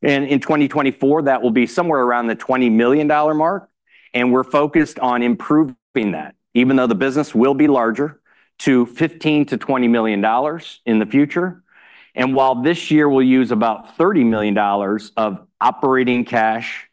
and in 2024, that will be somewhere around the $20 million mark, and we're focused on improving that, even though the business will be larger, to $15 million-$20 million in the future. While this year we'll use about $30 million of operating cash,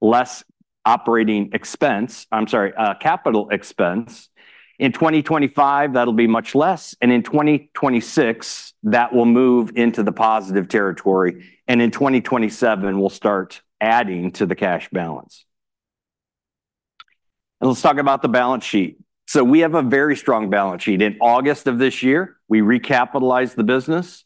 less operating expense. I'm sorry, capital expense, in 2025, that'll be much less, and in 2026, that will move into the positive territory, and in 2027, we'll start adding to the cash balance. Let's talk about the balance sheet. We have a very strong balance sheet. In August of this year, we recapitalized the business,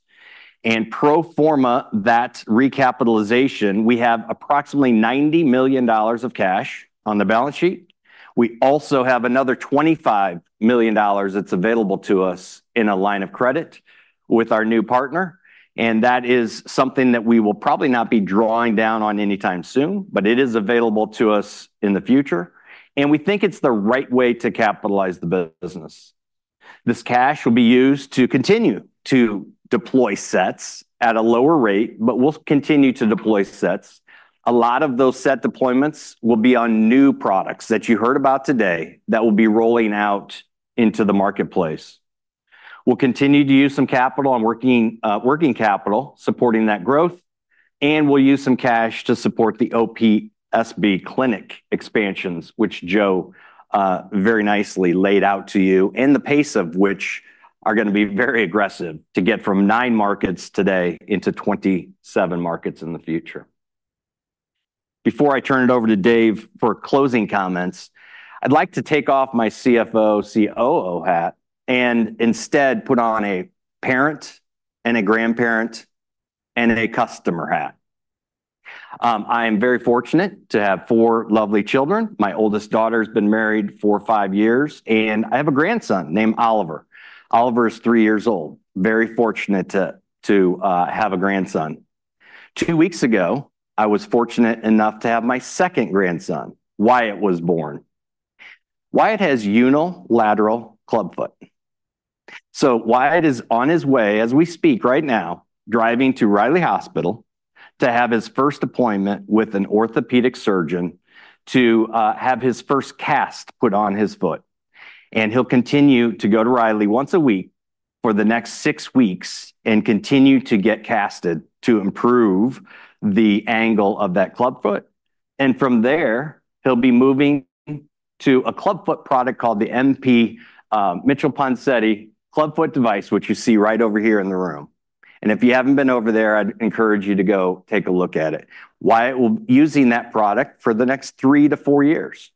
and pro forma, that recapitalization, we have approximately $90 million of cash on the balance sheet. We also have another $25 million that's available to us in a line of credit with our new partner, and that is something that we will probably not be drawing down on anytime soon, but it is available to us in the future, and we think it's the right way to capitalize the business. This cash will be used to continue to deploy sets at a lower rate, but we'll continue to deploy sets. A lot of those set deployments will be on new products that you heard about today that will be rolling out into the marketplace. We'll continue to use some capital on working capital, supporting that growth, and we'll use some cash to support the OPSB clinic expansions, which Joe very nicely laid out to you, and the pace of which are gonna be very aggressive, to get from nine markets today into 27 markets in the future. Before I turn it over to Dave for closing comments, I'd like to take off my CFO, COO hat and instead put on a parent and a grandparent and a customer hat. I am very fortunate to have four lovely children. My oldest daughter's been married for five years, and I have a grandson named Oliver. Oliver is three years old. Very fortunate to have a grandson. Two weeks ago, I was fortunate enough to have my second grandson, Wyatt, was born. Wyatt has unilateral clubfoot. So Wyatt is on his way, as we speak right now, driving to Riley Hospital to have his first appointment with an orthopedic surgeon to have his first cast put on his foot, and he'll continue to go to Riley once a week for the next six weeks and continue to get casted to improve the angle of that clubfoot. And from there, he'll be moving to a clubfoot product called the MP, Mitchell Ponseti Clubfoot device, which you see right over here in the room. If you haven't been over there, I'd encourage you to go take a look at it. Wyatt will be using that product for the next three to four years.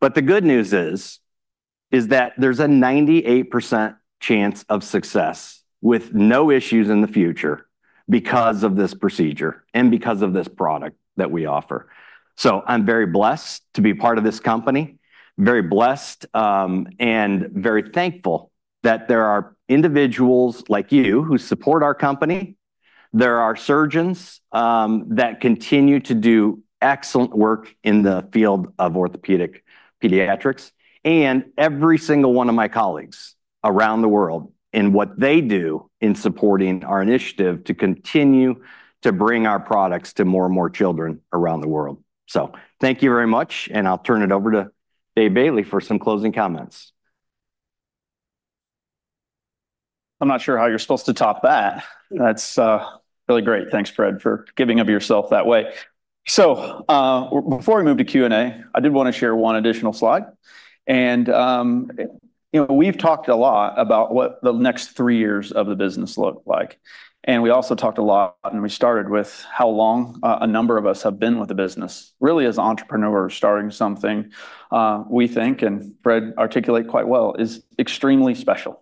The good news is that there's a 98% chance of success with no issues in the future because of this procedure and because of this product that we offer. I'm very blessed to be part of this company, very blessed, and very thankful that there are individuals like you who support our company. There are surgeons that continue to do excellent work in the field of pediatric orthopedics, and every single one of my colleagues around the world in what they do in supporting our initiative to continue to bring our products to more and more children around the world. So thank you very much, and I'll turn it over to Dave Bailey for some closing comments. I'm not sure how you're supposed to top that. That's really great. Thanks, Fred, for giving of yourself that way. So before we move to Q&A, I did want to share one additional slide. And you know, we've talked a lot about what the next three years of the business look like, and we also talked a lot, and we started with how long a number of us have been with the business. Really, as an entrepreneur, starting something we think, and Fred articulate quite well, is extremely special.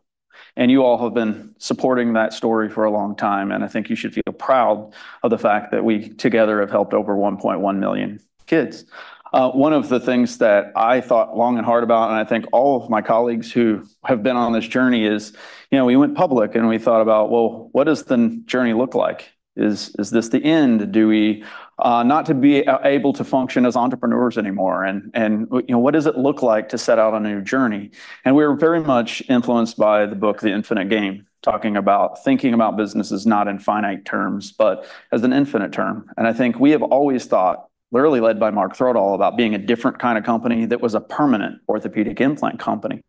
And you all have been supporting that story for a long time, and I think you should feel proud of the fact that we together have helped over 1.1 million kids. One of the things that I thought long and hard about, and I think all of my colleagues who have been on this journey, is, you know, we went public, and we thought about, well, what does the journey look like? Is this the end? Do we not to be able to function as entrepreneurs anymore? And you know, what does it look like to set out on a new journey? And we're very much influenced by the book, The Infinite Game, talking about thinking about businesses not in finite terms, but as an infinite term. And I think we have always thought, literally led by Mark Throdahl, about being a different kind of company that was a permanent orthopedic implant company.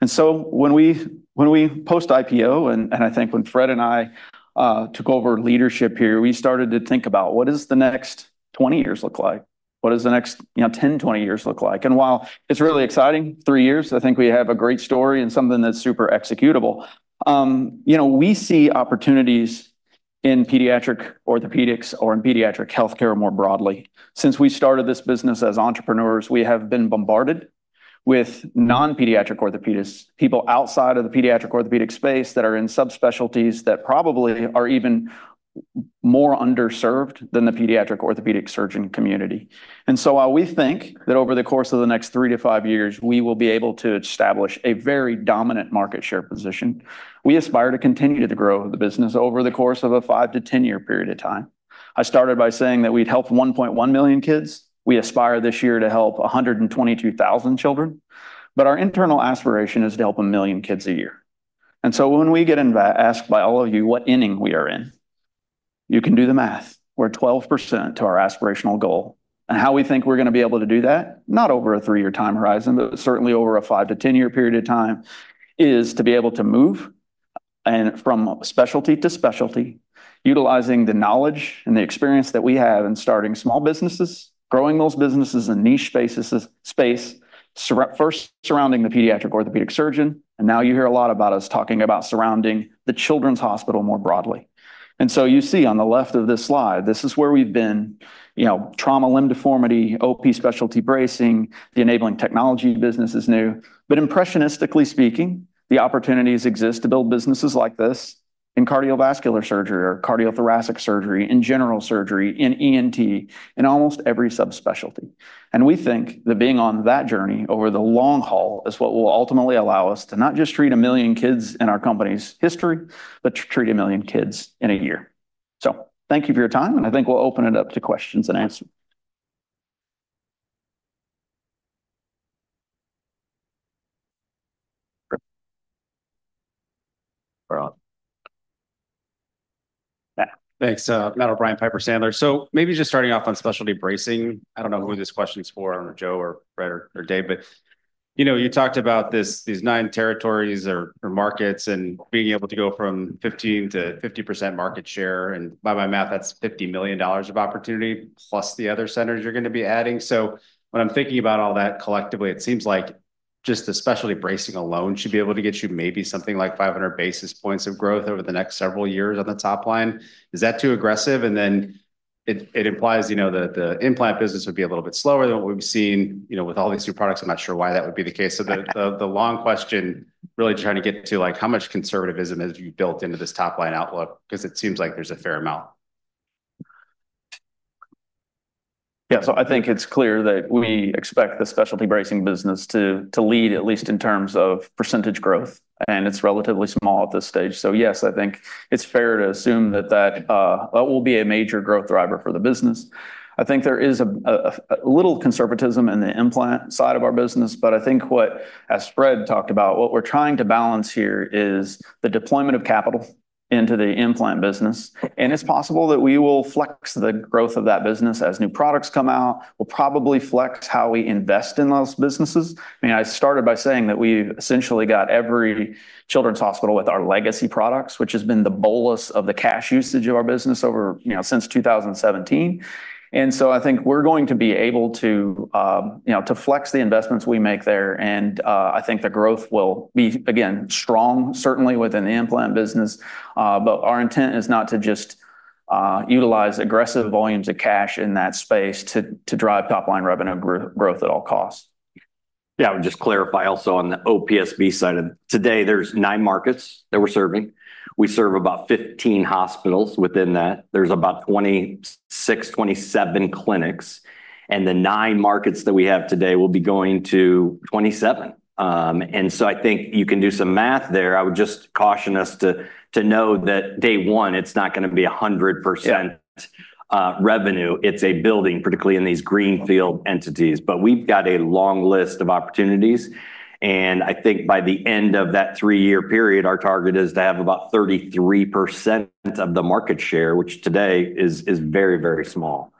And so when we post IPO, and I think when Fred and I took over leadership here, we started to think about what does the next 20 years look like? What does the next, you know, ten, 20 years look like? And while it's really exciting, three years, I think we have a great story and something that's super executable. You know, we see opportunities in pediatric orthopedics or in pediatric health care more broadly. Since we started this business as entrepreneurs, we have been bombarded with non-pediatric orthopedists, people outside of the pediatric orthopedic space that are in subspecialties that probably are even more underserved than the pediatric orthopedic surgeon community. While we think that over the course of the next three to five years, we will be able to establish a very dominant market share position, we aspire to continue to grow the business over the course of a five to ten-year period of time. I started by saying that we'd helped 1.1 million kids. We aspire this year to help 122,000 children, but our internal aspiration is to help a million kids a year. And so when we get asked by all of you what inning we are in, you can do the math. We're 12% to our aspirational goal. How we think we're going to be able to do that, not over a three-year time horizon, but certainly over a five to 10-year period of time, is to be able to move and, from specialty to specialty, utilizing the knowledge and the experience that we have in starting small businesses, growing those businesses in niche spaces first surrounding the pediatric orthopedic surgeon, and now you hear a lot about us talking about surrounding the children's hospital more broadly. And so you see on the left of this slide, this is where we've been, you know, trauma, limb deformity, OP specialty bracing, the enabling technology business is new. But impressionistically speaking, the opportunities exist to build businesses like this in cardiovascular surgery or cardiothoracic surgery, in general surgery, in ENT, in almost every subspecialty. And we think that being on that journey over the long haul is what will ultimately allow us to not just treat a million kids in our company's history, but to treat a million kids in a year. So thank you for your time, and I think we'll open it up to questions and answers. We're on. Yeah. Thanks, Matt O'Brien, Piper Sandler. So maybe just starting off on specialty bracing, I don't know who this question is for, I don't know, Joe or Fred or Dave, but you know, you talked about these nine territories or markets and being able to go from 15%-50% market share, and by my math, that's $50 million of opportunity, plus the other centers you're going to be adding. So when I'm thinking about all that collectively, it seems like just the specialty bracing alone should be able to get you maybe something like 500 basis points of growth over the next several years on the top line. Is that too aggressive? And then it implies, you know, the implant business would be a little bit slower than what we've seen, you know, with all these new products. I'm not sure why that would be the case, so the long question, really trying to get to, like, how much conservatism have you built into this top-line outlook? Because it seems like there's a fair amount. Yeah, so I think it's clear that we expect the specialty bracing business to lead, at least in terms of percentage growth, and it's relatively small at this stage. So, yes, I think it's fair to assume that that will be a major growth driver for the business. I think there is a little conservatism in the implant side of our business, but I think, as Fred talked about, what we're trying to balance here is the deployment of capital into the implant business. And it's possible that we will flex the growth of that business as new products come out. We'll probably flex how we invest in those businesses. I mean, I started by saying that we've essentially got every children's hospital with our legacy products, which has been the bolus of the cash usage of our business over, you know, since 2017. And so I think we're going to be able to, you know, to flex the investments we make there. And I think the growth will be, again, strong, certainly within the implant business, but our intent is not to just utilize aggressive volumes of cash in that space to drive top-line revenue growth at all costs. Yeah, I would just clarify also on the OPSB side of today, there's nine markets that we're serving. We serve about 15 hospitals within that. There's about 26-27 clinics, and the nine markets that we have today will be going to 27. And so I think you can do some math there. I would just caution us to know that day one, it's not going to be 100% revenue. It's building, particularly in these greenfield entities. But we've got a long list of opportunities, and I think by the end of that three-year period, our target is to have about 33% of the market share, which today is very, very small.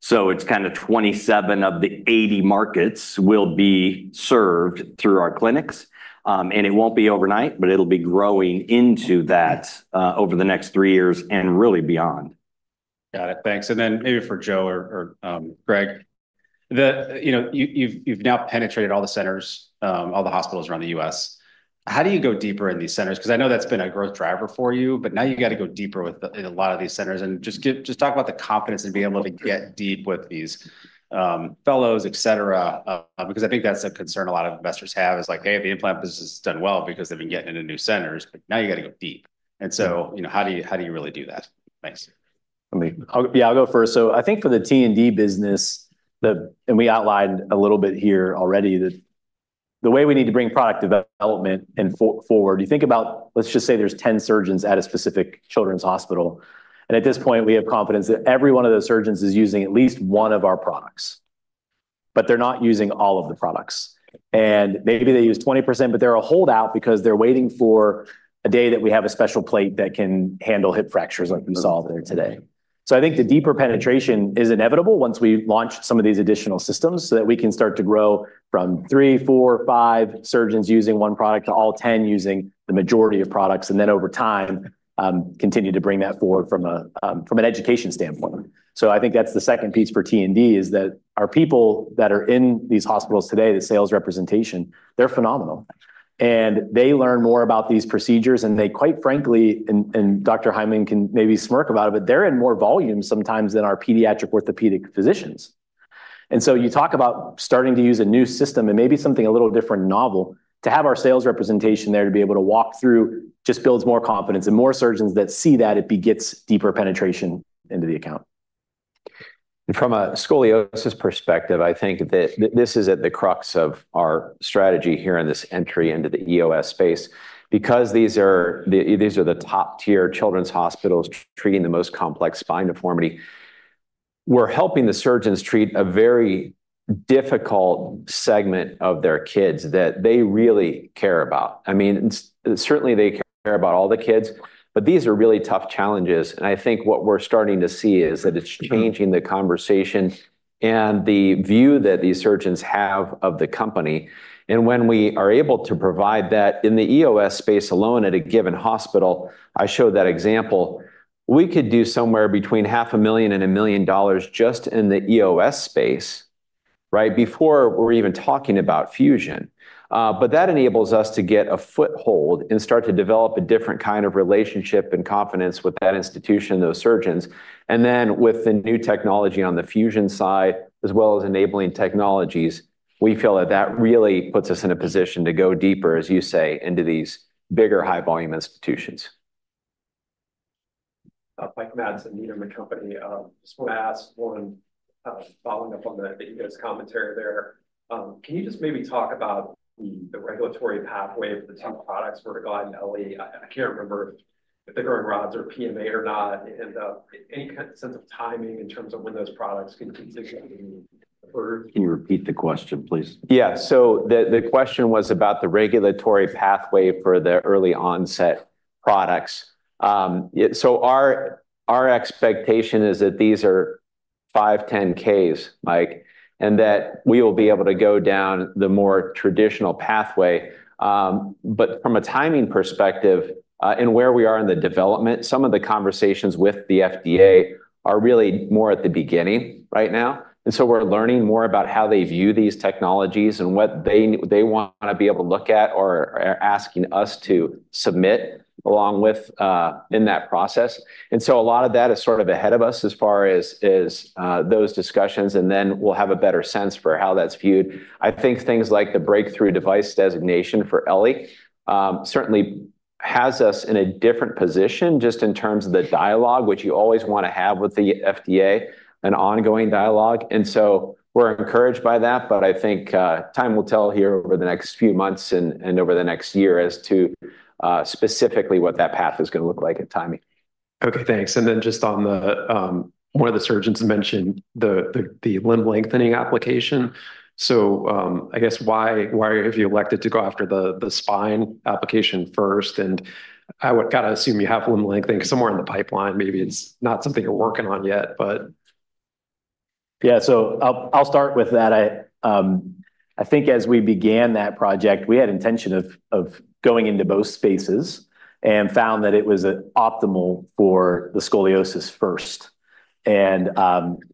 So it's kinda 27 of the 80 markets will be served through our clinics, and it won't be overnight, but it'll be growing into that over the next three years and really beyond. Got it. Thanks. And then maybe for Joe or Greg, you know, you've now penetrated all the centers, all the hospitals around the US. How do you go deeper in these centers? Because I know that's been a growth driver for you, but now you've got to go deeper with a lot of these centers. And just talk about the confidence in being able to get deep with these fellows, et cetera. Because I think that's a concern a lot of investors have is like, "Hey, the implant business has done well because they've been getting into new centers, but now you got to go deep." And so, you know, how do you, how do you really do that? Thanks. Let me. I'll go first. So I think for the T&D business, and we outlined a little bit here already, that the way we need to bring product development forward. You think about, let's just say there's ten surgeons at a specific children's hospital, and at this point, we have confidence that every one of those surgeons is using at least one of our products, but they're not using all of the products. And maybe they use 20%, but they're a holdout because they're waiting for a day that we have a special plate that can handle hip fractures, like we saw there today. I think the deeper penetration is inevitable once we've launched some of these additional systems, so that we can start to grow from three, four, five surgeons using one product to all 10 using the majority of products, and then, over time, continue to bring that forward from an education standpoint. I think that's the second piece for T&D, is that our people that are in these hospitals today, the sales representation, they're phenomenal. And they learn more about these procedures, and they, quite frankly, Dr. Hyman can maybe smirk about it, but they're in more volume sometimes than our pediatric orthopedic physicians. And so you talk about starting to use a new system and maybe something a little different, novel. To have our sales representation there, to be able to walk through, just builds more confidence, and more surgeons that see that, it begets deeper penetration into the account. From a scoliosis perspective, I think that this is at the crux of our strategy here in this entry into the EOS space. Because these are the, these are the top-tier children's hospitals treating the most complex spine deformity, we're helping the surgeons treat a very difficult segment of their kids that they really care about. I mean, certainly, they care about all the kids, but these are really tough challenges, and I think what we're starting to see is that it's changing the conversation and the view that these surgeons have of the company. When we are able to provide that in the EOS space alone at a given hospital, I showed that example, we could do somewhere between $500,000 and $1 million just in the EOS space, right, before we're even talking about fusion. But that enables us to get a foothold and start to develop a different kind of relationship and confidence with that institution, those surgeons. And then, with the new technology on the fusion side, as well as enabling technologies, we feel that that really puts us in a position to go deeper, as you say, into these bigger, high-volume institutions. Mike Matson, Needham & Company. Just want to ask one, following up on the, you guys' commentary there. Can you just maybe talk about the, the regulatory pathway if the two products were to go out in ELLI? I can't remember if the growing rods are PMA or not, and any sense of timing in terms of when those products can be considered? Can you repeat the question, please? Yeah. So the question was about the regulatory pathway for the early-onset products. Yeah, so our expectation is that these are 510(k)s, Mike, and that we will be able to go down the more traditional pathway. But from a timing perspective, and where we are in the development, some of the conversations with the FDA are really more at the beginning right now, and so we're learning more about how they view these technologies and what they want to be able to look at or are asking us to submit along with in that process. And so a lot of that is sort of ahead of us as far as those discussions, and then we'll have a better sense for how that's viewed. I think things like the breakthrough device designation for ELLI certainly has us in a different position, just in terms of the dialogue, which you always want to have with the FDA, an ongoing dialogue, and so we're encouraged by that. But I think time will tell here over the next few months and over the next year as to specifically what that path is going to look like and timing. Okay, thanks. And then just on the one of the surgeons mentioned the limb lengthening application. So, I guess why have you elected to go after the spine application first? And I would kinda assume you have limb lengthening somewhere in the pipeline. Maybe it's not something you're working on yet, but. Yeah, so I'll start with that. I think as we began that project, we had intention of going into both spaces and found that it was optimal for scoliosis first. And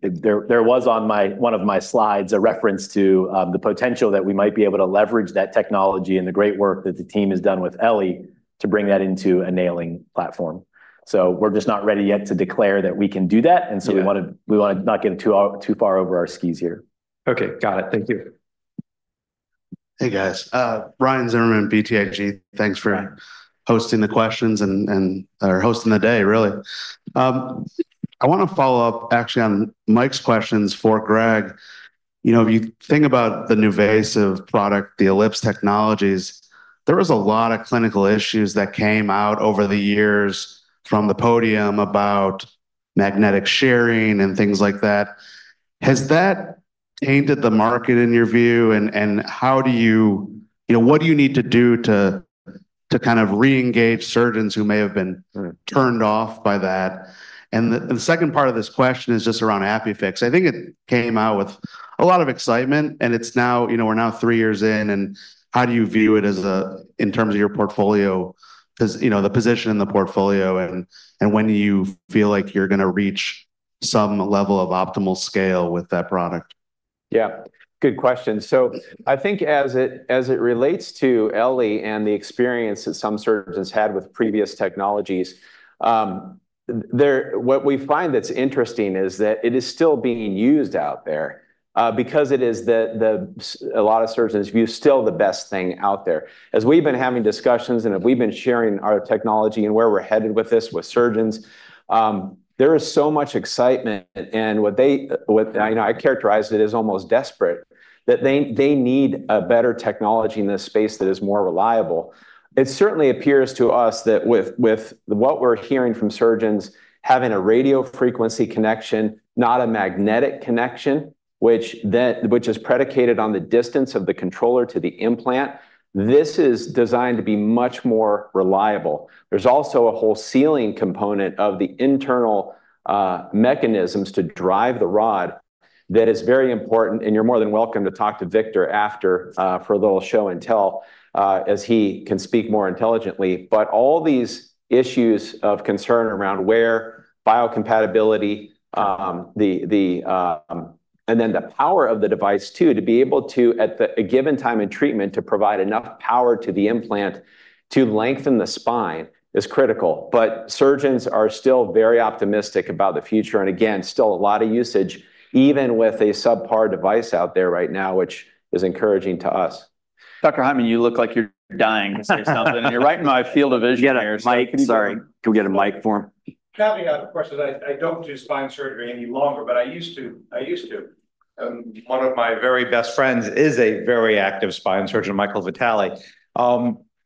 there was on one of my slides a reference to the potential that we might be able to leverage that technology and the great work that the team has done with ELLI to bring that into a nailing platform. So we're just not ready yet to declare that we can do that. Yeah. And so we wanna not get too far over our skis here. Okay, got it. Thank you. Hey, guys. Ryan Zimmerman, BTIG. Thanks for hosting the questions and, and, hosting the day, really. I wanna follow up actually on Mike's questions for Greg. You know, if you think about the NuVasive product, the Ellipse Technologies, there was a lot of clinical issues that came out over the years from the podium about magnetic sharing and things like that. Has that tainted the market, in your view? And, and how do you You know, what do you need to do to, to kind of re-engage surgeons who may have been sort of turned off by that? And the, and the second part of this question is just around ApiFix. I think it came out with a lot of excitement, and it's now, you know, we're now three years in, and how do you view it as a, in terms of your portfolio? Because, you know, the position in the portfolio, and when do you feel like you're going to reach some level of optimal scale with that product? Yeah, good question. So I think as it relates to ELLI and the experience that some surgeons had with previous technologies, what we find that's interesting is that it is still being used out there, because a lot of surgeons view it still the best thing out there. As we've been having discussions, and we've been sharing our technology and where we're headed with this with surgeons, there is so much excitement, and what, you know, I characterize it as almost desperate, that they need a better technology in this space that is more reliable. It certainly appears to us that with what we're hearing from surgeons, having a radio frequency connection, not a magnetic connection, which is predicated on the distance of the controller to the implant, this is designed to be much more reliable. There's also a whole ceiling component of the internal mechanisms to drive the rod that is very important, and you're more than welcome to talk to Victor after for a little show and tell, as he can speak more intelligently. But all these issues of concern around where biocompatibility. And then the power of the device, too, to be able to, at a given time and treatment, to provide enough power to the implant to lengthen the spine is critical. But surgeons are still very optimistic about the future. Again, still a lot of usage, even with a subpar device out there right now, which is encouraging to us. Dr. Hyman, you look like you're dying to say something. You're right in my field of vision here. Yeah, Mike, sorry. Can we get a mic for him? Coming out, of course, is I don't do spine surgery any longer, but I used to. One of my very best friends is a very active spine surgeon, Michael Vitale.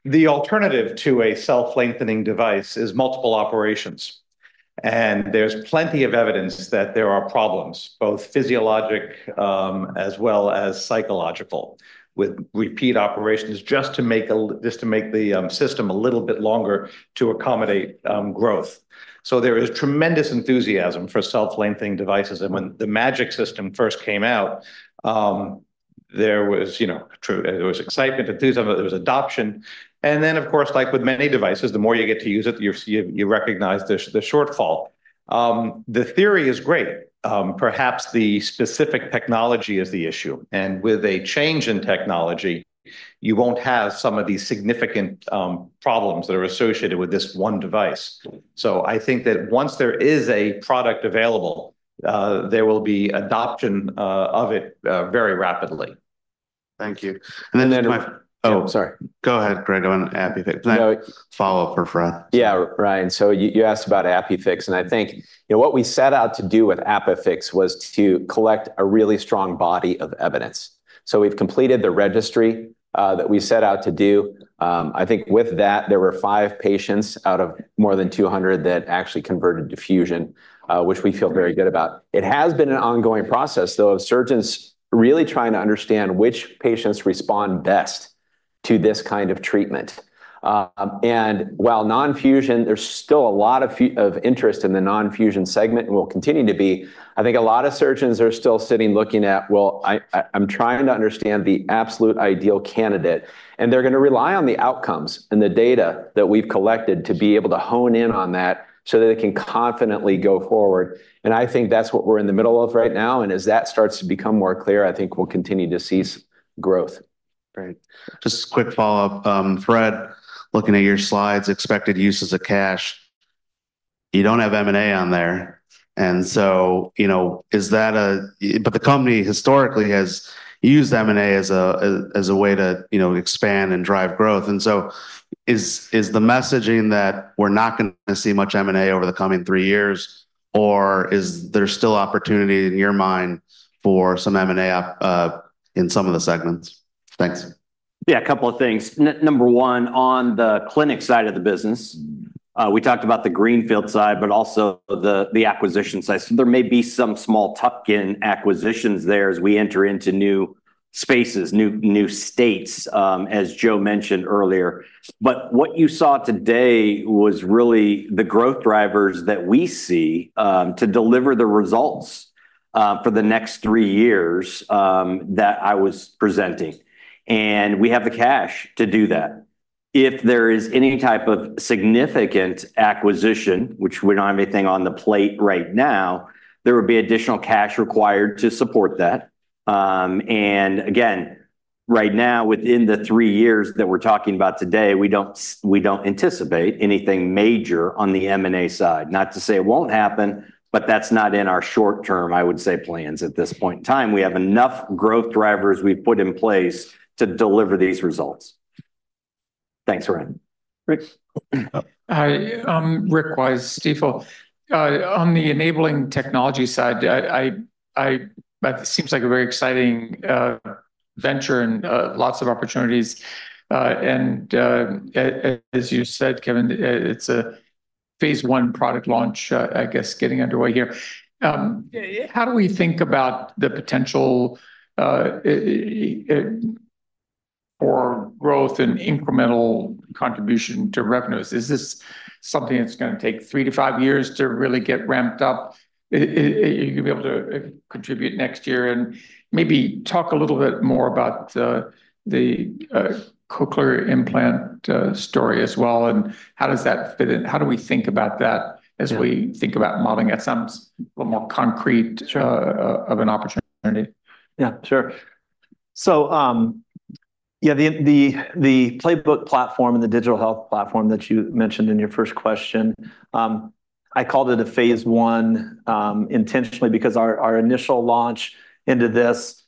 The alternative to a self-lengthening device is multiple operations, and there's plenty of evidence that there are problems, both physiologic, as well as psychological, with repeat operations just to make the system a little bit longer to accommodate growth. So there is tremendous enthusiasm for self-lengthening devices, and when the MAGEC system first came out, there was, you know, true, there was excitement, enthusiasm, there was adoption. And then, of course, like with many devices, the more you get to use it, you recognize the shortfall. The theory is great. Perhaps the specific technology is the issue, and with a change in technology, you won't have some of these significant problems that are associated with this one device. So I think that once there is a product available, there will be adoption of it very rapidly. Thank you. And then my. Oh, sorry. Go ahead, Greg, on ApiFix. No. Follow up for Fred. Yeah, Ryan, so you asked about ApiFix, and I think, you know, what we set out to do with ApiFix was to collect a really strong body of evidence. We've completed the registry that we set out to do. I think with that, there were five patients out of more than 200 that actually converted to fusion, which we feel very good about. It has been an ongoing process, though, of surgeons really trying to understand which patients respond best to this kind of treatment. And while non-fusion, there's still a lot of of interest in the non-fusion segment and will continue to be. I think a lot of surgeons are still sitting, looking at, well, I'm trying to understand the absolute ideal candidate, and they're going to rely on the outcomes and the data that we've collected to be able to hone in on that so that they can confidently go forward. I think that's what we're in the middle of right now, and as that starts to become more clear, I think we'll continue to see growth. Great. Just a quick follow-up. Fred, looking at your slides, expected uses of cash, you don't have M&A on there, and so, you know, is that the company historically has used M&A as a way to, you know, expand and drive growth. And so is the messaging that we're not going to see much M&A over the coming three years, or is there still opportunity in your mind for some M&A in some of the segments? Thanks. Yeah, a couple of things. Number one, on the clinic side of the business, we talked about the greenfield side, but also the acquisition side. So there may be some small tuck-in acquisitions there as we enter into new spaces, new states, as Joe mentioned earlier. But what you saw today was really the growth drivers that we see to deliver the results for the next three years that I was presenting, and we have the cash to do that. If there is any type of significant acquisition, which we don't have anything on the plate right now, there would be additional cash required to support that. And again, right now, within the three years that we're talking about today, we don't anticipate anything major on the M&A side. Not to say it won't happen, but that's not in our short term, I would say, plans at this point in time. We have enough growth drivers we've put in place to deliver these results. Thanks, Ryan. Rick? Hi, I'm Rick Wise, Stifel. On the enabling technology side, that seems like a very exciting venture and lots of opportunities. As you said, Kevin, it's phase one product launch, I guess, getting underway here. How do we think about the potential for growth and incremental contribution to revenues? Is this something that's gonna take three to five years to really get ramped up? If you're gonna be able to contribute next year, and maybe talk a little bit more about the cochlear implant story as well, and how does that fit in? How do we think about that? Yeah As we think about modeling it? That sounds a little more concrete of an opportunity. Yeah, sure. So, yeah, the Playbook platform and the digital health platform that you mentioned in your first question, I called it a phase one intentionally because our initial launch into this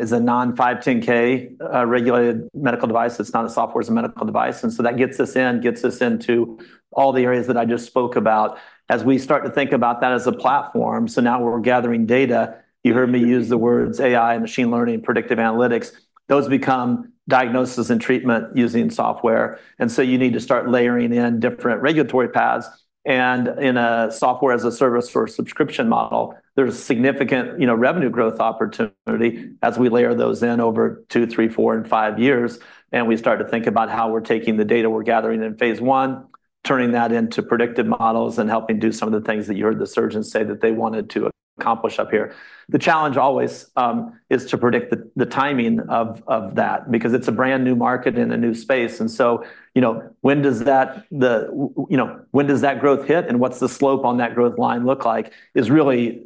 is a non-510(k) regulated medical device. It's not a software, it's a medical device, and so that gets us in, gets us into all the areas that I just spoke about. As we start to think about that as a platform, so now we're gathering data, you heard me use the words AI, machine learning, predictive analytics. Those become diagnosis and treatment using software, and so you need to start layering in different regulatory paths. In a software as a service for a subscription model, there's significant, you know, revenue growth opportunity as we layer those in over two, three, four, and five years, and we start to think about how we're taking the data we're gathering in phase one, turning that into predictive models, and helping do some of the things that you heard the surgeons say that they wanted to accomplish up here. The challenge always is to predict the timing of that, because it's a brand-new market and a new space, and so, you know, when does that growth hit, and what's the slope on that growth line look like, is really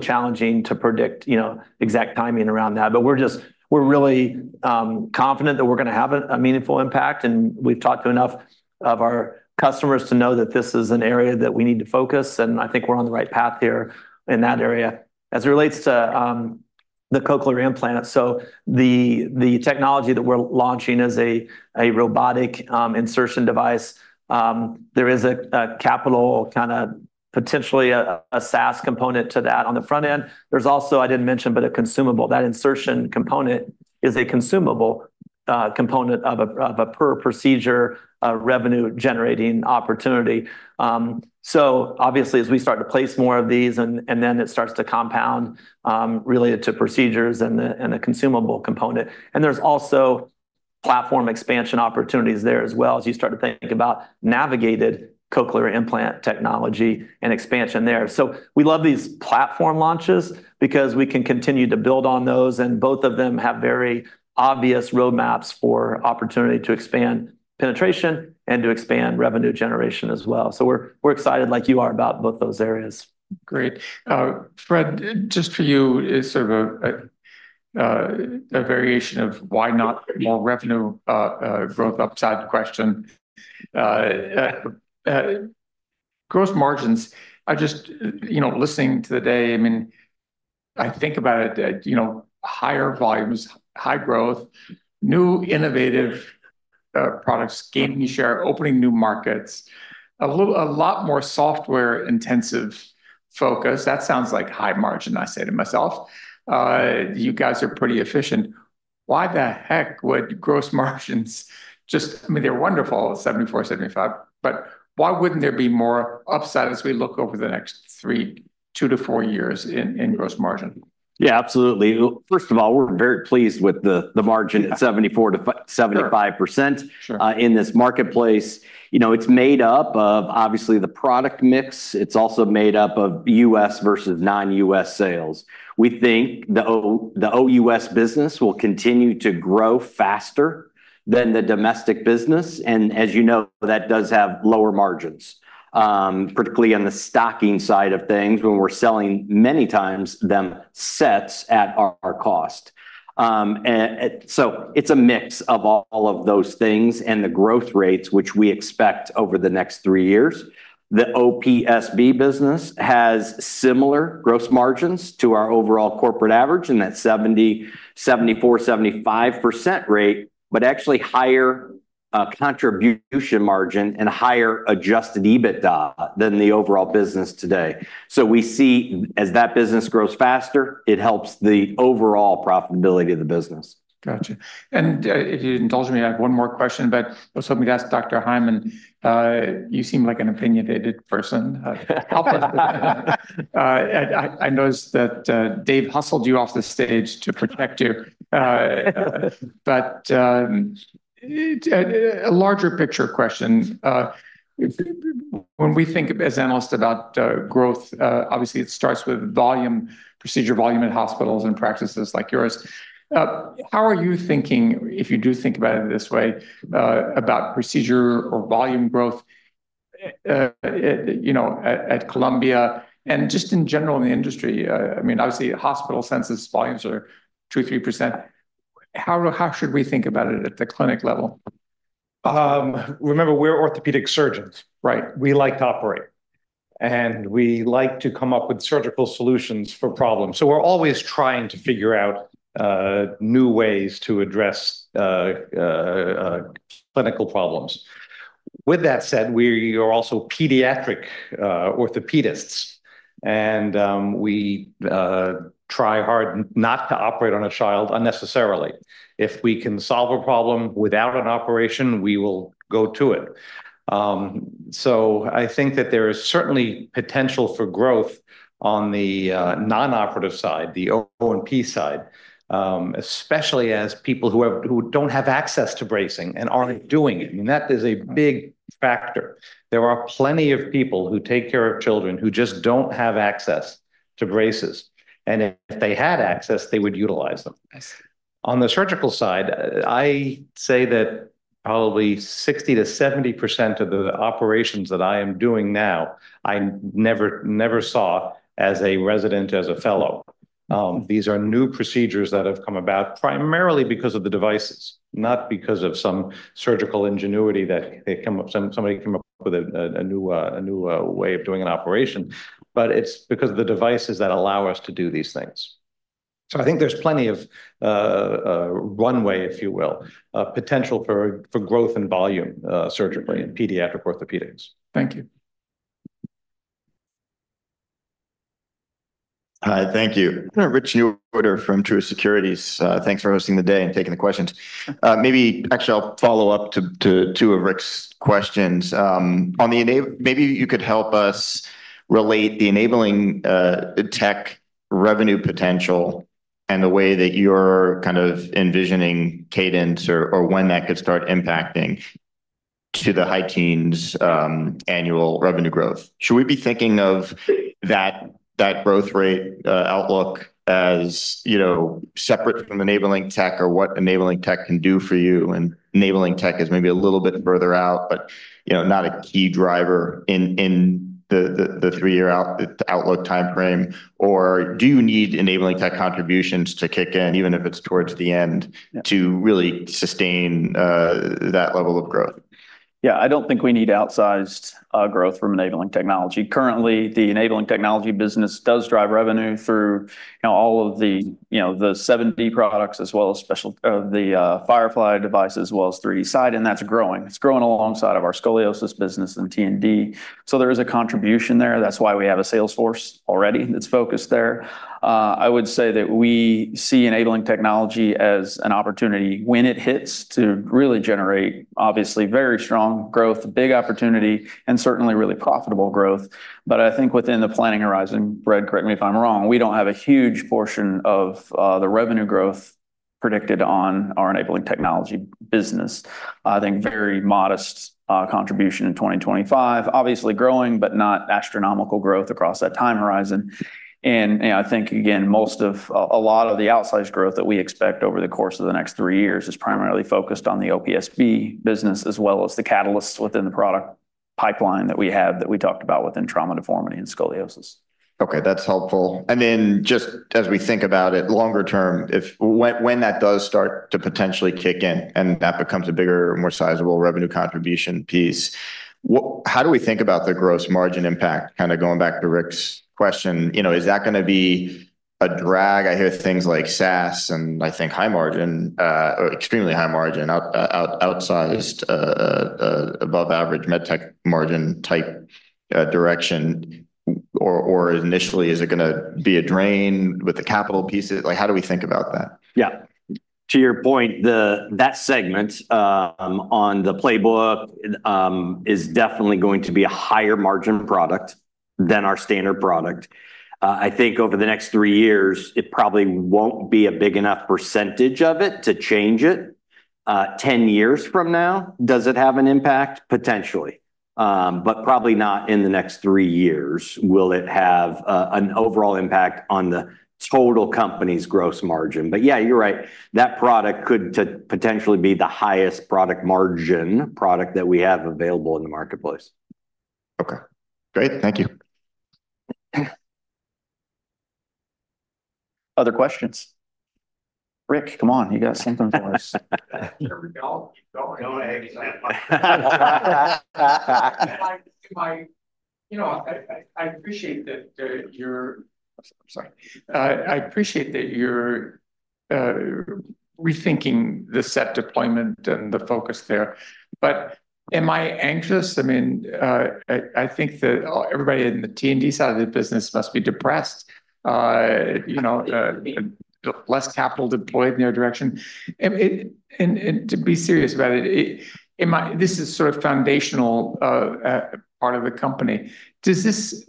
challenging to predict, you know, exact timing around that. But we're just really confident that we're gonna have a meaningful impact, and we've talked to enough of our customers to know that this is an area that we need to focus, and I think we're on the right path here in that area. As it relates to the cochlear implant, so the technology that we're launching is a robotic insertion device. There is a capital, kind of, potentially a SaaS component to that on the front end. There's also, I didn't mention, but a consumable. That insertion component is a consumable component of a per procedure revenue-generating opportunity. So obviously, as we start to place more of these and then it starts to compound really to procedures and the consumable component. And there's also platform expansion opportunities there as well, as you start to think about navigated cochlear implant technology and expansion there. So we love these platform launches because we can continue to build on those, and both of them have very obvious roadmaps for opportunity to expand penetration and to expand revenue generation as well. So we're, we're excited, like you are, about both those areas. Great. Fred, just for you, it's sort of a variation of why not more revenue growth upside question. Gross margins, I just, you know, listening to the day, I mean, I think about it, you know, higher volumes, high growth, new innovative products, gaining share, opening new markets, a little - a lot more software-intensive focus. That sounds like high margin, I say to myself. You guys are pretty efficient. Why the heck would gross margins just - I mean, they're wonderful, 74%, 75%, but why wouldn't there be more upside as we look over the next two to four years in gross margin? Yeah, absolutely. First of all, we're very pleased with the margin at 74%-75%. In this marketplace. You know, it's made up of, obviously, the product mix. It's also made up of U.S. versus non-U.S. sales. We think the OUS business will continue to grow faster than the domestic business, and as you know, that does have lower margins, particularly on the stocking side of things, when we're selling many times implant sets at our cost. And so it's a mix of all of those things and the growth rates, which we expect over the next three years. The OPSB business has similar gross margins to our overall corporate average, and that 70%-75% rate, but actually higher contribution margin and higher Adjusted EBITDA than the overall business today. So we see as that business grows faster, it helps the overall profitability of the business. Gotcha. And, if you indulge me, I have one more question, but I was hoping to ask Dr. Hyman. You seem like an opinionated person. Help us. I noticed that, Dave hustled you off the stage to protect you. But, a larger picture question, when we think as analysts about, growth, obviously, it starts with volume, procedure volume in hospitals and practices like yours. How are you thinking, if you do think about it this way, about procedure or volume growth, you know, at, at Columbia and just in general in the industry? I mean, obviously, hospital census volumes are 2%-3%. How should we think about it at the clinic level? Remember, we're orthopedic surgeons, right? We like to operate, and we like to come up with surgical solutions for problems, so we're always trying to figure out new ways to address clinical problems. With that said, we are also pediatric orthopedists, and we try hard not to operate on a child unnecessarily. If we can solve a problem without an operation, we will go to it. I think that there is certainly potential for growth on the non-operative side, the O&P side, especially as people who have- who don't have access to bracing and aren't doing it, and that is a big factor. There are plenty of people who take care of children who just don't have access to braces, and if they had access, they would utilize them. On the surgical side, I say that probably 60%-70% of the operations that I am doing now, I never saw as a resident, as a fellow. These are new procedures that have come about primarily because of the devices, not because of some surgical ingenuity somebody came up with a new way of doing an operation, but it's because of the devices that allow us to do these things. So I think there's plenty of runway, if you will, potential for growth and volume, surgically in pediatric orthopedics. Thank you. Hi, thank you. Rich Newitter from Truist Securities. Thanks for hosting the day and taking the questions. Actually, I'll follow up to two of Rick's questions. On the enabling tech revenue potential and the way that you're kind of envisioning cadence or when that could start impacting to the high-teens annual revenue growth. Should we be thinking of that growth rate outlook, as you know, separate from enabling tech or what enabling tech can do for you, and enabling tech is maybe a little bit further out, but you know, not a key driver in the three-year outlook timeframe? Or do you need enabling tech contributions to kick in, even if it's towards the end to really sustain that level of growth? Yeah, I don't think we need outsized growth from enabling technology. Currently, the enabling technology business does drive revenue through, you know, all of the, you know, the 7D products, as well as the Firefly device, as well as 3D-Side, and that's growing. It's growing alongside of our scoliosis business and T&D. So there is a contribution there. That's why we have a sales force already that's focused there. I would say that we see enabling technology as an opportunity when it hits to really generate, obviously, very strong growth, big opportunity, and certainly really profitable growth. But I think within the planning horizon, Fred, correct me if I'm wrong, we don't have a huge portion of the revenue growth predicted on our enabling technology business. I think very modest contribution in 2025, obviously growing, but not astronomical growth across that time horizon. You know, I think, again, most of, a lot of the outsized growth that we expect over the course of the next three years is primarily focused on the OPSB business, as well as the catalysts within the product pipeline that we have, that we talked about within trauma deformity and scoliosis. Okay, that's helpful. And then, just as we think about it longer term, if when, when that does start to potentially kick in, and that becomes a bigger, more sizable revenue contribution piece, what, how do we think about the gross margin impact? Kinda going back to Rick's question, you know, is that gonna be a drag? I hear things like SaaS, and I think high margin, extremely high margin, outsized, above average medtech margin type, direction. Or initially, is it gonna be a drain with the capital pieces? Like, how do we think about that? Yeah. To your point, that segment on the Playbook is definitely going to be a higher margin product than our standard product. I think over the next three years, it probably won't be a big enough percentage of it to change it. Ten years from now, does it have an impact? Potentially. But probably not in the next three years will it have an overall impact on the total company's gross margin. But yeah, you're right, that product could potentially be the highest product margin product that we have available in the marketplace. Okay, great. Thank you. Other questions? Rick, come on, you got something for us. You know, I appreciate that, I'm sorry. I appreciate that you're rethinking the set deployment and the focus there. But am I anxious? I mean, I think that everybody in the T&D side of the business must be depressed. You know, less capital deployed in their direction. And to be serious about it, it might, this is sort of foundational part of the company. Does this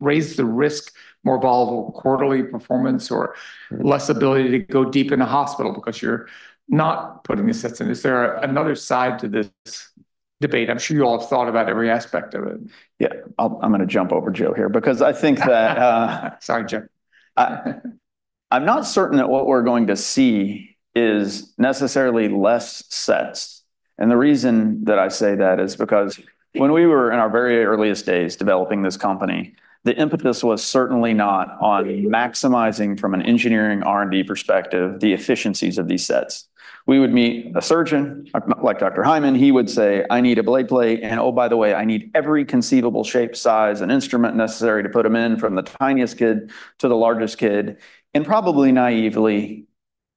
raise the risk, more volatile quarterly performance, or less ability to go deep in a hospital because you're not putting the sets in? Is there another side to this debate? I'm sure you all have thought about every aspect of it. Yeah, I'm gonna jump over Joe here, because I think that. Sorry, Joe. I'm not certain that what we're going to see is necessarily less sets. And the reason that I say that is because when we were in our very earliest days developing this company, the impetus was certainly not on maximizing from an engineering R&D perspective, the efficiencies of these sets. We would meet a surgeon like Dr. Hyman. He would say, "I need a blade plate, and oh, by the way, I need every conceivable shape, size, and instrument necessary to put him in from the tiniest kid to the largest kid." And probably naively,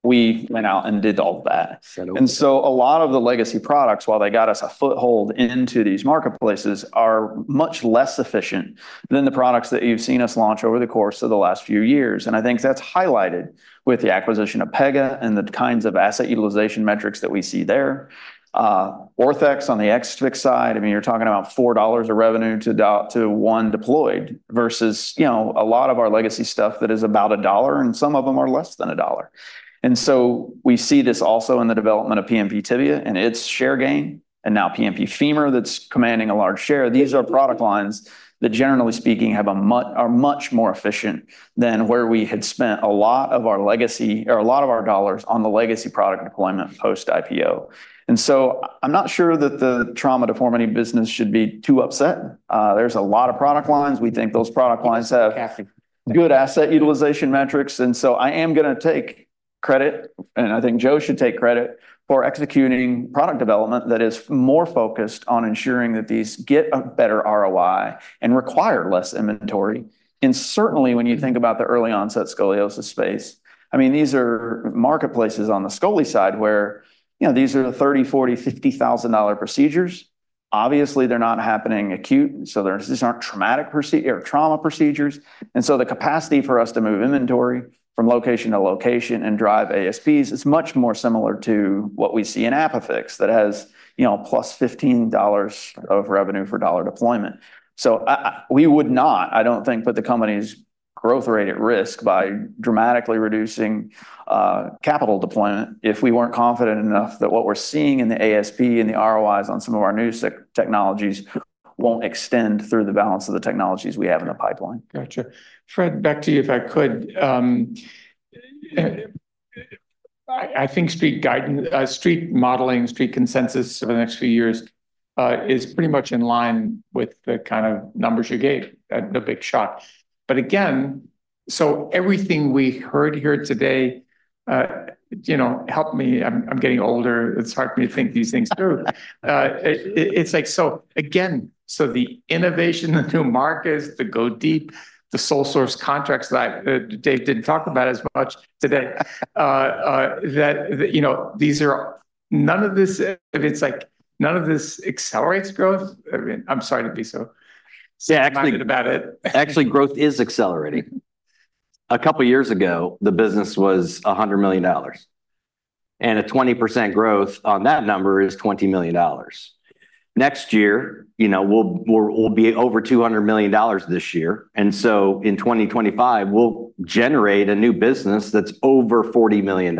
We went out and did all of that. Sure. A lot of the legacy products, while they got us a foothold into these marketplaces, are much less efficient than the products that you've seen us launch over the course of the last few years. I think that's highlighted with the acquisition of Pega and the kinds of asset utilization metrics that we see there. Orthofix on the extremity side, I mean, you're talking about $4 of revenue to one deployed, versus, you know, a lot of our legacy stuff that is about $1, and some of them are less than $1. We see this also in the development of PNP Tibia and its share gain, and now PNP Femur, that's commanding a large share. These are product lines that, generally speaking, are much more efficient than where we had spent a lot of our legacy, or a lot of our dollars on the legacy product deployment post-IPO. And so I'm not sure that the trauma deformity business should be too upset. There's a lot of product lines. We think those product lines have- Absolutely Good asset utilization metrics, and so I am going to take credit, and I think Joe should take credit, for executing product development that is more focused on ensuring that these get a better ROI and require less inventory. And certainly, when you think about the early-onset scoliosis space, I mean, these are marketplaces on the scoli side, where, you know, these are the $30,000, $40,000, $50,000 procedures. Obviously, they're not happening acute, so there, these aren't traumatic or trauma procedures. And so the capacity for us to move inventory from location to location and drive ASPs is much more similar to what we see in ApiFix, that has, you know, +$15 of revenue for dollar deployment. We would not, I don't think, put the company's growth rate at risk by dramatically reducing capital deployment if we weren't confident enough that what we're seeing in the ASP and the ROIs on some of our new technologies won't extend through the balance of the technologies we have in the pipeline. Gotcha. Fred, back to you, if I could. I think Street guidance, Street modeling, Street consensus for the next few years is pretty much in line with the kind of numbers you gave at the big shot. But again, so everything we heard here today, you know, help me. I'm getting older. It's hard for me to think these things through. It's like, so again, the innovation, the new markets, the go deep, the sole source contracts that Dave didn't talk about as much today, you know, these are none of this. It's like, none of this accelerates growth? I mean, I'm sorry to be soy. Yeah, actually. Excited about it. Actually, growth is accelerating. A couple of years ago, the business was $100 million, and a 20% growth on that number is $20 million. Next year, you know, we'll be over $200 million this year, and so in 2025, we'll generate a new business that's over $40 million.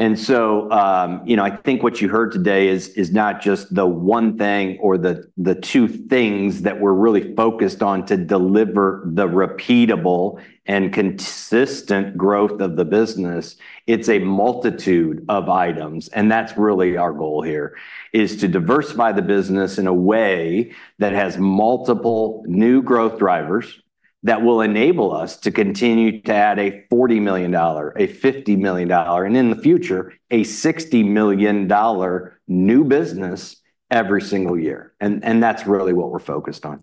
And so, you know, I think what you heard today is not just the one thing or the two things that we're really focused on to deliver the repeatable and consistent growth of the business. It's a multitude of items, and that's really our goal here, is to diversify the business in a way that has multiple new growth drivers that will enable us to continue to add a $40 million, a $50 million, and in the future, a $60 million new business every single year, and that's really what we're focused on.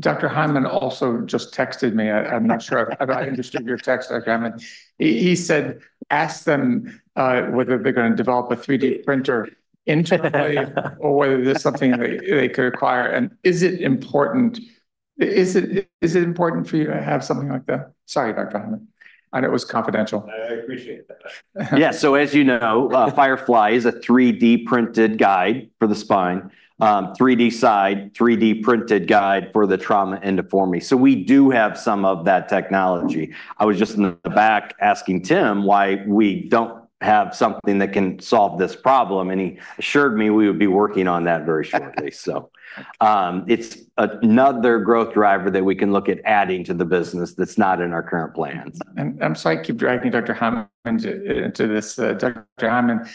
Dr. Hyman also just texted me. I'm not sure I understood your text, Dr. Hyman. He said, "Ask them whether they're going to develop a 3D printer internally or whether there's something they could acquire, and is it important for you to have something like that?" Sorry, Dr. Hyman. I know it was confidential. I appreciate that. Yeah, so as you know, Firefly is a 3D-printed guide for the spine, 3D-Side, 3D-printed guide for the trauma and deformity, so we do have some of that technology. I was just in the back asking Tim why we don't have something that can solve this problem, and he assured me we would be working on that very shortly. So, it's another growth driver that we can look at adding to the business that's not in our current plans. I'm sorry to keep dragging Dr. Hyman into this. Dr. Hyman,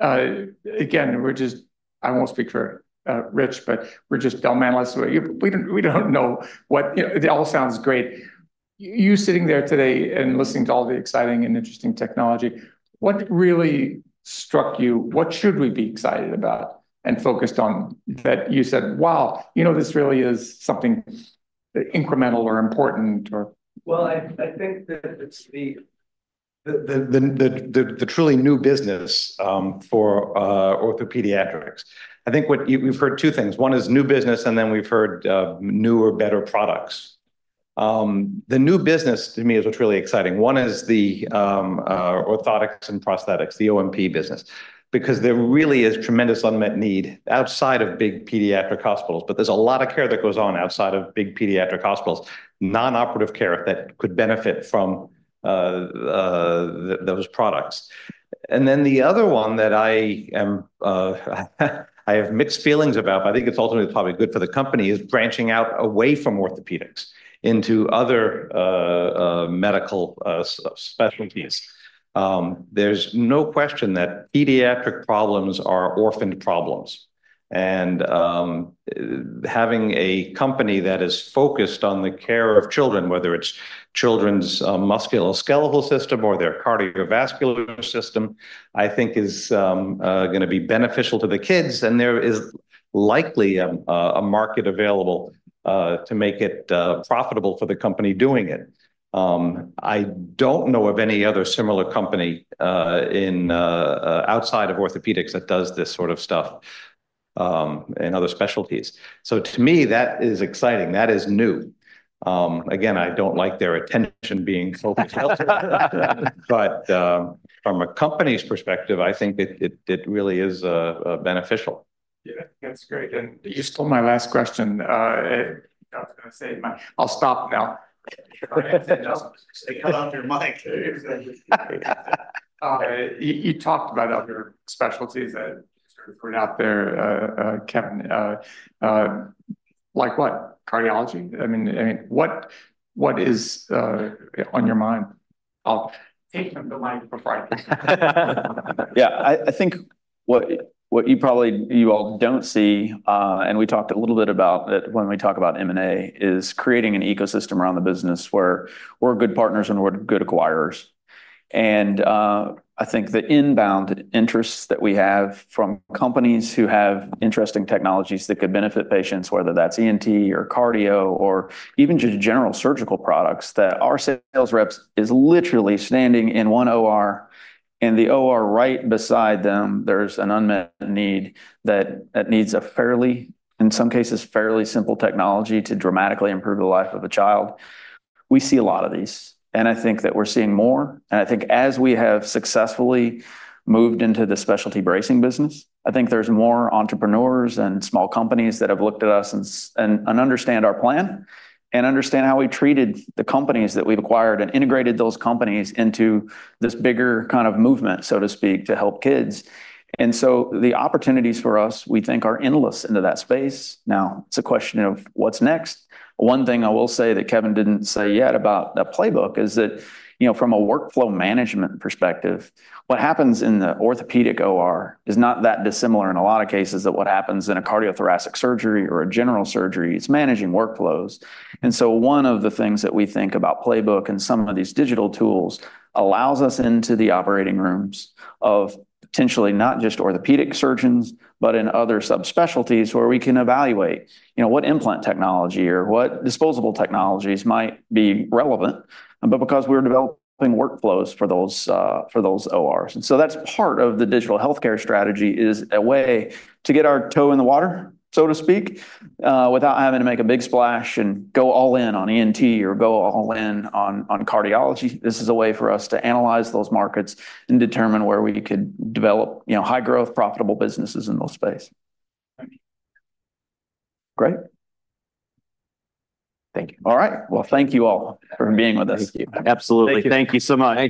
again, we're just. I won't speak for Rich, but we're just dumb analysts. We don't know what you know, it all sounds great. You sitting there today and listening to all the exciting and interesting technology, what really struck you? What should we be excited about and focused on, that you said, "Wow, you know, this really is something incremental or important." I think that it's the truly new business for OrthoPediatrics. I think what we've heard two things. One is new business, and then we've heard new or better products. The new business to me is what's really exciting. One is the orthotics and prosthetics, the OMP business, because there really is tremendous unmet need outside of big pediatric hospitals. But there's a lot of care that goes on outside of big pediatric hospitals, non-operative care that could benefit from those products. And then the other one that I have mixed feelings about, but I think it's ultimately probably good for the company, is branching out away from orthopedics into other medical specialties. There's no question that pediatric problems are orphaned problems, and having a company that is focused on the care of children, whether it's children's musculoskeletal system or their cardiovascular system, I think is gonna be beneficial to the kids, and there is likely a market available to make it profitable for the company doing it. I don't know of any other similar company outside of orthopedics that does this sort of stuff in other specialties. So to me, that is exciting. That is new. Again, I don't like their attention being so detailed. But from a company's perspective, I think it really is beneficial. Yeah, that's great. And you stole my last question. I was going to say, but I'll stop now. Cut off your mic. You talked about other specialties that sort of put out there, Kevin, like what? Cardiology? I mean, what is on your mind? I'll take them the line for Friday. Yeah, I think what you probably you all don't see, and we talked a little bit about that when we talk about M&A, is creating an ecosystem around the business where we're good partners and we're good acquirers. And, I think the inbound interests that we have from companies who have interesting technologies that could benefit patients, whether that's ENT, or cardio, or even just general surgical products, that our sales reps is literally standing in one OR, and the OR right beside them, there's an unmet need that needs a fairly, in some cases, fairly simple technology to dramatically improve the life of a child. We see a lot of these, and I think that we're seeing more, and I think as we have successfully moved into the specialty bracing business, I think there's more entrepreneurs and small companies that have looked at us and understand our plan, and understand how we treated the companies that we've acquired, and integrated those companies into this bigger kind of movement, so to speak, to help kids. And so the opportunities for us, we think, are endless into that space. Now, it's a question of what's next. One thing I will say that Kevin didn't say yet about the Playbook is that, you know, from a workflow management perspective, what happens in the orthopedic OR is not that dissimilar in a lot of cases than what happens in a cardiothoracic surgery or a general surgery. It's managing workflows. One of the things that we think about Playbook and some of these digital tools allows us into the operating rooms of potentially not just orthopedic surgeons, but in other subspecialties, where we can evaluate, you know, what implant technology or what disposable technologies might be relevant. Because we're developing workflows for those ORs. That's part of the digital healthcare strategy, is a way to get our toe in the water, so to speak, without having to make a big splash and go all in on ENT or go all in on cardiology. This is a way for us to analyze those markets and determine where we could develop, you know, high-growth, profitable businesses in those spaces. Thank you. Great. Thank you. All right. Well, thank you all for being with us. Thank you. Absolutely. Thank you so much.